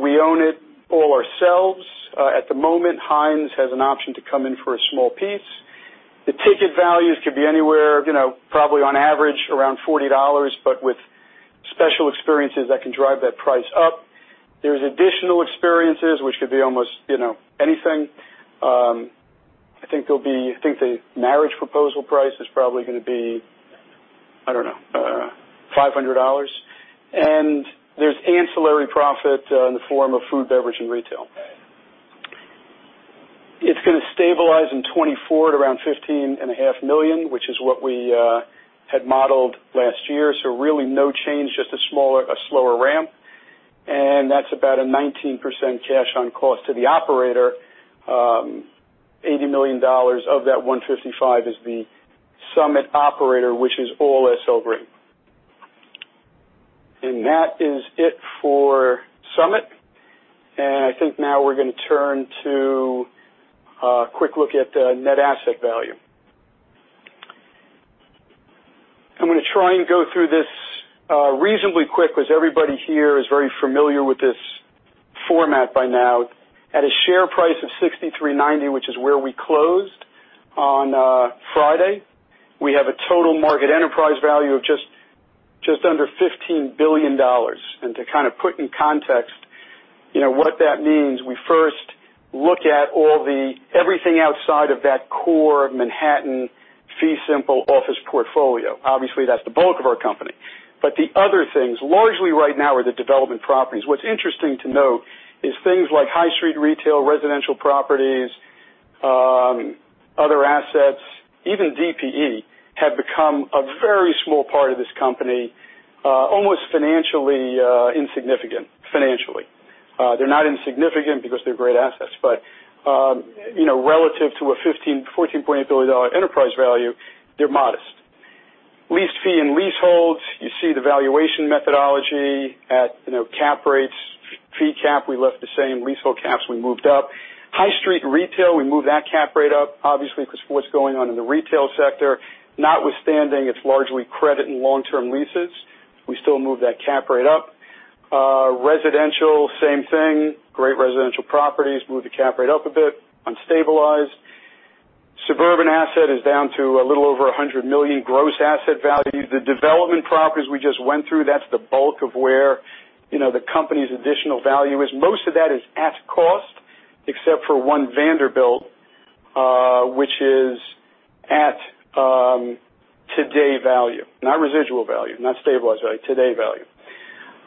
We own it all ourselves. At the moment, Hines has an option to come in for a small piece. The ticket values could be anywhere, probably on average, around $40, but with special experiences that can drive that price up. There's additional experiences, which could be almost anything. I think the marriage proposal price is probably going to be, I don't know, $500. There's ancillary profit in the form of food, beverage, and retail. It's going to stabilize in 2024 at around $15.5 million, which is what we had modeled last year. Really no change, just a slower ramp. That's about a 19% cash on cost to the operator. $80 million of that 155 is the SUMMIT operator, which is all SL Green. That is it for SUMMIT. I think now we're going to turn to a quick look at net asset value. I'm going to try and go through this reasonably quick because everybody here is very familiar with this format by now. At a share price of 63.90, which is where we closed on Friday, we have a total market enterprise value of just under $15 billion. To kind of put in context what that means, we first look at everything outside of that core Manhattan fee simple office portfolio. Obviously, that's the bulk of our company. The other things, largely right now, are the development properties. What's interesting to note is things like high street retail, residential properties, other assets, even DPE, have become a very small part of this company, almost financially insignificant. Financially. They're not insignificant because they're great assets, but relative to a $14.8 billion enterprise value, they're modest. Lease fee and leaseholds, you see the valuation methodology at cap rates. Fee cap, we left the same. Leasehold caps, we moved up. High street retail, we moved that cap rate up, obviously, because what's going on in the retail sector, notwithstanding it's largely credit and long-term leases, we still moved that cap rate up. Residential, same thing. Great residential properties, moved the cap rate up a bit, unstabilized. Suburban asset is down to a little over $100 million gross asset value. The development properties we just went through, that's the bulk of where the company's additional value is. Most of that is at cost, except for One Vanderbilt, which is at today value. Not residual value, not stabilized value, today value.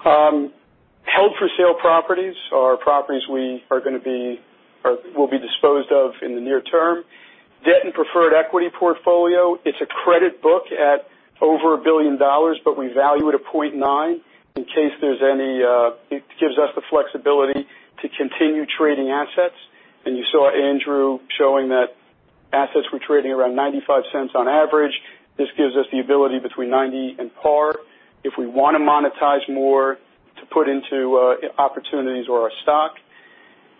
Held for sale properties are properties we are going to be or will be disposed of in the near term. Debt and preferred equity portfolio, it's a credit book at over $1 billion, but we value it at 0.9. It gives us the flexibility to continue trading assets. You saw Andrew showing that assets were trading around $0.95 on average. This gives us the ability between 90 and par if we want to monetize more to put into opportunities or our stock.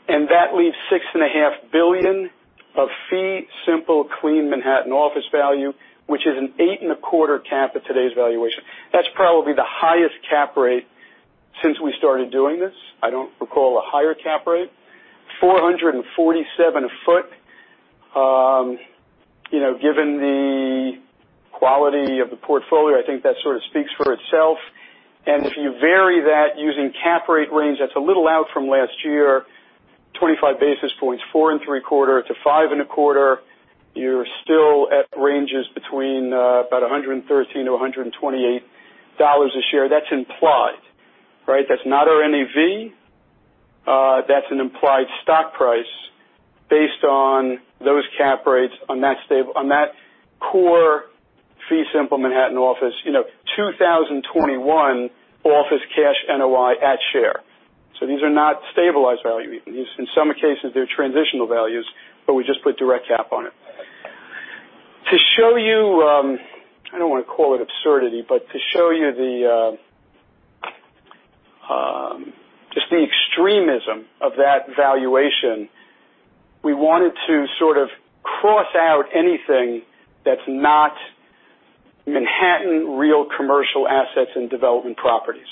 That leaves $6.5 billion of fee, simple, clean Manhattan office value, which is an 8.25 cap at today's valuation. That's probably the highest cap rate since we started doing this. I don't recall a higher cap rate. $447 a foot. Given the quality of the portfolio, I think that sort of speaks for itself. If you vary that using cap rate range that's a little out from last year, 25 basis points, four and three-quarter to five and a quarter, you're still at ranges between about $113-$128 a share. That's implied, right? That's not our NAV. That's an implied stock price based on those cap rates on that core fee simple Manhattan office. 2021 office cash NOI at share. These are not stabilized value. In some cases, they're transitional values, but we just put direct cap on it. To show you, I don't want to call it absurdity, but to show you just the extremism of that valuation, we wanted to sort of cross out anything that's not Manhattan real commercial assets and development properties,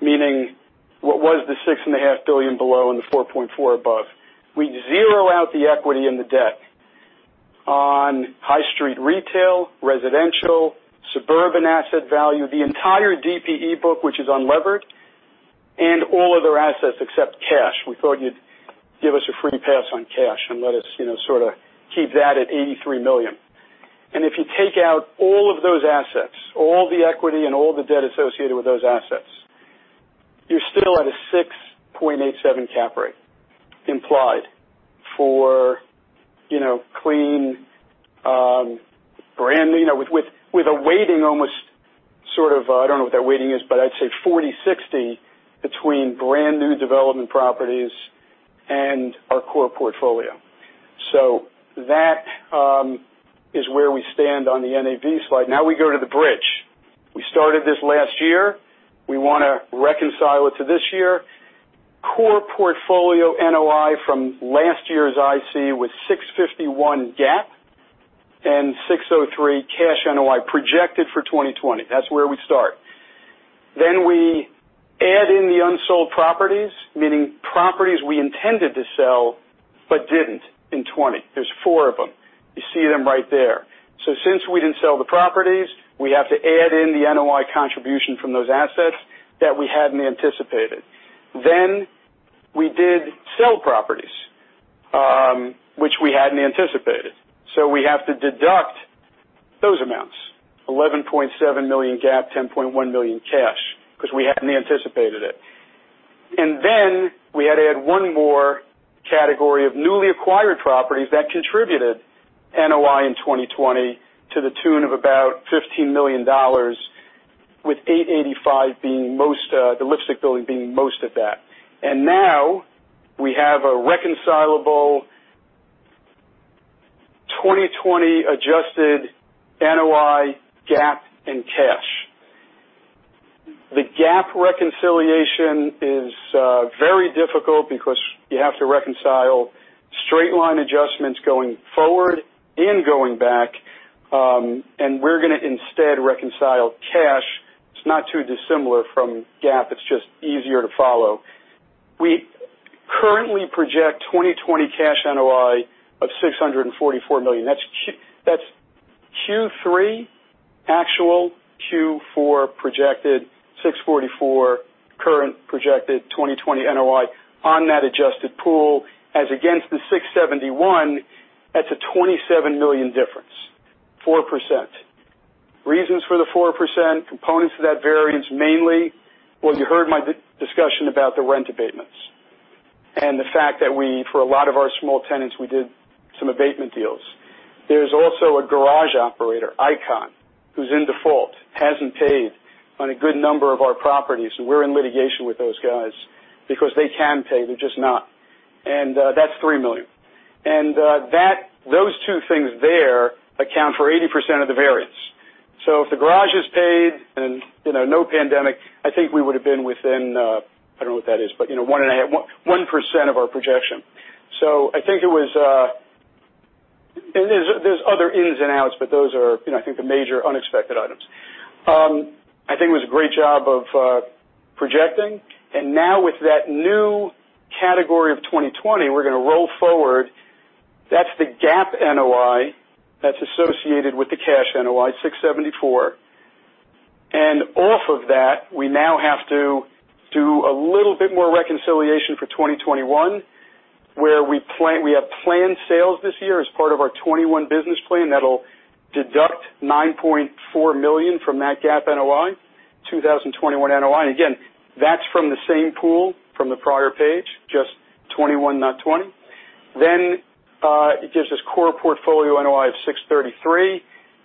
meaning what was the $6.5 billion below and the 4.4 above. We zero out the equity and the debt on high street retail, residential, suburban asset value, the entire DPE book, which is unlevered, and all other assets except cash. We thought you'd give us a free pass on cash and let us sort of keep that at $83 million. If you take out all of those assets, all the equity and all the debt associated with those assets, you're still at a 6.87 cap rate implied for clean, brand new, with a weighting almost sort of, I don't know what that weighting is, but I'd say 40/60 between brand-new development properties and our core portfolio. That is where we stand on the NAV slide. We go to the bridge. We started this last year. We want to reconcile it to this year. Core portfolio NOI from last year's IC was $651 GAAP and $603 cash NOI projected for 2020. That's where we start. Unsold properties, meaning properties we intended to sell but didn't in 2020. There's four of them. You see them right there. Since we didn't sell the properties, we have to add in the NOI contribution from those assets that we hadn't anticipated. We did sell properties, which we hadn't anticipated. We have to deduct those amounts, $11.7 million GAAP, $10.1 million cash, because we hadn't anticipated it. Then we had to add one more category of newly acquired properties that contributed NOI in 2020 to the tune of about $15 million, with 885, the lipstick building, being most of that. Now we have a reconcilable 2020 adjusted NOI GAAP and cash. The GAAP reconciliation is very difficult because you have to reconcile straight line adjustments going forward and going back. We're going to instead reconcile cash. It's not too dissimilar from GAAP, it's just easier to follow. We currently project 2020 cash NOI of $644 million. That's Q3 actual, Q4 projected $644 million current projected 2020 NOI on that adjusted pool. As against the $671 million, that's a $27 million difference, 4%. Reasons for the 4%, components of that variance, mainly, well, you heard my discussion about the rent abatements and the fact that for a lot of our small tenants, we did some abatement deals. There's also a garage operator, Icon, who's in default, hasn't paid on a good number of our properties, and we're in litigation with those guys because they can pay, they're just not. That's $3 million. Those two things there account for 80% of the variance. If the garage is paid and no pandemic, I think we would've been within, I don't know what that is, but 1% of our projection. There's other ins and outs, but those are I think the major unexpected items. I think it was a great job of projecting. Now with that new category of 2020, we're going to roll forward. That's the GAAP NOI that's associated with the cash NOI, $674. Off of that, we now have to do a little bit more reconciliation for 2021, where we have planned sales this year as part of our 2021 business plan. That'll deduct $9.4 million from that GAAP NOI, 2021 NOI. Again, that's from the same pool from the prior page, just 2021, not 2020. It gives us core portfolio NOI of $633,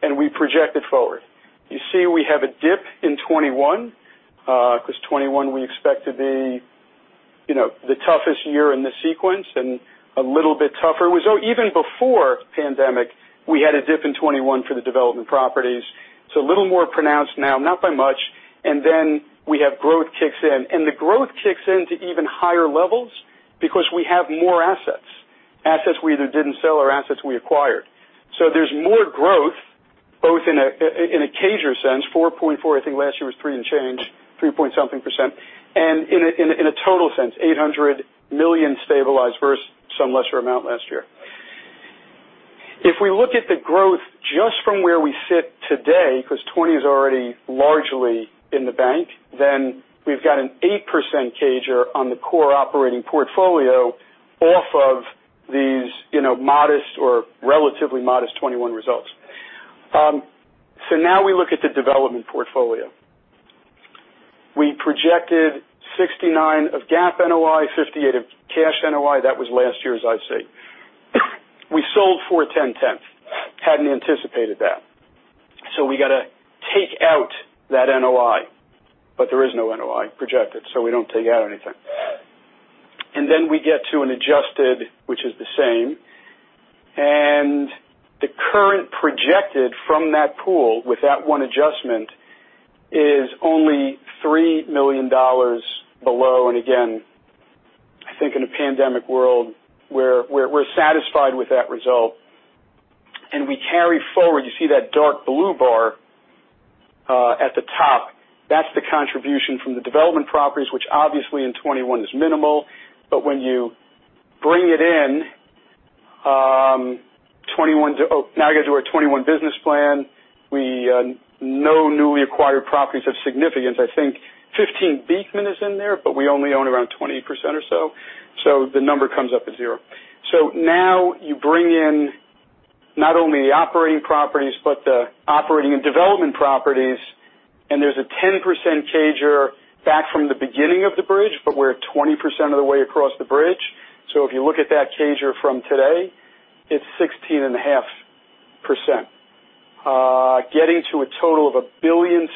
and we project it forward. You see we have a dip in 2021, because 2021 we expect to be the toughest year in the sequence, and a little bit tougher. Even before pandemic, we had a dip in 2021 for the development properties. It's a little more pronounced now, not by much. We have growth kicks in. The growth kicks in to even higher levels because we have more assets we either didn't sell or assets we acquired. There's more growth, both in a CASR sense, 4.4, I think last year was three and change, three-point-something%. In a total sense, $800 million stabilized versus some lesser amount last year. If we look at the growth just from where we sit today, because 2020 is already largely in the bank, we've got an 8% CASR on the core operating portfolio off of these modest or relatively modest 2021 results. Now we look at the development portfolio. We projected $69 of GAAP NOI, $58 of cash NOI. That was last year, as I say. We sold 410 Tenth. Hadn't anticipated that. We got to take out that NOI. There is no NOI projected, so we don't take out anything. Then we get to an adjusted, which is the same. The current projected from that pool with that one adjustment is only $3 million below. Again, I think in a pandemic world, we're satisfied with that result. We carry forward. You see that dark blue bar at the top. That's the contribution from the development properties, which obviously in 2021 is minimal. When you bring it in, now you go to our 2021 business plan. No newly acquired properties of significance. I think 15 Beekman is in there, but we only own around 20% or so. The number comes up as 0. Now you bring in not only the operating properties, but the operating and development properties, and there's a 10% CASR back from the beginning of the bridge. We're 20% of the way across the bridge. If you look at that CASR from today, it's 16.5%, getting to a total of $1.061 billion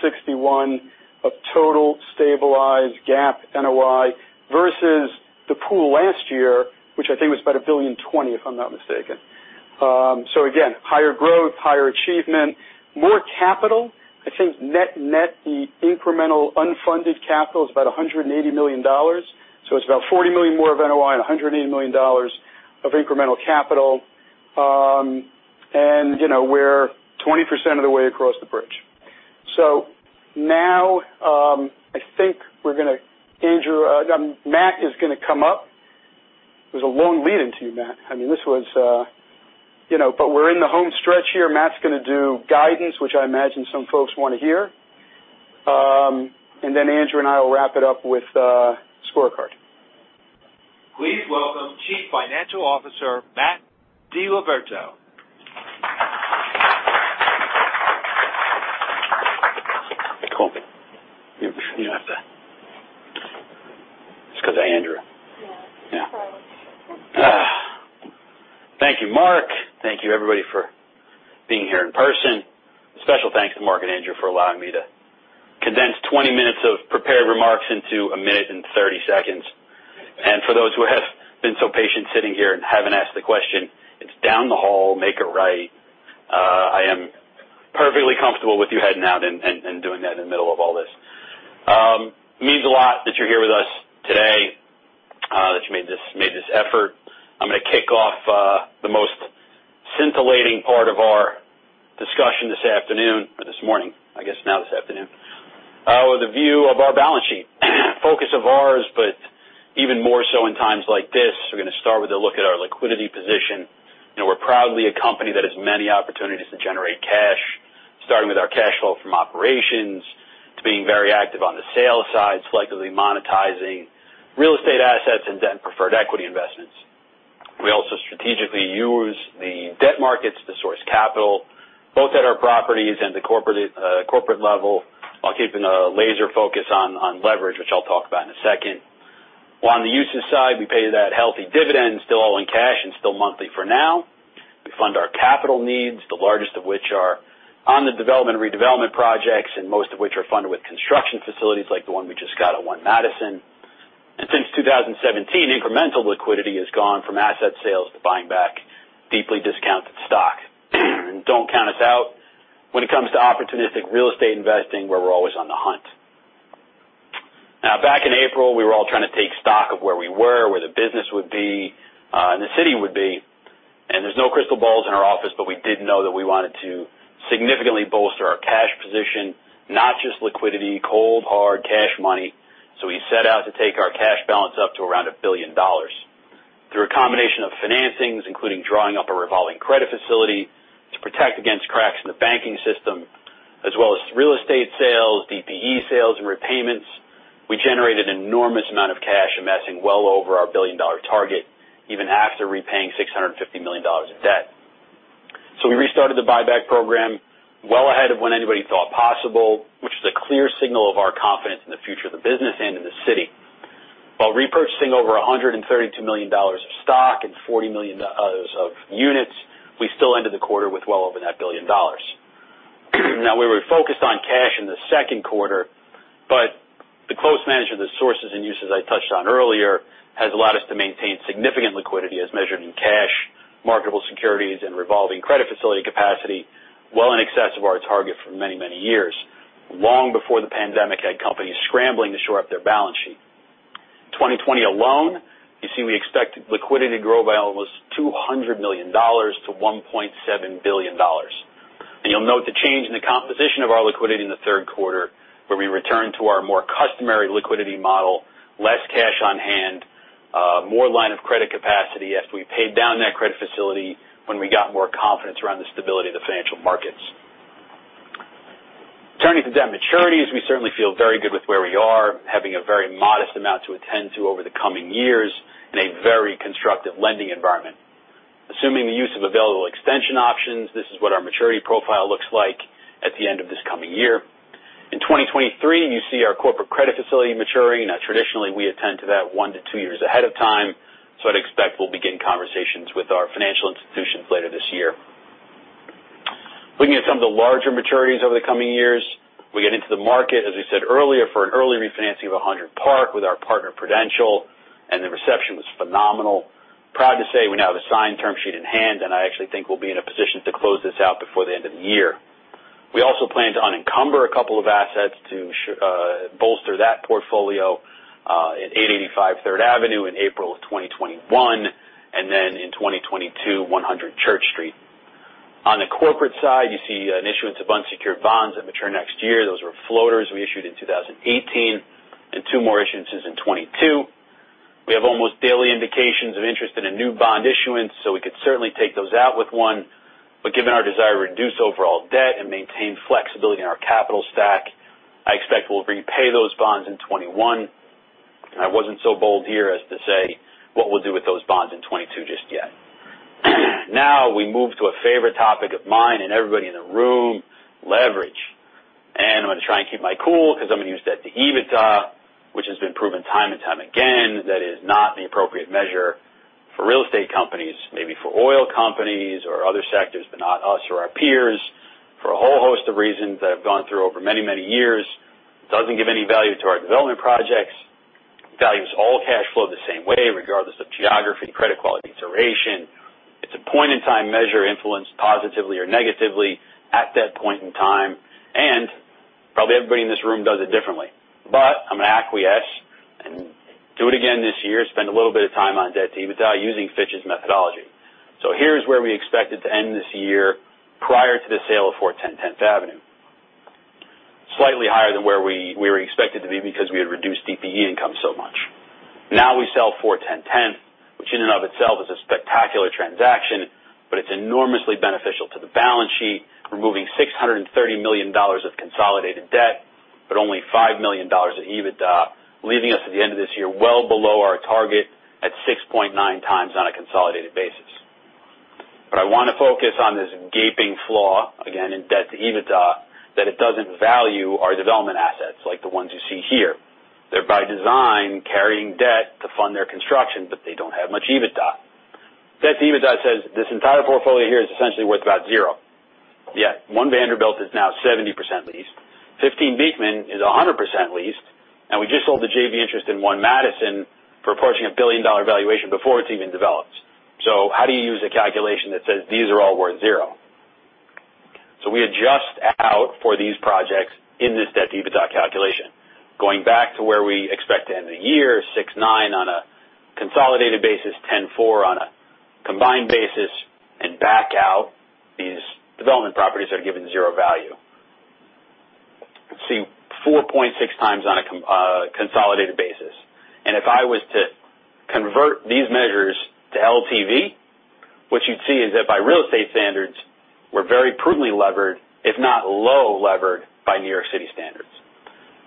of total stabilized GAAP NOI versus the pool last year, which I think was about $1.020 billion, if I'm not mistaken. Again, higher growth, higher achievement, more capital. I think net the incremental unfunded capital is about $180 million. It's about $40 million more of NOI and $180 million of incremental capital. 20% of the way across the bridge. Now, I think Matt is going to come up. There's a long lead into you, Matt. We're in the home stretch here. Matt's going to do guidance, which I imagine some folks want to hear. Then Andrew and I will wrap it up with a scorecard. Please welcome Chief Financial Officer, Matthew DiLiberto. It's cool. You don't have to. It's because of Andrew. Yeah. Sorry. Thank you, Marc. Thank you, everybody, for being here in person. Special thanks to Marc and Andrew for allowing me to condense 20 minutes of prepared remarks into 1 minute and 30 seconds. For those who have been so patient sitting here and haven't asked a question, it's down the hall, make a right. I am perfectly comfortable with you heading out and doing that in the middle of all this. It means a lot that you're here with us today, that you made this effort. I'm going to kick off the most scintillating part of our discussion this afternoon, or this morning. I guess now this afternoon, with a view of our balance sheet. Focus of ours, even more so in times like this, we're going to start with a look at our liquidity position. We're proudly a company that has many opportunities to generate cash, starting with our cash flow from operations to being very active on the sales side, selectively monetizing real estate assets and debt and preferred equity investments. We also strategically use the debt markets to source capital, both at our properties and the corporate level, while keeping a laser focus on leverage, which I'll talk about in a second. While on the uses side, we pay that healthy dividend, still all in cash and still monthly for now. We fund our capital needs, the largest of which are on the development and redevelopment projects, and most of which are funded with construction facilities like the one we just got at One Madison. Since 2017, incremental liquidity has gone from asset sales to buying back deeply discounted stock. Don't count us out when it comes to opportunistic real estate investing, where we're always on the hunt. Back in April, we were all trying to take stock of where we were, where the business would be, and the city would be, and there's no crystal balls in our office, but we did know that we wanted to significantly bolster our cash position, not just liquidity, cold, hard cash money. We set out to take our cash balance up to around $1 billion. Through a combination of financings, including drawing up a revolving credit facility to protect against cracks in the banking system, as well as real estate sales, DPE sales, and repayments. We generated an enormous amount of cash, amassing well over our billion-dollar target, even after repaying $650 million of debt. We restarted the buyback program well ahead of when anybody thought possible, which is a clear signal of our confidence in the future of the business and in the city. While repurchasing over $132 million of stock and $40 million of units, we still ended the quarter with well over that billion dollars. Now, we were focused on cash in the second quarter, but the close management of the sources and uses I touched on earlier has allowed us to maintain significant liquidity as measured in cash, marketable securities, and revolving credit facility capacity well in excess of our target for many, many years, long before the pandemic had companies scrambling to shore up their balance sheet. 2020 alone, you see we expect liquidity to grow by almost $200 million-$1.7 billion. You'll note the change in the composition of our liquidity in the third quarter, where we return to our more customary liquidity model, less cash on hand, more line of credit capacity as we paid down that credit facility when we got more confidence around the stability of the financial markets. Turning to debt maturities, we certainly feel very good with where we are, having a very modest amount to attend to over the coming years in a very constructive lending environment. Assuming the use of available extension options, this is what our maturity profile looks like at the end of this coming year. In 2023, you see our corporate credit facility maturing. Traditionally, we attend to that one to two years ahead of time. I'd expect we'll begin conversations with our financial institutions later this year. Looking at some of the larger maturities over the coming years, we get into the market, as we said earlier, for an early refinancing of 100 Park with our partner, Prudential, and the reception was phenomenal. Proud to say we now have a signed term sheet in hand. I actually think we'll be in a position to close this out before the end of the year. We also plan to unencumber a couple of assets to bolster that portfolio in 885 Third Avenue in April of 2021. In 2022, 100 Church Street. On the corporate side, you see an issuance of unsecured bonds that mature next year. Those were floaters we issued in 2018. Two more issuances in 2022. We have almost daily indications of interest in a new bond issuance, so we could certainly take those out with one. Given our desire to reduce overall debt and maintain flexibility in our capital stack, I expect we'll repay those bonds in 2021. I wasn't so bold here as to say what we'll do with those bonds in 2022 just yet. Now, we move to a favorite topic of mine and everybody in the room, leverage. I'm going to try and keep my cool because I'm going to use debt to EBITDA, which has been proven time and time again that is not the appropriate measure for real estate companies. Maybe for oil companies or other sectors, but not us or our peers for a whole host of reasons that I've gone through over many, many years. It doesn't give any value to our development projects. It values all cash flow the same way, regardless of geography, credit quality, duration. It's a point-in-time measure influenced positively or negatively at that point in time, and probably everybody in this room does it differently. I'm going to spend a little bit of time on debt-to-EBITDA using Fitch's methodology. Here's where we expected to end this year prior to the sale of 410 Tenth Avenue. Slightly higher than where we were expected to be because we had reduced DPE income so much. Now we sell 410 Tenth, which in and of itself is a spectacular transaction, but it's enormously beneficial to the balance sheet, removing $630 million of consolidated debt, but only $5 million of EBITDA, leaving us at the end of this year, well below our target at 6.9 times on a consolidated basis. I want to focus on this gaping flaw, again, in debt-to-EBITDA, that it doesn't value our development assets like the ones you see here. They're by design carrying debt to fund their construction, but they don't have much EBITDA. Debt-to-EBITDA says this entire portfolio here is essentially worth about zero. Yet One Vanderbilt is now 70% leased, 15 Beekman is 100% leased, and we just sold the JV interest in One Madison for approaching a billion-dollar valuation before it's even developed. How do you use a calculation that says these are all worth zero? We adjust out for these projects in this debt-to-EBITDA calculation. Going back to where we expect to end the year, 6.9 on a consolidated basis, 10.4 on a combined basis, and back out these development properties that are given zero value. See 4.6x on a consolidated basis. If I was to convert these measures to LTV, what you'd see is that by real estate standards, we're very prudently levered, if not low levered by New York City standards.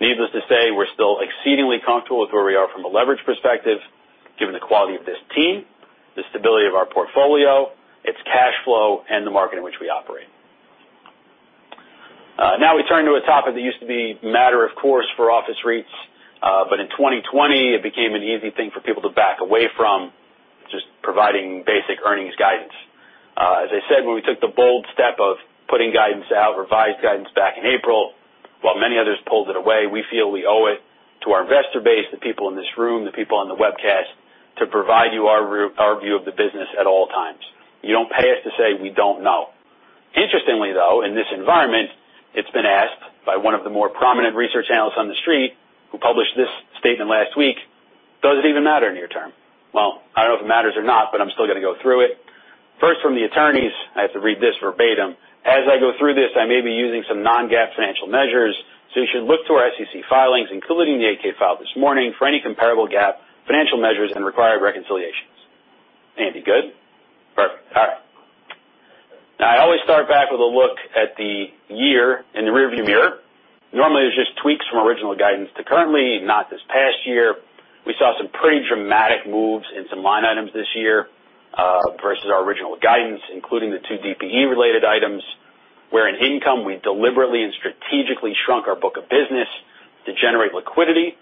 Needless to say, we're still exceedingly comfortable with where we are from a leverage perspective, given the quality of this team, the stability of our portfolio, its cash flow, and the market in which we operate. We turn to a topic that used to be matter of course for office REITs. In 2020, it became an easy thing for people to back away from just providing basic earnings guidance. As I said, when we took the bold step of putting guidance out, revised guidance back in April, while many others pulled it away, we feel we owe it to our investor base, the people in this room, the people on the webcast to provide you our view of the business at all times. You don't pay us to say we don't know. Interestingly, though, in this environment, it's been asked by one of the more prominent research analysts on The Street, who published this statement last week, does it even matter near term? Well, I don't know if it matters or not, but I'm still going to go through it. First from the attorneys, I have to read this verbatim. As I go through this, I may be using some non-GAAP financial measures, so you should look to our SEC filings, including the 8-K filed this morning, for any comparable GAAP financial measures and required reconciliations. Andy, good? Perfect. All right. I always start back with a look at the year in the rearview mirror. Normally, there's just tweaks from original guidance to currently, not this past year. We saw some pretty dramatic moves in some line items this year, versus our original guidance, including the two DPE-related items, where in income, we deliberately and strategically shrunk our book of business to generate liquidity,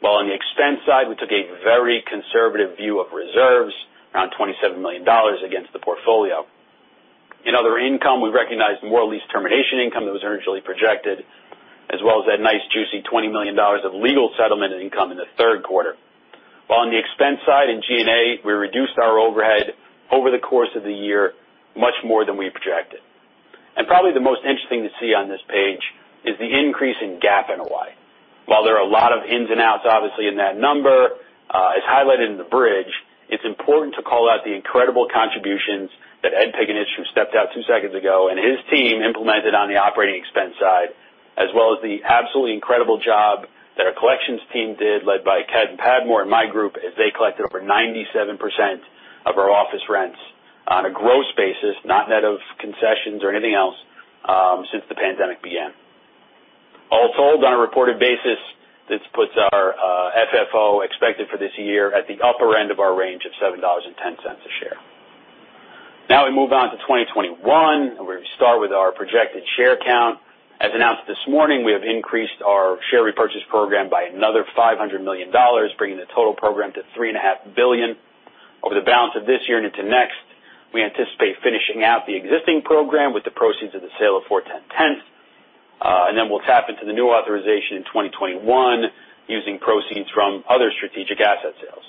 while on the expense side, we took a very conservative view of reserves, around $27 million against the portfolio. In other income, we recognized more lease termination income that was originally projected, as well as that nice, juicy $20 million of legal settlement income in the third quarter. While on the expense side in G&A, we reduced our overhead over the course of the year much more than we projected. Probably the most interesting to see on this page is the increase in GAAP NOI. While there are a lot of ins and outs, obviously, in that number, as highlighted in the bridge, it's important to call out the incredible contributions that Ed Piccinich, who stepped out two seconds ago, and his team implemented on the operating expense side, as well as the absolutely incredible job that our collections team did, led by Ken Padmore and my group, as they collected over 97% of our office rents on a gross basis, not net of concessions or anything else, since the pandemic began. All told, on a reported basis, this puts our FFO expected for this year at the upper end of our range of $7/10 a share. We move on to 2021, and we start with our projected share count. As announced this morning, we have increased our share repurchase program by another $500 million, bringing the total program to $3.5 billion over the balance of this year and into next. We anticipate finishing out the existing program with the proceeds of the sale of 410 Tenth. Then we'll tap into the new authorization in 2021 using proceeds from other strategic asset sales.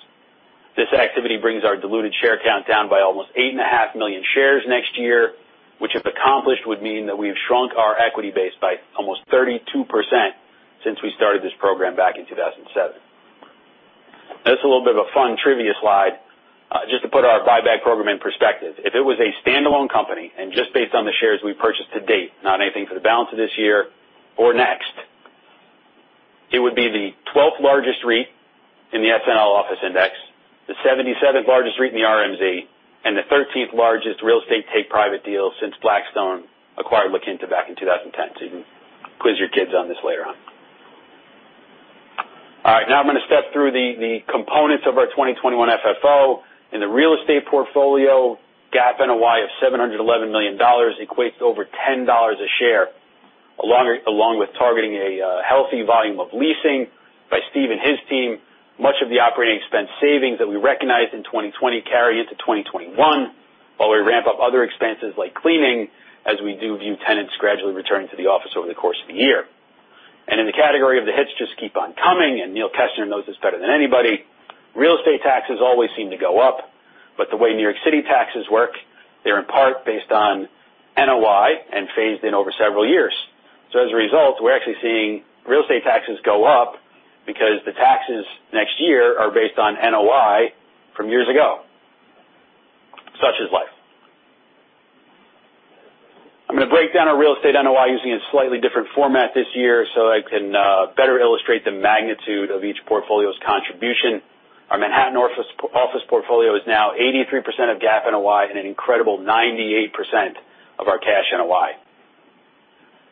This activity brings our diluted share count down by almost 8.5 million shares next year, which, if accomplished, would mean that we've shrunk our equity base by almost 32% since we started this program back in 2007. That's a little bit of a fun trivia slide, just to put our buyback program in perspective. If it was a standalone company and just based on the shares we purchased to date, not anything for the balance of this year or next, it would be the 12th largest REIT in the SNL Office Index, the 77th largest REIT in the RMZ, and the 13th largest real estate take-private deal since Blackstone acquired La Quinta back in 2010. You can quiz your kids on this later on. All right. Now I'm going to step through the components of our 2021 FFO. In the real estate portfolio, GAAP NOI of $711 million equates to over $10 a share. Along with targeting a healthy volume of leasing by Steve and his team, much of the operating expense savings that we recognized in 2020 carry into 2021, while we ramp up other expenses like cleaning, as we do view tenants gradually returning to the office over the course of the year. In the category of the hits just keep on coming, Neil Kessner knows this better than anybody, real estate taxes always seem to go up. The way New York City taxes work, they're in part based on NOI and phased in over several years. As a result, we're actually seeing real estate taxes go up because the taxes next year are based on NOI from years ago. Such is life. I'm going to break down our real estate NOI using a slightly different format this year so I can better illustrate the magnitude of each portfolio's contribution. Our Manhattan office portfolio is now 83% of GAAP NOI and an incredible 98% of our cash NOI.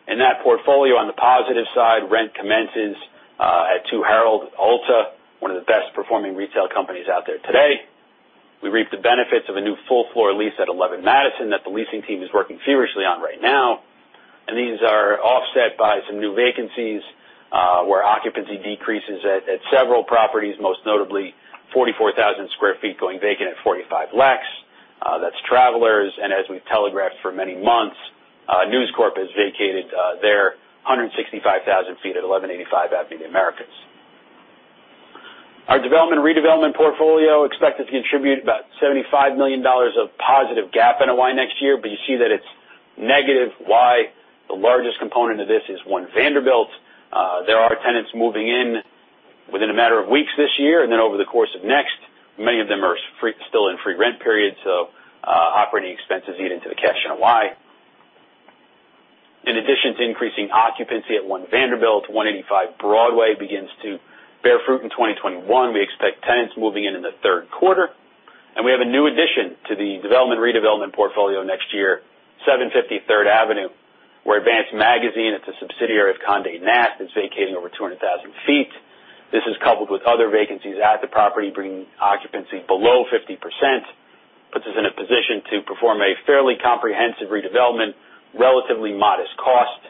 In that portfolio, on the positive side, rent commences at Two Herald Ulta, one of the best-performing retail companies out there today. We reap the benefits of a new full-floor lease at 11 Madison that the leasing team is working furiously on right now. These are offset by some new vacancies, where occupancy decreases at several properties, most notably 44,000 square feet going vacant at 45 Lex. That's Travelers. As we've telegraphed for many months, News Corp has vacated their 165,000 feet at 1185 Avenue of the Americas. Our development and redevelopment portfolio expected to contribute about $75 million of positive GAAP NOI next year. You see that it's negative why the largest component of this is One Vanderbilt. There are tenants moving in within a matter of weeks this year, then over the course of next. Many of them are still in free rent periods, operating expenses eat into the cash NOI. In addition to increasing occupancy at One Vanderbilt, 185 Broadway begins to bear fruit in 2021. We expect tenants moving in in the third quarter. We have a new addition to the development and redevelopment portfolio next year, 750 Third Avenue, where Advance Magazine, it's a subsidiary of Condé Nast, is vacating over 200,000 feet. This is coupled with other vacancies at the property, bringing occupancy below 50%. Puts us in a position to perform a fairly comprehensive redevelopment, relatively modest cost.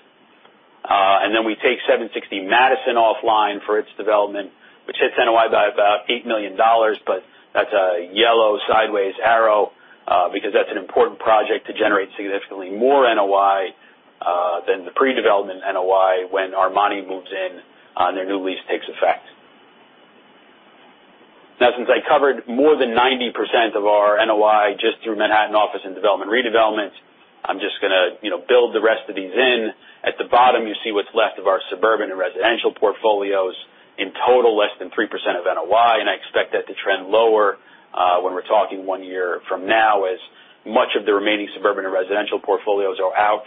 We take 760 Madison offline for its development, which hits NOI by about $8 million, but that's a yellow sideways arrow, because that's an important project to generate significantly more NOI than the pre-development NOI when Armani moves in and their new lease takes effect. Since I covered more than 90% of our NOI just through Manhattan office and development redevelopments, I'm just going to build the rest of these in. At the bottom, you see what's left of our suburban and residential portfolios, in total less than 3% of NOI. I expect that to trend lower when we're talking one year from now, as much of the remaining suburban and residential portfolios are out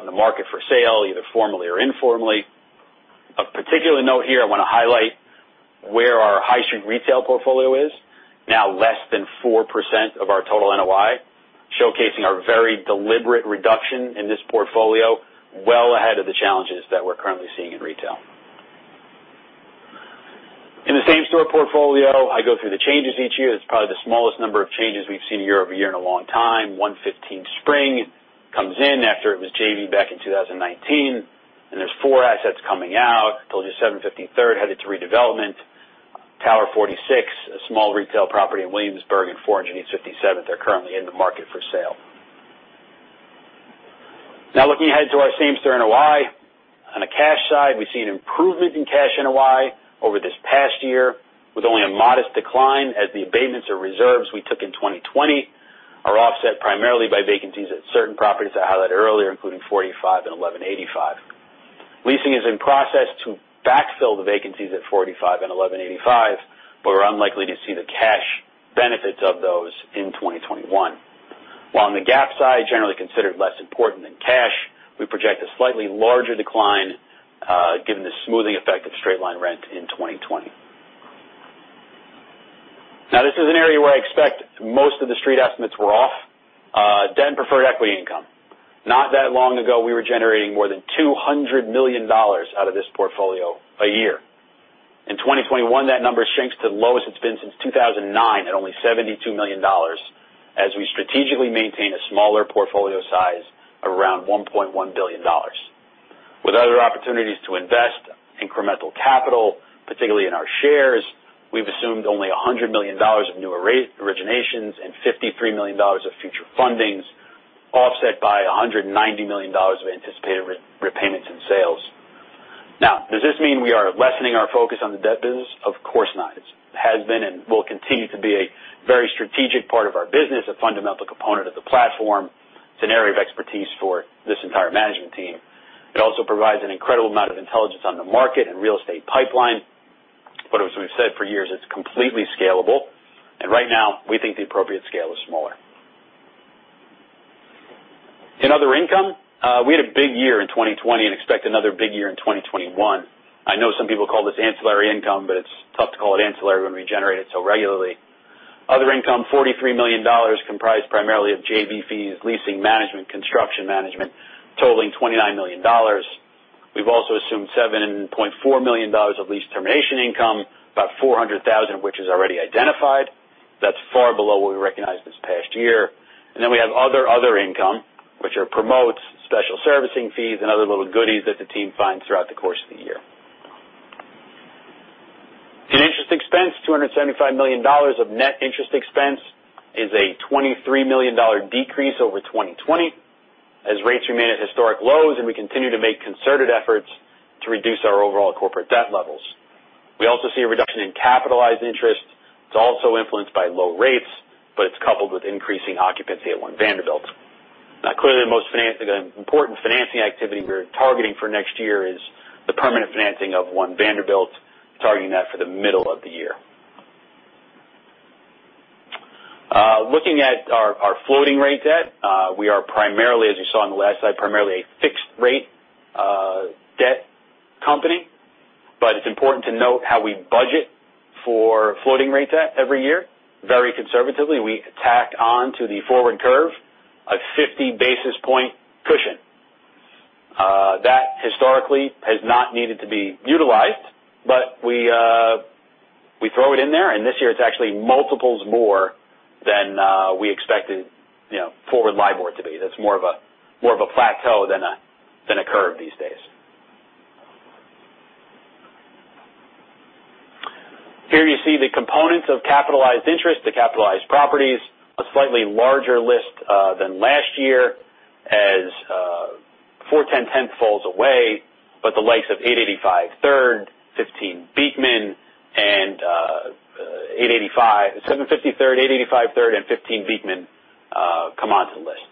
in the market for sale, either formally or informally. Of particular note here, I want to highlight where our high street retail portfolio is, now less than 4% of our total NOI, showcasing our very deliberate reduction in this portfolio well ahead of the challenges that we're currently seeing in retail. In the same-store portfolio, I go through the changes each year. It's probably the smallest number of changes we've seen year-over-year in a long time. 115 Spring comes in after it was JV'd back in 2019, and there's four assets coming out. I told you 750 Third headed to redevelopment. Tower 46, a small retail property in Williamsburg, and 428 57th are currently in the market for sale. Now looking ahead to our same-store NOI. On the cash side, we see an improvement in cash NOI over this past year with only a modest decline as the abatements or reserves we took in 2020 are offset primarily by vacancies at certain properties I highlighted earlier, including 45 and 1185. Leasing is in process to backfill the vacancies at 45 and 1185. We're unlikely to see the cash benefits of those in 2021. On the GAAP side, generally considered less important than cash, we project a slightly larger decline given the smoothing effect of straight-line rent in 2020. This is an area where I expect most of the Street estimates were off. Debt and preferred equity income. Not that long ago, we were generating more than $200 million out of this portfolio a year. In 2021, that number shrinks to the lowest it's been since 2009 at only $72 million, as we strategically maintain a smaller portfolio size around $1.1 billion. With other opportunities to invest incremental capital, particularly in our shares, we've assumed only $100 million of new originations and $53 million of future fundings, offset by $190 million of anticipated repayments and sales. Does this mean we are lessening our focus on the debt business? Of course not. It has been and will continue to be a very strategic part of our business, a fundamental component of the platform. It's an area of expertise for this entire management team. It also provides an incredible amount of intelligence on the market and real estate pipeline. As we've said for years, it's completely scalable, and right now, we think the appropriate scale is smaller. In other income, we had a big year in 2020 and expect another big year in 2021. I know some people call this ancillary income, but it's tough to call it ancillary when we generate it so regularly. Other income, $43 million, comprised primarily of JV fees, leasing management, construction management, totaling $29 million. We've also assumed $7.4 million of lease termination income, about $400,000 of which is already identified. That's far below what we recognized this past year. We have other other income, which are promotes, special servicing fees, and other little goodies that the team finds throughout the course of the year. In interest expense, $275 million of net interest expense is a $23 million decrease over 2020. As rates remain at historic lows and we continue to make concerted efforts to reduce our overall corporate debt levels. We also see a reduction in capitalized interest. It's also influenced by low rates, but it's coupled with increasing occupancy at One Vanderbilt. Clearly, the most important financing activity we're targeting for next year is the permanent financing of One Vanderbilt, targeting that for the middle of the year. Looking at our floating rate debt, we are, as you saw on the last slide, primarily a fixed-rate debt company. It's important to note how we budget for floating rate debt every year, very conservatively. We tack on to the forward curve a 50-basis-point cushion. That historically has not needed to be utilized, but we throw it in there, and this year it's actually multiples more than we expected forward LIBOR to be. That's more of a plateau than a curve these days. Here you see the components of capitalized interest, the capitalized properties, a slightly larger list than last year as 410 Tenth falls away, but the likes of 885 Third, 15 Beekman and 750 Third, 885 Third, and 15 Beekman come onto the list.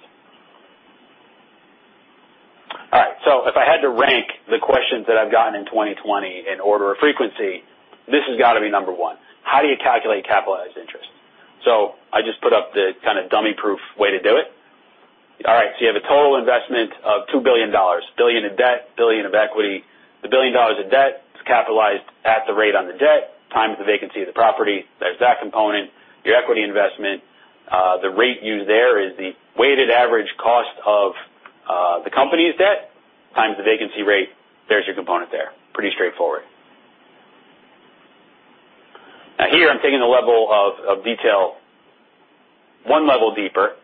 All right. If I had to rank the questions that I've gotten in 2020 in order of frequency, this has got to be number one. How do you calculate capitalized interest? I just put up the kind of dummy-proof way to do it. All right, you have a total investment of $2 billion, $1 billion of debt, $1 billion of equity. The $1 billion of debt is capitalized at the rate on the debt times the vacancy of the property. There's that component, your equity investment. The rate used there is the weighted average cost of the company's debt times the vacancy rate. There's your component there. Pretty straightforward. Here, I'm taking the level of detail one level deeper.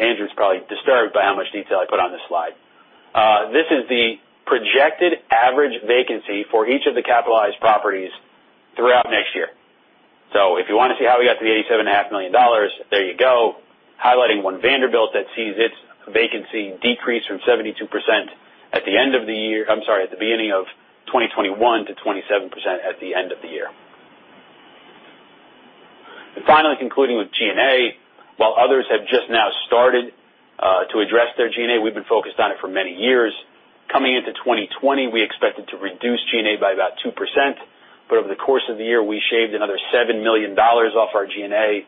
Andrew's probably disturbed by how much detail I put on this slide. This is the projected average vacancy for each of the capitalized properties throughout next year. If you want to see how we got to the $87.5 million, there you go, highlighting One Vanderbilt that sees its vacancy decrease from 72% at the beginning of 2021, to 27% at the end of the year. Finally, concluding with G&A. While others have just now started to address their G&A, we've been focused on it for many years. Coming into 2020, we expected to reduce G&A by about 2%, but over the course of the year, we shaved another $7 million off our G&A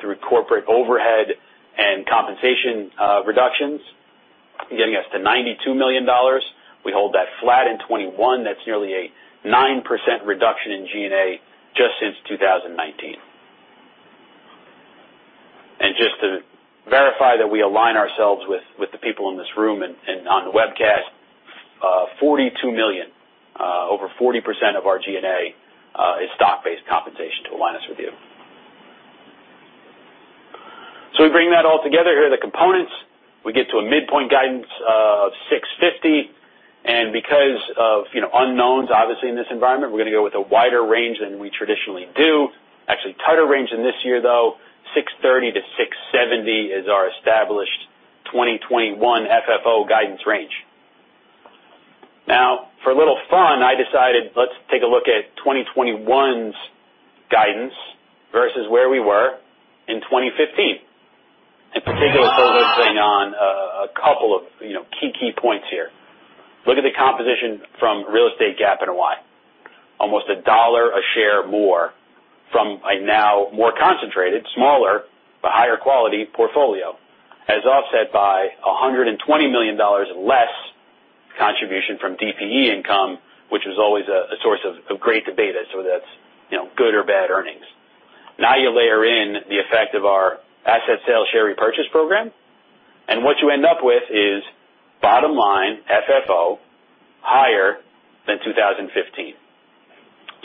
through corporate overhead and compensation reductions, getting us to $92 million. We hold that flat in 2021. That's nearly a 9% reduction in G&A just since 2019. Just to verify that we align ourselves with the people in this room and on the webcast, $42 million, over 40% of our G&A is stock-based compensation to align us with you. We bring that all together here, the components. We get to a midpoint guidance of $650 million, because of unknowns, obviously, in this environment, we're going to go with a wider range than we traditionally do. Actually, tighter range than this year, though, $630 million-$670 million is our established 2021 FFO guidance range. Now, for a little fun, I decided let's take a look at 2021's guidance versus where we were in 2015. In particular, focusing on a couple of key points here. Look at the composition from real estate GAAP and NOI. Almost $1 a share more from a now more concentrated, smaller, but higher quality portfolio, as offset by $120 million less contribution from DPE income, which was always a source of great debate as to whether that's good or bad earnings. Now you layer in the effect of our asset sale share repurchase program, and what you end up with is bottom line FFO higher than 2015.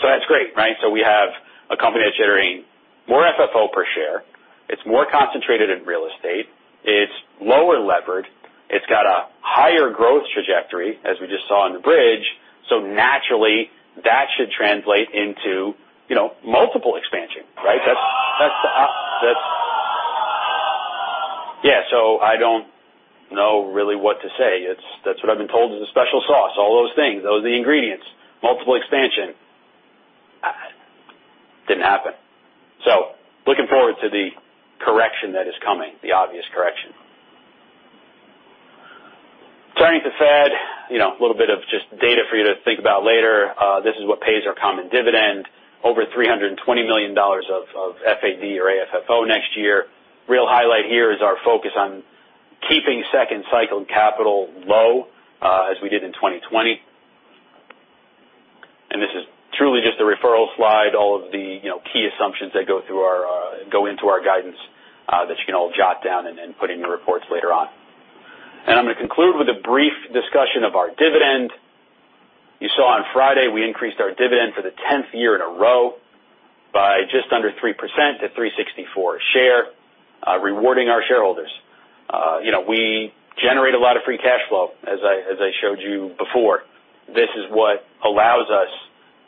That's great, right? We have a company that's generating more FFO per share. It's more concentrated in real estate. It's lower levered. It's got a higher growth trajectory, as we just saw on the bridge. Naturally, that should translate into multiple expansion, right? Yeah. I don't know really what to say. That's what I've been told is a special sauce. All those things, those are the ingredients. Multiple expansion. Didn't happen. Looking forward to the correction that is coming, the obvious correction. Turning to FAD, a little bit of just data for you to think about later. This is what pays our common dividend. Over $320 million of FAD or AFFO next year. Real highlight here is our focus on keeping second cycle capital low, as we did in 2020. This is truly just a referral slide. All of the key assumptions that go into our guidance that you can all jot down and put in your reports later on. I'm going to conclude with a brief discussion of our dividend. You saw on Friday, we increased our dividend for the 10th year in a row by just under 3% to $3.64 a share, rewarding our shareholders. We generate a lot of free cash flow, as I showed you before. This is what allows us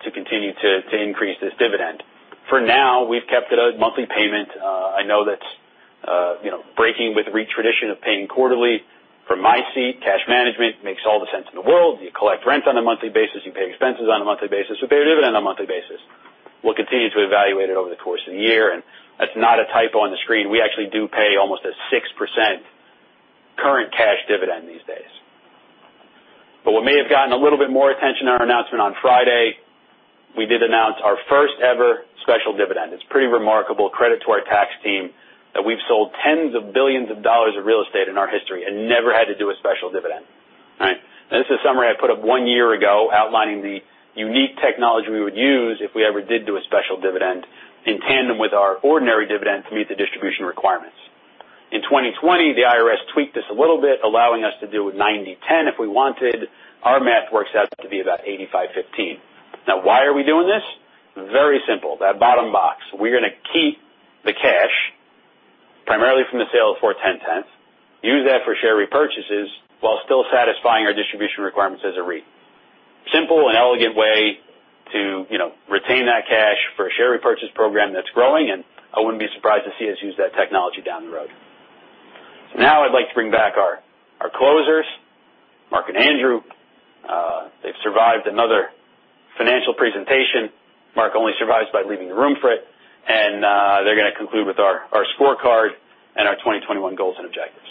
to continue to increase this dividend. For now, we've kept it a monthly payment. I know that's breaking with REIT tradition of paying quarterly. From my seat, cash management makes all the sense in the world. You collect rent on a monthly basis, you pay expenses on a monthly basis, we pay a dividend on a monthly basis. We'll continue to evaluate it over the course of the year. That's not a typo on the screen. We actually do pay almost a 6% current cash dividend these days. What may have gotten a little bit more attention in our announcement on Friday, we did announce our first-ever special dividend. It's pretty remarkable credit to our tax team that we've sold tens of billions of dollars of real estate in our history and never had to do a special dividend, right. This is a summary I put up one year ago outlining the unique technology we would use if we ever did do a special dividend in tandem with our ordinary dividend to meet the distribution requirements. In 2020, the IRS tweaked this a little bit, allowing us to do a 90-10 if we wanted. Our math works out to be about 85-15. Why are we doing this? Very simple. That bottom box. We're going to keep the cash, primarily from the sale of 410 Tenth, use that for share repurchases, while still satisfying our distribution requirements as a REIT. Simple and elegant way to retain that cash for a share repurchase program that's growing, and I wouldn't be surprised to see us use that technology down the road. Now I'd like to bring back our closers, Marc and Andrew. They've survived another financial presentation. Marc only survives by leaving the room for it, and they're going to conclude with our scorecard and our 2021 goals and objectives.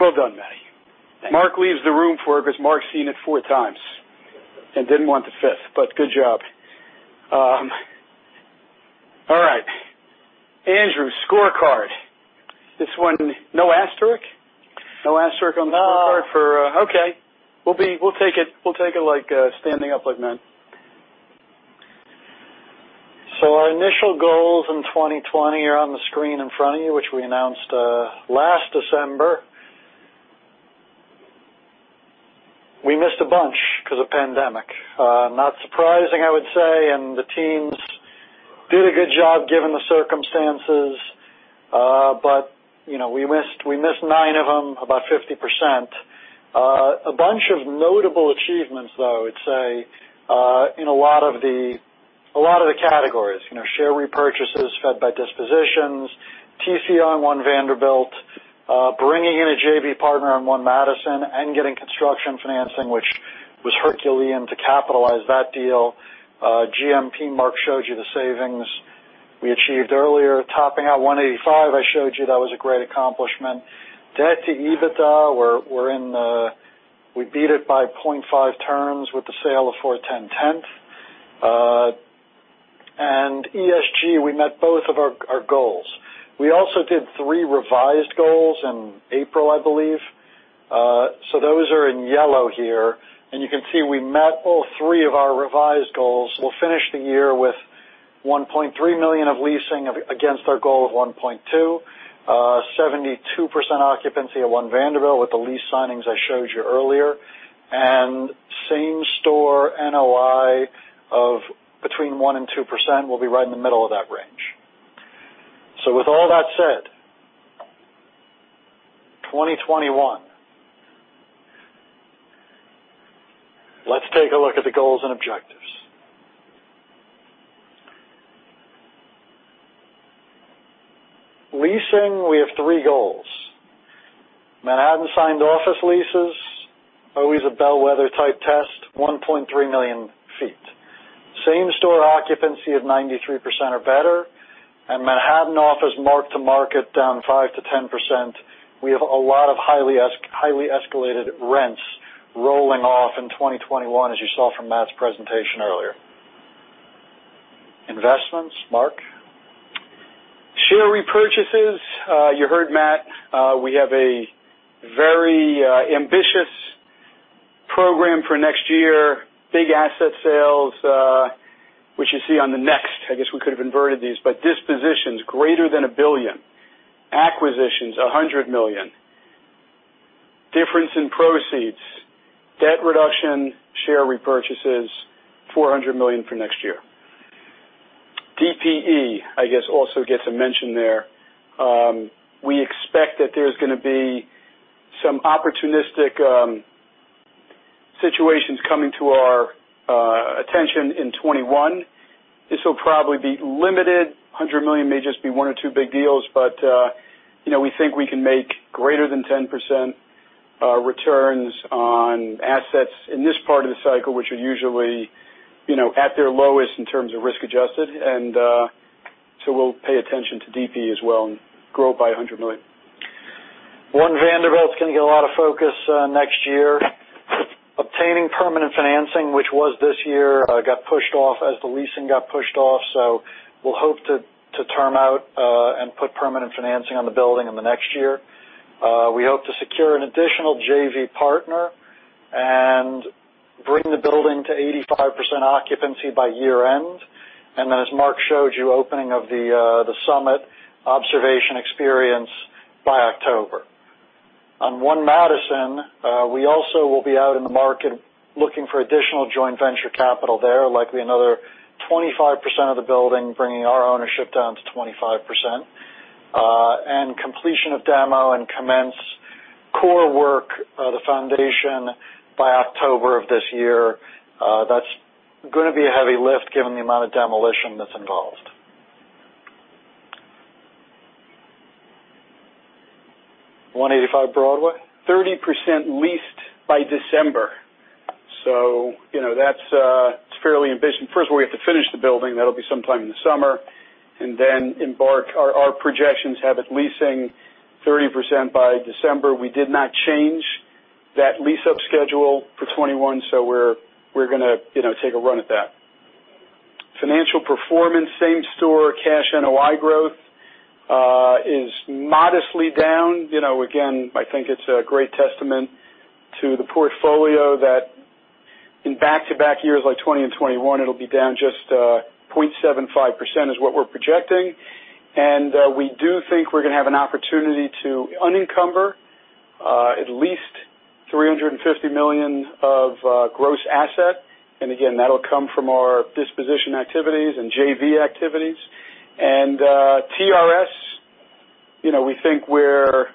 Well done, Matthew. Thank you. Marc leaves the room for it because Marc's seen it four times, and didn't want the fifth. Good job. All right. Andrew, scorecard. This one, no asterisk? No asterisk on the scorecard. No. Okay. We'll take it standing up like men. Our initial goals in 2020 are on the screen in front of you, which we announced last December. We missed a bunch because of pandemic. Not surprising, I would say. The teams did a good job given the circumstances. We missed nine of them, about 50%. A bunch of notable achievements, though, I'd say, in a lot of the categories. Share repurchases fed by dispositions, TCO on One Vanderbilt, bringing in a JV partner on One Madison and getting construction financing, which was Herculean to capitalize that deal. GMP, Marc showed you the savings we achieved earlier. Topping out 185, I showed you that was a great accomplishment. Debt-to-EBITDA, we beat it by 0.5 turns with the sale of 410 Tenth. ESG, we met both of our goals. We also did three revised goals in April, I believe. Those are in yellow here, and you can see we met all three of our revised goals. We'll finish the year with 1.3 million of leasing against our goal of 1.2. 72% occupancy at One Vanderbilt with the lease signings I showed you earlier. Same store NOI of between 1% and 2%, we'll be right in the middle of that range. With all that said, 2021. Let's take a look at the goals and objectives. Leasing, we have three goals. Manhattan signed office leases, always a bellwether-type test, 1.3 million feet. Same store occupancy of 93% or better, Manhattan office mark-to-market down 5%-10%. We have a lot of highly escalated rents rolling off in 2021, as you saw from Matt's presentation earlier. Investments, Marc? Share repurchases, you heard Matt, we have a very ambitious program for next year. Big asset sales, which you see on the next. I guess we could have inverted these, dispositions greater than $1 billion. Acquisitions, $100 million. Difference in proceeds, debt reduction, share repurchases, $400 million for next year. DPE, I guess, also gets a mention there. We expect that there's going to be some opportunistic situations coming to our attention in 2021. This will probably be limited. $100 million may just be one or two big deals, we think we can make greater than 10% returns on assets in this part of the cycle, which are usually at their lowest in terms of risk-adjusted. We'll pay attention to DPE as well and grow by $100 million. One Vanderbilt's going to get a lot of focus next year. Obtaining permanent financing, which was this year, got pushed off as the leasing got pushed off. We'll hope to term out, and put permanent financing on the building in the next year. We hope to secure an additional JV partner and bring the building to 85% occupancy by year-end. As Marc showed you, opening of the SUMMIT observation experience by October. On One Madison, we also will be out in the market looking for additional joint venture capital there, likely another 25% of the building, bringing our ownership down to 25%. Completion of demo and commence Core work, the foundation by October of this year. That's going to be a heavy lift given the amount of demolition that's involved. 185 Broadway, 30% leased by December. That's fairly ambitious. First of all, we have to finish the building. That'll be sometime in the summer, and then embark. Our projections have it leasing 30% by December. We did not change that lease-up schedule for 2021, so we're going to take a run at that. Financial performance, same-store cash NOI growth is modestly down. Again, I think it's a great testament to the portfolio that in back-to-back years like 2020 and 2021, it'll be down just 0.75%, is what we're projecting. We do think we're going to have an opportunity to unencumber at least $350 million of gross asset. Again, that'll come from our disposition activities and JV activities. TRS, we think where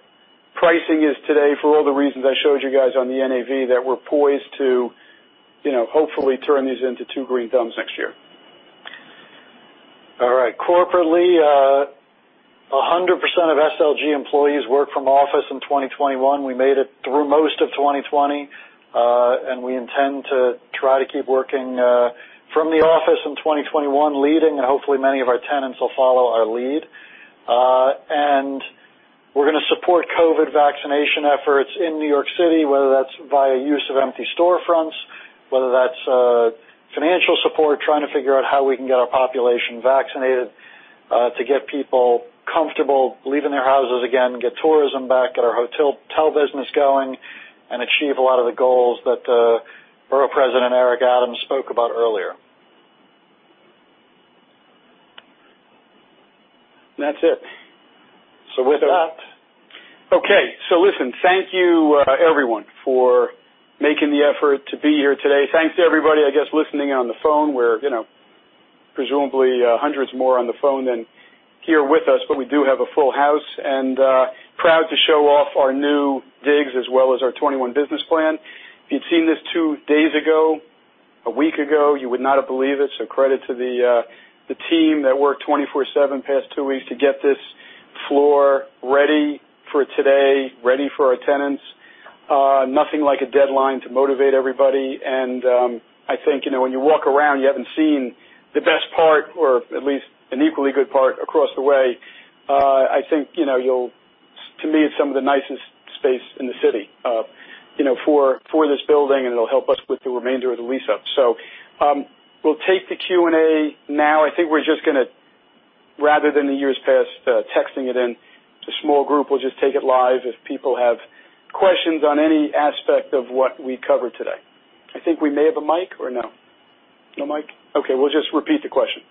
pricing is today, for all the reasons I showed you guys on the NAV, that we're poised to hopefully turn these into two green thumbs next year. All right. Corporately, 100% of SLG employees work from office in 2021. We made it through most of 2020, and we intend to try to keep working from the office in 2021, leading, and hopefully many of our tenants will follow our lead. We're going to support COVID vaccination efforts in New York City, whether that's via use of empty storefronts, whether that's financial support, trying to figure out how we can get our population vaccinated to get people comfortable leaving their houses again, get tourism back, get our hotel business going, and achieve a lot of the goals that Borough President Eric Adams spoke about earlier. That's it. With that. Okay. Listen, thank you everyone for making the effort to be here today. Thanks to everybody, I guess, listening on the phone. We're presumably hundreds more on the phone than here with us, but we do have a full house, and proud to show off our new digs as well as our 2021 business plan. If you'd seen this two days ago, a week ago, you would not have believed it. Credit to the team that worked 24/7 the past two weeks to get this floor ready for today, ready for our tenants. Nothing like a deadline to motivate everybody, and I think when you walk around, you haven't seen the best part, or at least an equally good part across the way. I think to me, it's some of the nicest space in the city for this building, and it'll help us with the remainder of the lease-up. We'll take the Q&A now. I think we're just going to, rather than the years past, texting it in, the small group will just take it live if people have questions on any aspect of what we covered today. I think we may have a mic or no? No mic? Okay, we'll just repeat the question.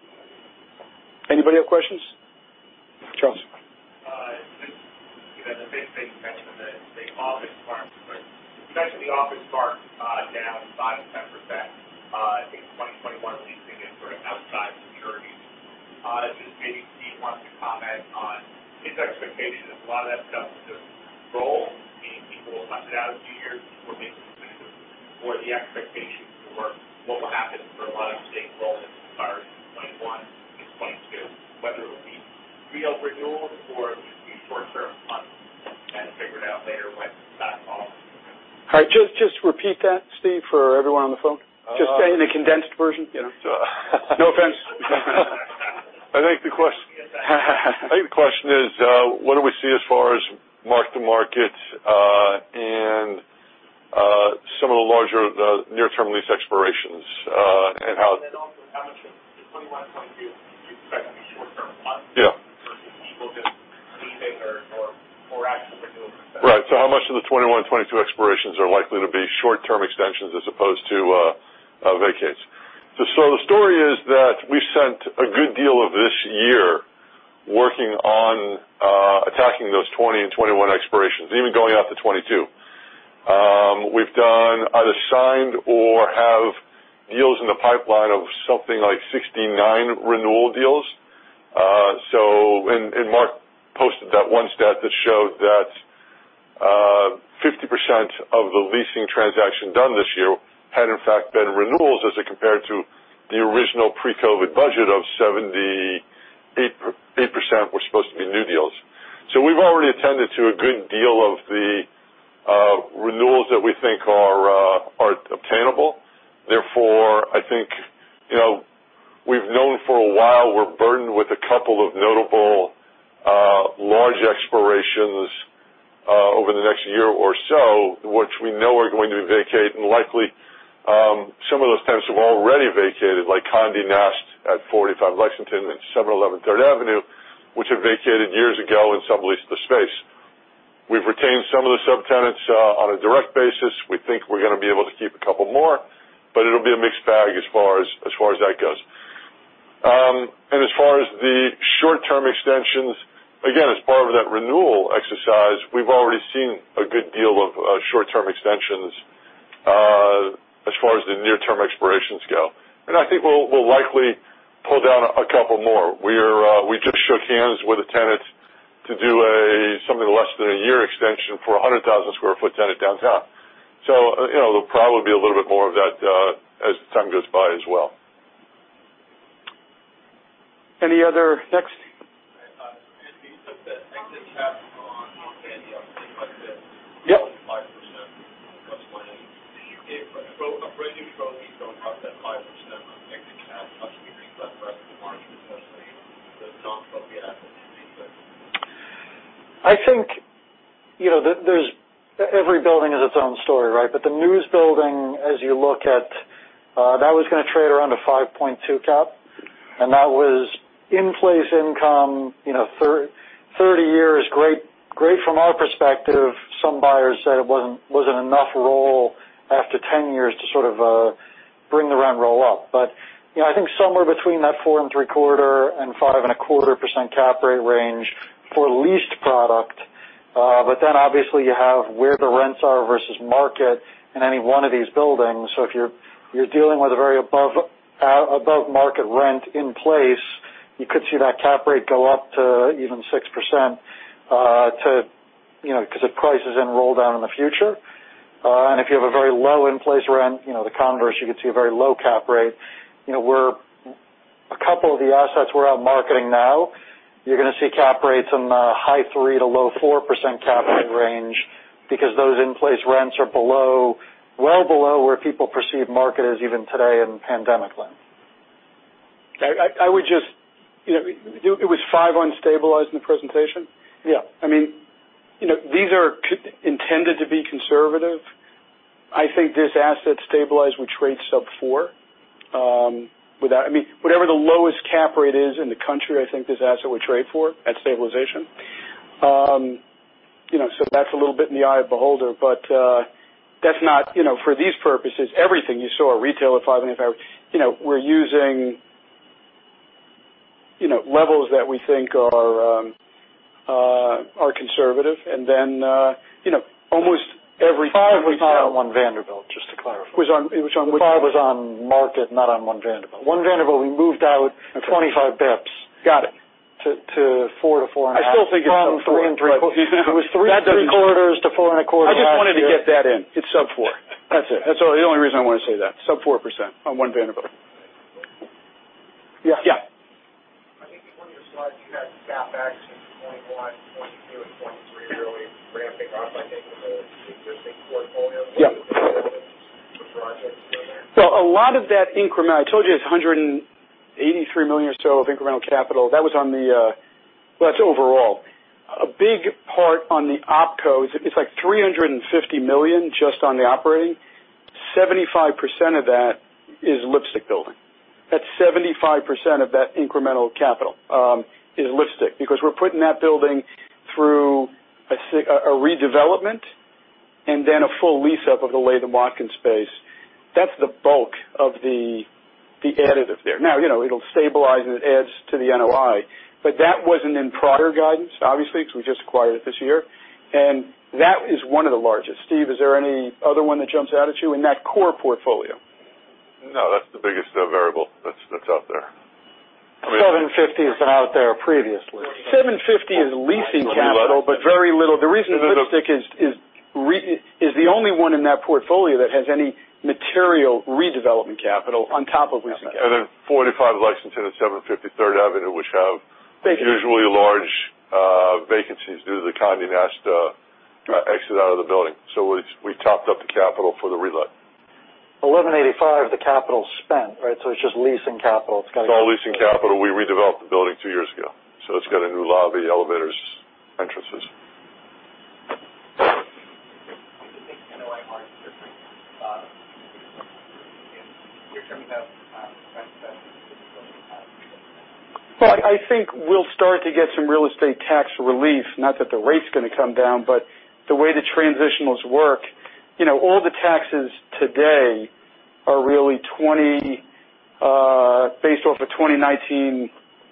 Anybody have questions? Charles. The big thing mentioned in the office part, you mentioned the office part down 5%-10%, I think 2021 leasing is sort of outside securities. Just maybe Steve wants to comment on his expectations. A lot of that stuff just rolls, meaning people opt it out a few years before making decisions or the expectations for what will happen for a lot of the leases roll in this part in 2021 and 2022, whether it'll be real renewals or it will be short-term funds, kind of figured out later. All right. Just repeat that, Steve, for everyone on the phone. Just say the condensed version. No offense. I think the question is, what do we see as far as mark-to-market and some of the larger near-term lease expirations, and how. Then also how much of the 2021, 2022 do you expect to be short-term funds- Yeah versus people just leasing or actual renewals. Right. How much of the 2021, 2022 expirations are likely to be short-term extensions as opposed to vacates? The story is that we spent a good deal of this year working on attacking those 2020 and 2021 expirations, even going out to 2022. We've done, either signed or have deals in the pipeline of something like 69 renewal deals. When Marc posted that one stat that showed that 50% of the leasing transaction done this year had in fact been renewals as it compared to the original pre-COVID budget of 78% were supposed to be new deals. We've already attended to a good deal of the renewals that we think are obtainable. I think we've known for a while we're burdened with a couple of notable large expirations over the next year or so, which we know are going to vacate, and likely some of those tenants have already vacated, like Condé Nast at 45 Lexington and several on Third Avenue, which have vacated years ago and subleased the space. We've retained some of the subtenants on a direct basis. We think we're going to be able to keep a couple more, but it'll be a mixed bag as far as that goes. As far as the short-term extensions, again, as part of that renewal exercise, we've already seen a good deal of short-term extensions expiration scale. I think we'll likely pull down a couple more. We just shook hands with a tenant to do something less than a year extension for a 100,000 square foot tenant downtown. There'll probably be a little bit more of that as time goes by as well. Next. You said that exit caps on One Vanderbilt, things like this. Yep only 5% comes to mind. If a brand-new trophy don't have that 5% on exit caps, must be pretty flat for us in the market, especially the top of the asset class. I think, every building has its own story, right? The News Building, as you look at, that was going to trade around a 5.2 cap, and that was in-place income, 30 years, great from our perspective. Some buyers said it wasn't enough roll after 10 years to sort of bring the rent roll up. I think somewhere between that four and three-quarter and 5.25% cap rate range for leased product. Obviously you have where the rents are versus market in any one of these buildings. If you're dealing with a very above-market rent in place, you could see that cap rate go up to even 6% because if prices roll down in the future. If you have a very low in-place rent, the converse, you could see a very low cap rate. A couple of the assets we're out marketing now, you're going to see cap rates in the high 3% to low 4% cap rate range because those in-place rents are well below where people perceive market is even today in pandemic land. It was five on stabilized in the presentation? Yeah. These are intended to be conservative. I think this asset stabilized would trade sub four. Whatever the lowest cap rate is in the country, I think this asset would trade for at stabilization. That's a little bit in the eye of beholder, but for these purposes, everything you saw, retail at 505. We're using levels that we think are conservative. Five was on One Vanderbilt, just to clarify. It was on- The five was on market, not on One Vanderbilt. One Vanderbilt, we moved out 25 basis points. Got it. To 4%-4.5%. I still think it's sub four. From 3.75%, it was 3.75%-4.25% last year. I just wanted to get that in. It's sub-four. That's it. That's the only reason I want to say that. Sub 4% on One Vanderbilt. Yeah. I think in one of your slides, you had CapEx in 2021, 2022, and 2023 really ramping up, I think from the existing portfolio. Yeah with projects going in. A lot of that incremental, I told you it's $183 million or so of incremental capital. That's overall. A big part on the OpCo, it's like $350 million just on the operating. 75% of that is Lipstick Building. That's 75% of that incremental capital is Lipstick, because we're putting that building through a redevelopment, and then a full lease-up of the Latham & Watkins space. That's the bulk of the additive there. It'll stabilize and it adds to the NOI, but that wasn't in prior guidance, obviously, because we just acquired it this year, and that is one of the largest. Steve, is there any other one that jumps out at you in that core portfolio? No, that's the biggest variable that's out there. $750 is out there previously. $750 is leasing capital, but very little. The reason Lipstick is the only one in that portfolio that has any material redevelopment capital on top of leasing capital. 45 Lexington and 753rd Avenue, which have. Big usually large vacancies due to the Condé Nast exit out of the building. We topped up the capital for the re-let. $1,185, the capital's spent, right? It's just leasing capital. It's all leasing capital. We redeveloped the building two years ago. It's got a new lobby, elevators, entrances. Do you think NOI margin different, if you're talking about rent spend? Well, I think we'll start to get some real estate tax relief, not that the rate's going to come down, but the way the transitionals work. All the taxes today are really based off of 2019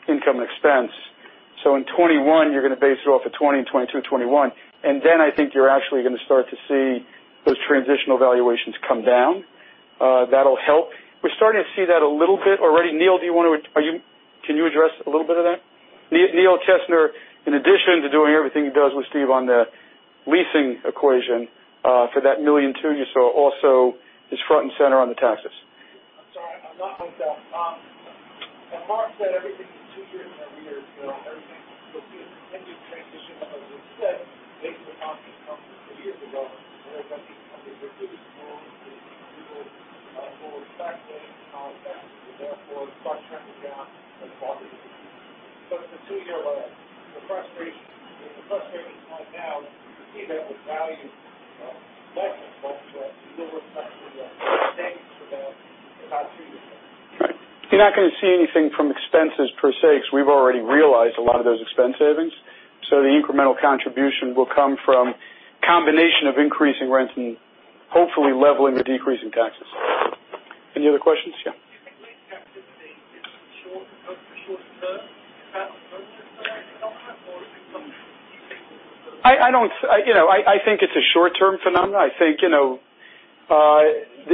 income expense. In 2021, you're going to base it off of 2020 and 2021. I think you're actually going to start to see those transitional valuations come down. That'll help. We're starting to see that a little bit already. Neil, can you address a little bit of that? Neil Kessner, in addition to doing everything he does with Steve on the leasing equation, for that 1.2 million you saw also is front and center on the taxes. I'm sorry. I'm not myself. As Marc said, everything is two years year-over-year. Everything. You'll see a continued transition of, as we said, based upon the company three years ago, and then something the company predicted for full refueling, and all of that, and therefore start trending down as a property. The two year lag. The frustration is not now, because even with value, less is more, so it will reflect the savings for about two years. Right. You're not going to see anything from expenses per se, because we've already realized a lot of those expense savings. The incremental contribution will come from combination of increasing rents and hopefully leveling the decrease in taxes. Any other questions? Yeah. I think it's a short-term phenomenon. The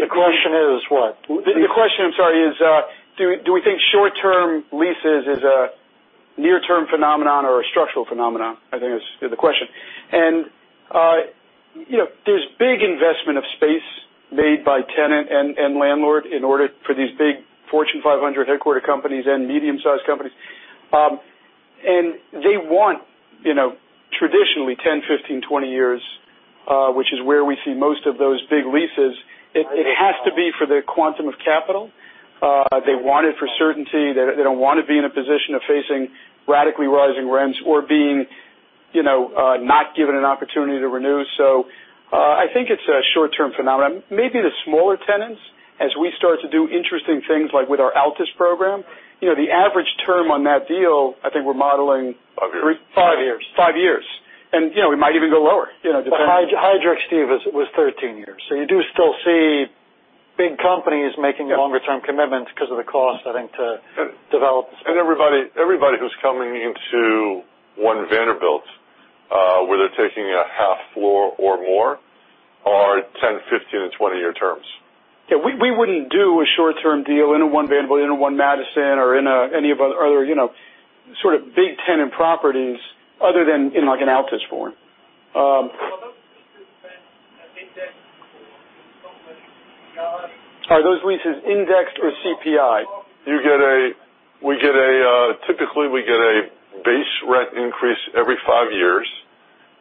question is what? The question, I'm sorry, is do we think short-term leases is a near-term phenomenon or a structural phenomenon? I think that's the question. There's big investment of space made by tenant and landlord in order for these big Fortune 500 headquarter companies and medium-sized companies. They want traditionally 10, 15, 20 years, which is where we see most of those big leases. It has to be for the quantum of capital. They want it for certainty. They don't want to be in a position of facing radically rising rents or being not given an opportunity to renew. I think it's a short-term phenomenon. Maybe the smaller tenants, as we start to do interesting things like with our Altus program, the average term on that deal, I think we're modeling. Five years. Five years. We might even go lower. Hydroxtave was 13 years. You do still see big companies making longer-term commitments because of the cost, I think, to develop. Everybody who's coming into One Vanderbilt, where they're taking a half floor or more, are 10, 15, and 20-year terms. Yeah, we wouldn't do a short-term deal in a One Vanderbilt, in a One Madison, or in any of our other sort of big tenant properties other than in like an Altus floor. Are those leases indexed or CPI? Typically, we get a base rent increase every five years,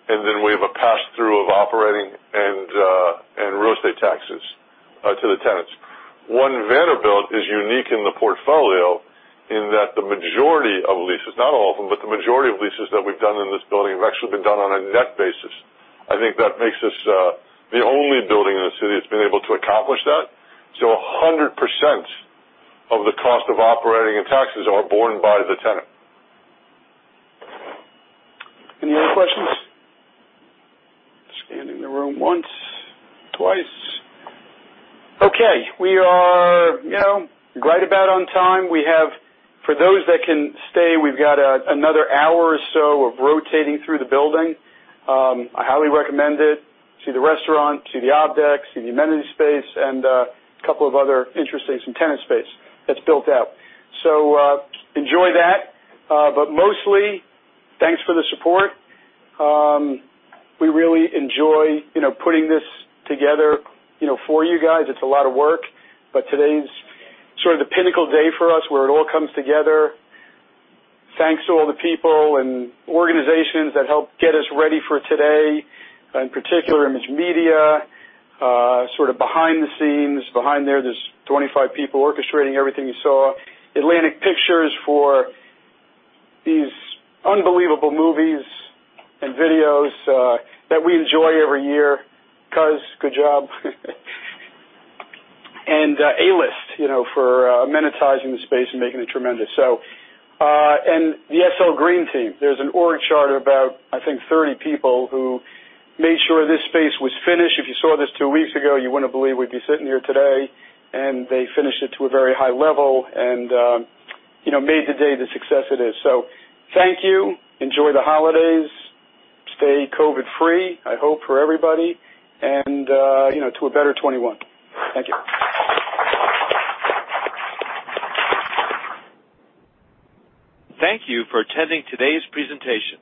and then we have a pass-through of operating and real estate taxes to the tenants. One Vanderbilt is unique in the portfolio in that the majority of leases, not all of them, but the majority of leases that we've done in this building have actually been done on a net basis. I think that makes us the only building in the city that's been able to accomplish that. 100% of the cost of operating and taxes are borne by the tenant. Any other questions? Scanning the room once, twice. Okay. We are right about on time. For those that can stay, we've got another hour or so of rotating through the building. I highly recommend it. See the restaurant, see the op decks, see the amenity space, and a couple of other interesting tenant space that's built out. Enjoy that. Mostly, thanks for the support. We really enjoy putting this together for you guys. It's a lot of work, but today's sort of the pinnacle day for us, where it all comes together. Thanks to all the people and organizations that helped get us ready for today. In particular, Image Media, sort of behind the scenes. Behind there's 25 people orchestrating everything you saw. Atlantic Pictures for these unbelievable movies and videos that we enjoy every year. Cuz, good job. A-List, for amenitizing the space and making it tremendous. The SL Green team. There's an org chart of about, I think, 30 people who made sure this space was finished. If you saw this two weeks ago, you wouldn't believe we'd be sitting here today, and they finished it to a very high level and made the day the success it is. Thank you. Enjoy the holidays. Stay COVID-free, I hope, for everybody, and to a better 2021. Thank you. Thank you for attending today's presentation.